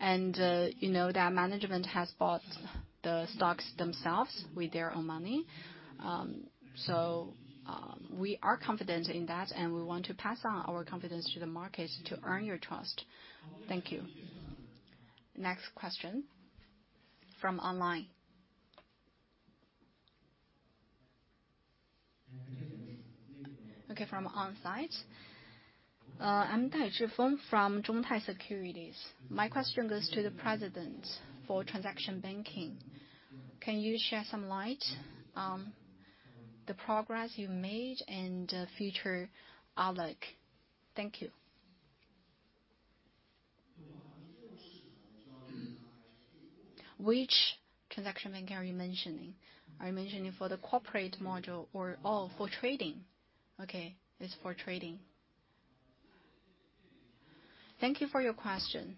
You know that management has bought the stocks themselves with their own money. We are confident in that, and we want to pass on our confidence to the markets to earn your trust. Thank you. Next question from online. Okay, from on-site. I'm Dai Zhipeng from Zhongtai Securities. My question goes to the President for transaction banking. Can you shed some light on the progress you made and the future outlook? Thank you. Which transaction banking are you mentioning? Are you mentioning for the corporate module or all for trading? Okay. It's for trading. Thank you for your question.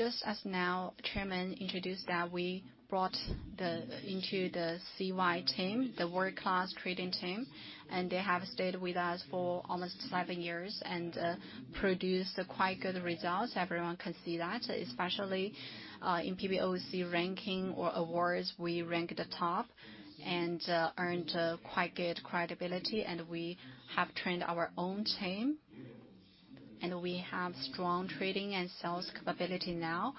Just as the Chairman introduced that we brought into the CY team, the world-class trading team, and they have stayed with us for almost seven years and produced quite good results. Everyone can see that, especially in PBOC ranking or awards, we rank at the top and earned quite good credibility, and we have trained our own team, and we have strong trading and sales capability now.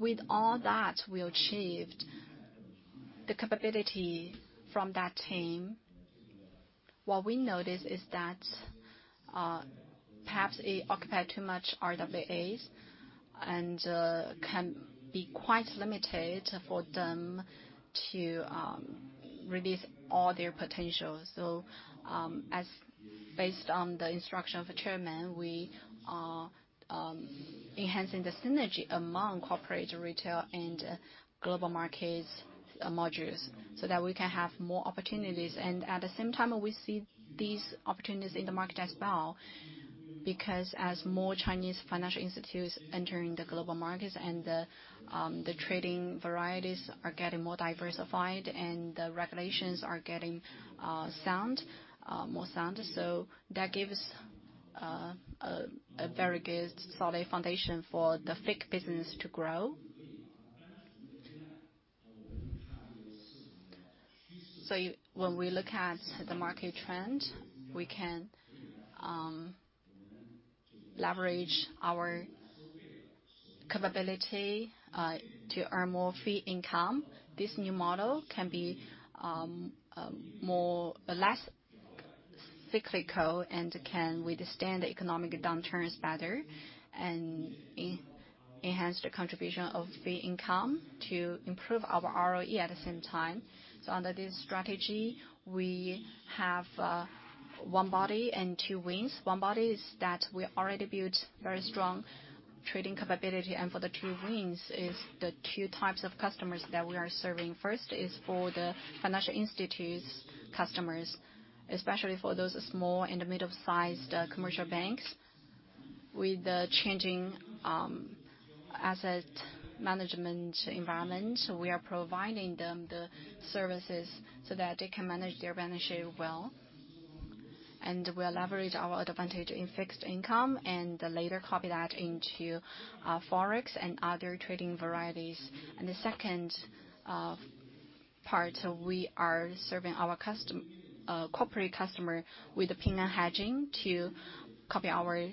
With all that, we achieved the capability from that team. What we noticed is that perhaps it occupied too much RWAs and can be quite limited for them to release all their potential. And based on the instruction of the Chairman, we are enhancing the synergy among corporate, retail, and global markets modules so that we can have more opportunities. At the same time, we see these opportunities in the market as well, because as more Chinese financial institutes entering the global markets and the trading varieties are getting more diversified and the regulations are getting more sound. That gives a very good, solid foundation for the FICC business to grow. When we look at the market trend, we can leverage our capability to earn more fee income. This new model can be less cyclical and can withstand economic downturns better. Enhanced contribution of fee income to improve our ROE at the same time. Under this strategy, we have one body and two wings. One body is that we already built very strong trading capability. For the two wings is the two types of customers that we are serving. First is for the financial institutions customers, especially for those small and medium-sized commercial banks. With the changing asset management environment, we are providing them the services so that they can manage their revenue well, and we leverage our advantage in fixed income and later copy that into Forex and other trading varieties. The second part, we are serving our corporate customer with Ping An hedging to copy our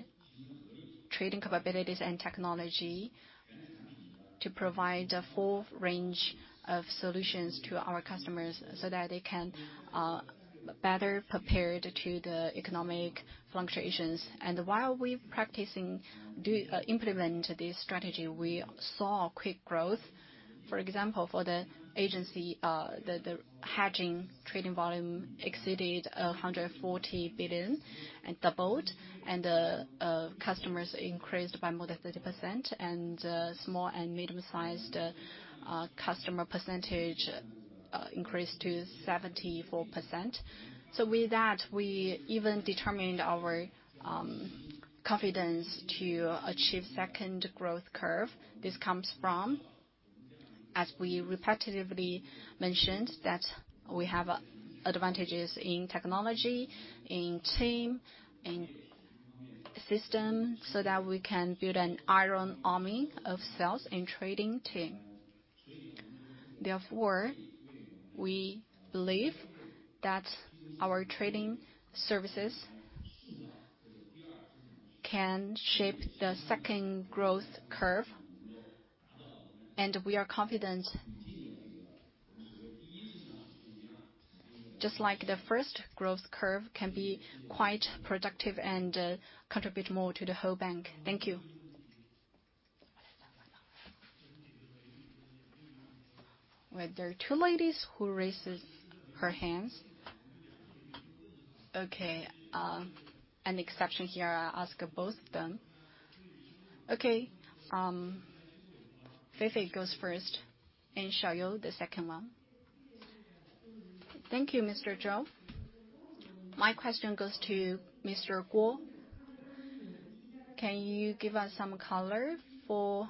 trading capabilities and technology to provide a full range of solutions to our customers so that they can better prepare for the economic fluctuations. While we're practicing to implement this strategy, we saw quick growth. For example, for the agency, the hedging trading volume exceeded 140 billion and doubled, and customers increased by more than 30%. Small and medium-sized customer percentage increased to 74%. With that, we even determined our confidence to achieve second growth curve. This comes from, as we repetitively mentioned, that we have advantages in technology, in team, in system, so that we can build an iron army of sales and trading team. Therefore, we believe that our trading services can shape the second growth curve, and we are confident, just like the first growth curve, can be quite productive and contribute more to the whole bank. Thank you. Wait, there are two ladies who raises her hands. Okay. An exception here. I'll ask both of them. Okay. Feifei goes first, and Xiaoyou, the second one. Thank you, Mr. Zhou. My question goes to Mr. Guo. Can you give us some color for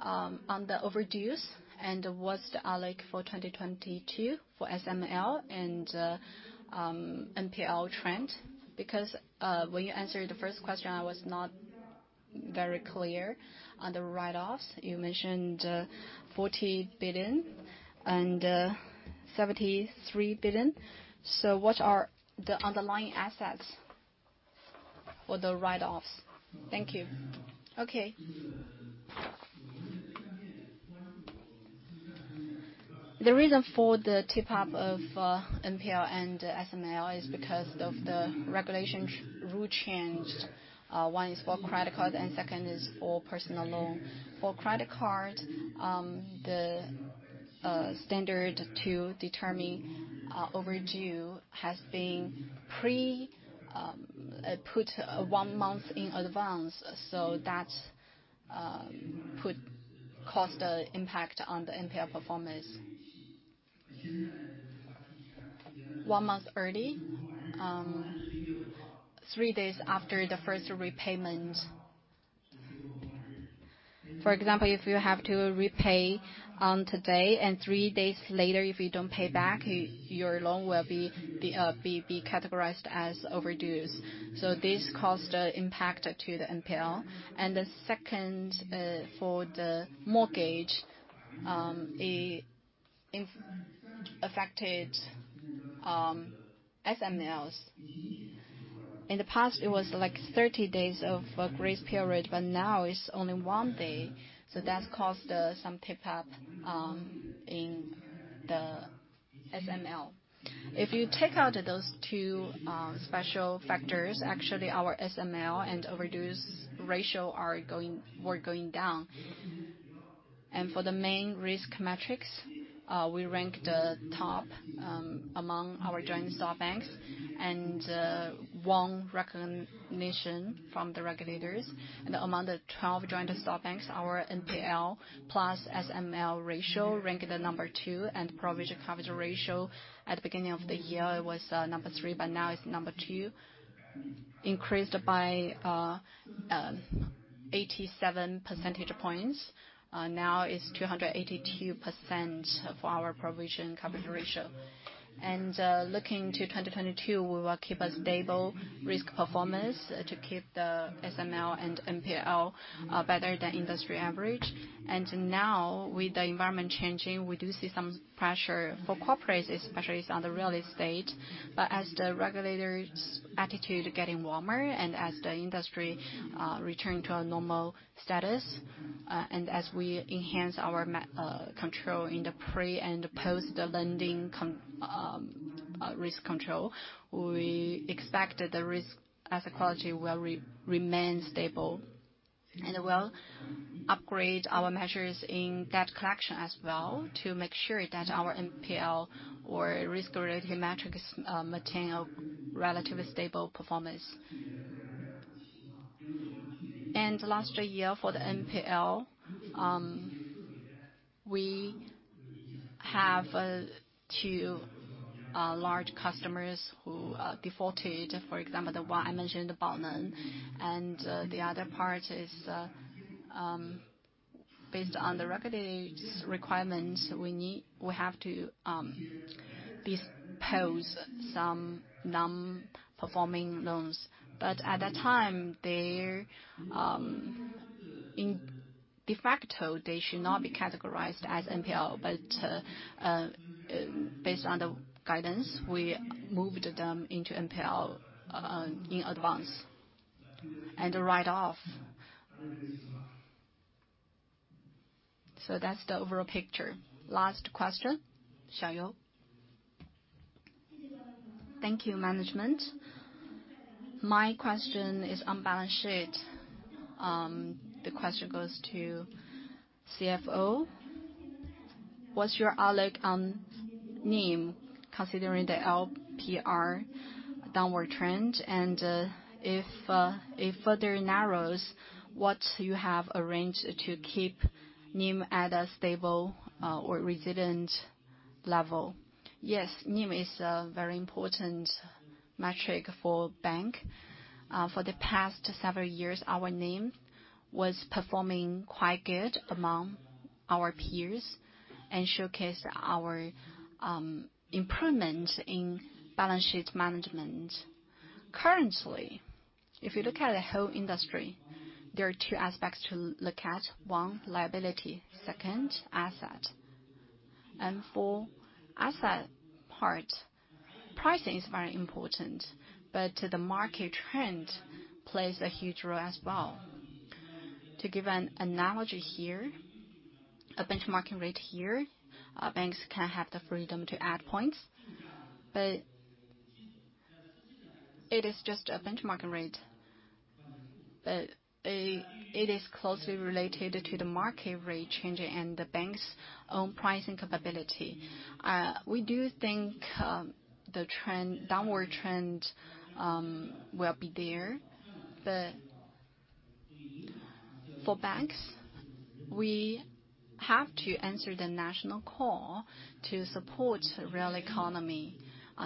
on the overdues and what's the outlook for 2022 for SML and NPL trend? Because when you answered the first question, I was not very clear on the write-offs. You mentioned 40 billion and 73 billion. What are the underlying assets for the write-offs? Thank you. The reason for the tick-up of NPL and SML is because of the regulatory rules changed. One is for credit card and second is for personal loan. For credit card, the standard to determine overdue has been put one month in advance. So that could cause the impact on the NPL performance one month early, three days after the first repayment. For example, if you have to repay on today and three days later, if you don't pay back, your loan will be categorized as overdues. This caused impact to the NPL. The second, for the mortgage, it affected SMLs. In the past, it was like 30 days of a grace period, but now it's only 1 day. That caused some tick-up in the SML. If you take out those two special factors, actually our SML and overdues ratio were going down. For the main risk metrics, we ranked top among our joint stock banks and won recognition from the regulators. Among the 12 joint stock banks, our NPL plus SML ratio ranked number 2. Provision coverage ratio at the beginning of the year was 195%, but now it's 282%. Increased by 87 percentage points, now is 282% for our provision coverage ratio. Looking to 2022, we will keep a stable risk performance to keep the SML and NPL better than industry average. Now, with the environment changing, we do see some pressure for corporates, especially on the real estate. As the regulators' attitude is getting warmer and as the industry returns to a normal status, and as we enhance our control in the pre and post lending risk control, we expect that the risk asset quality will remain stable. We'll upgrade our measures in that collection as well to make sure that our NPL or risk-related metrics maintain a relatively stable performance. Last year for the NPL, we have two large customers who defaulted. For example, the one I mentioned, the Baoneng. The other part is, based on the regulatory requirements, we need. We have to dispose some non-performing loans. At that time, they're in de facto, they should not be categorized as NPL. Based on the guidance, we moved them into NPL in advance and write off. So that's the overall picture. Last question, Xiaoyou. Thank you, management. My question is on balance sheet. The question goes to CFO. What's your outlook on NIM considering the LPR downward trend? And, if it further narrows, what you have arranged to keep NIM at a stable or resilient level? Yes, NIM is a very important metric for bank. For the past several years, our NIM was performing quite good among our peers and showcased our improvement in balance sheet management. Currently, if you look at the whole industry, there are two aspects to look at. One, liability. Second, asset. And for asset part, pricing is very important, but the market trend plays a huge role as well. To give an analogy here, a benchmark rate here, banks can have the freedom to add points, but it is just a benchmark rate. It is closely related to the market rate change and the bank's own pricing capability. We do think the trend, downward trend, will be there. For banks, we have to answer the national call to support real economy.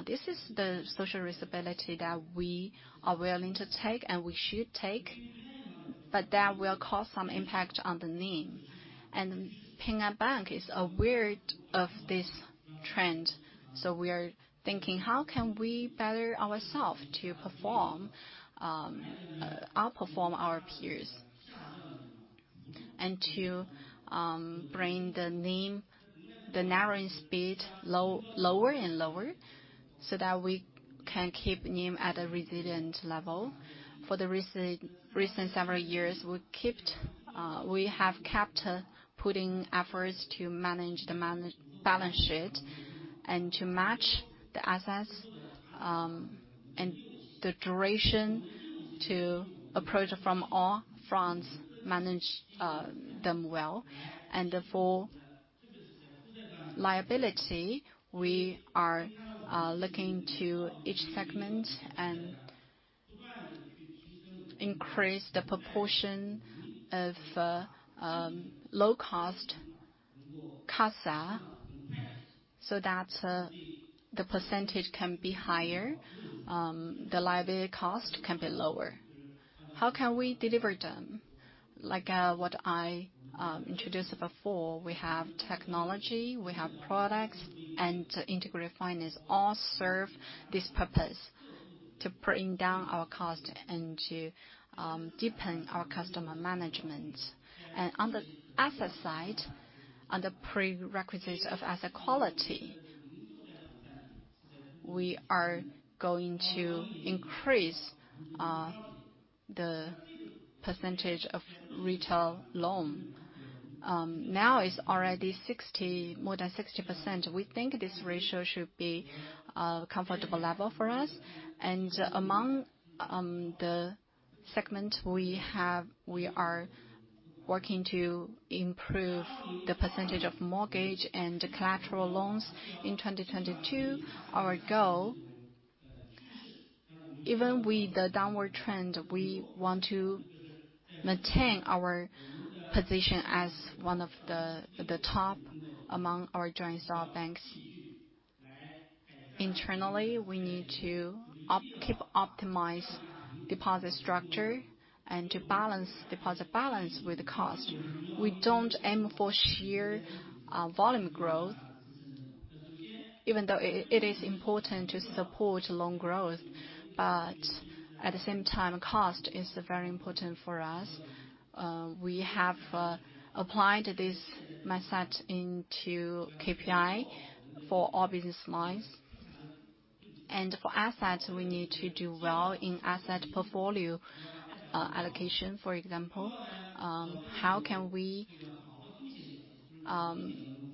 This is the social responsibility that we are willing to take and we should take, but that will cause some impact on the NIM. Ping An Bank is aware of this trend, so we are thinking, "How can we better ourself to perform, outperform our peers, and to, bring the NIM, the narrowing speed low, lower and lower, so that we can keep NIM at a resilient level?" For the recent several years, we have kept putting efforts to manage the balance sheet and to match the assets, and the duration to approach from all fronts, manage them well. For liability, we are looking to each segment and increase the proportion of low-cost CASA so that the percentage can be higher, the liability cost can be lower. How can we deliver them? Like what I introduced before, we have technology, we have products, and integrated finance all serve this purpose, to bring down our cost and to deepen our customer management. On the asset side, on the prerequisites of asset quality, we are going to increase the percentage of retail loan. Now it's already more than 60%. We think this ratio should be a comfortable level for us. Among the segment we have, we are working to improve the percentage of mortgage and collateral loans in 2022. Our goal, even with the downward trend, we want to maintain our position as one of the top among our joint stock banks. Internally, we need to keep optimized deposit structure and to balance deposit balance with cost. We don't aim for sheer volume growth, even though it is important to support loan growth. At the same time, cost is very important for us. We have applied this mindset into KPI for all business lines. For assets, we need to do well in asset portfolio allocation. For example, how can we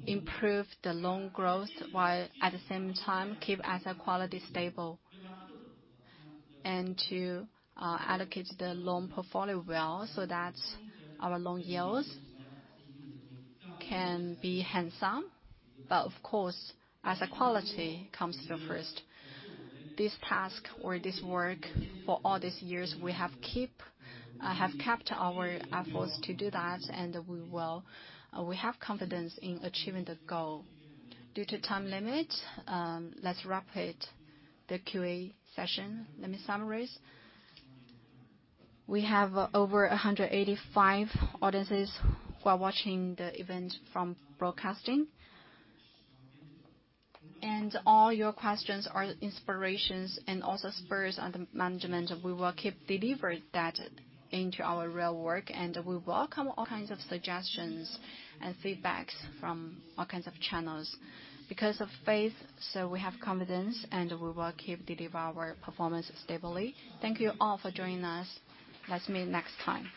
improve the loan growth while at the same time keep asset quality stable, and to allocate the loan portfolio well so that our loan yields can be handsome. Of course, asset quality comes the first. This task or this work for all these years, we have kept our efforts to do that, and we have confidence in achieving the goal. Due to time limit, let's wrap it, the QA session. Let me summarize. We have over 185 audiences who are watching the event from broadcasting. All your questions are inspirations and also spurs on the management. We will keep delivering that into our real work, and we welcome all kinds of suggestions and feedback from all kinds of channels. Because of faith, so we have confidence, and we will keep delivering our performance stably. Thank you all for joining us. Let's meet next time.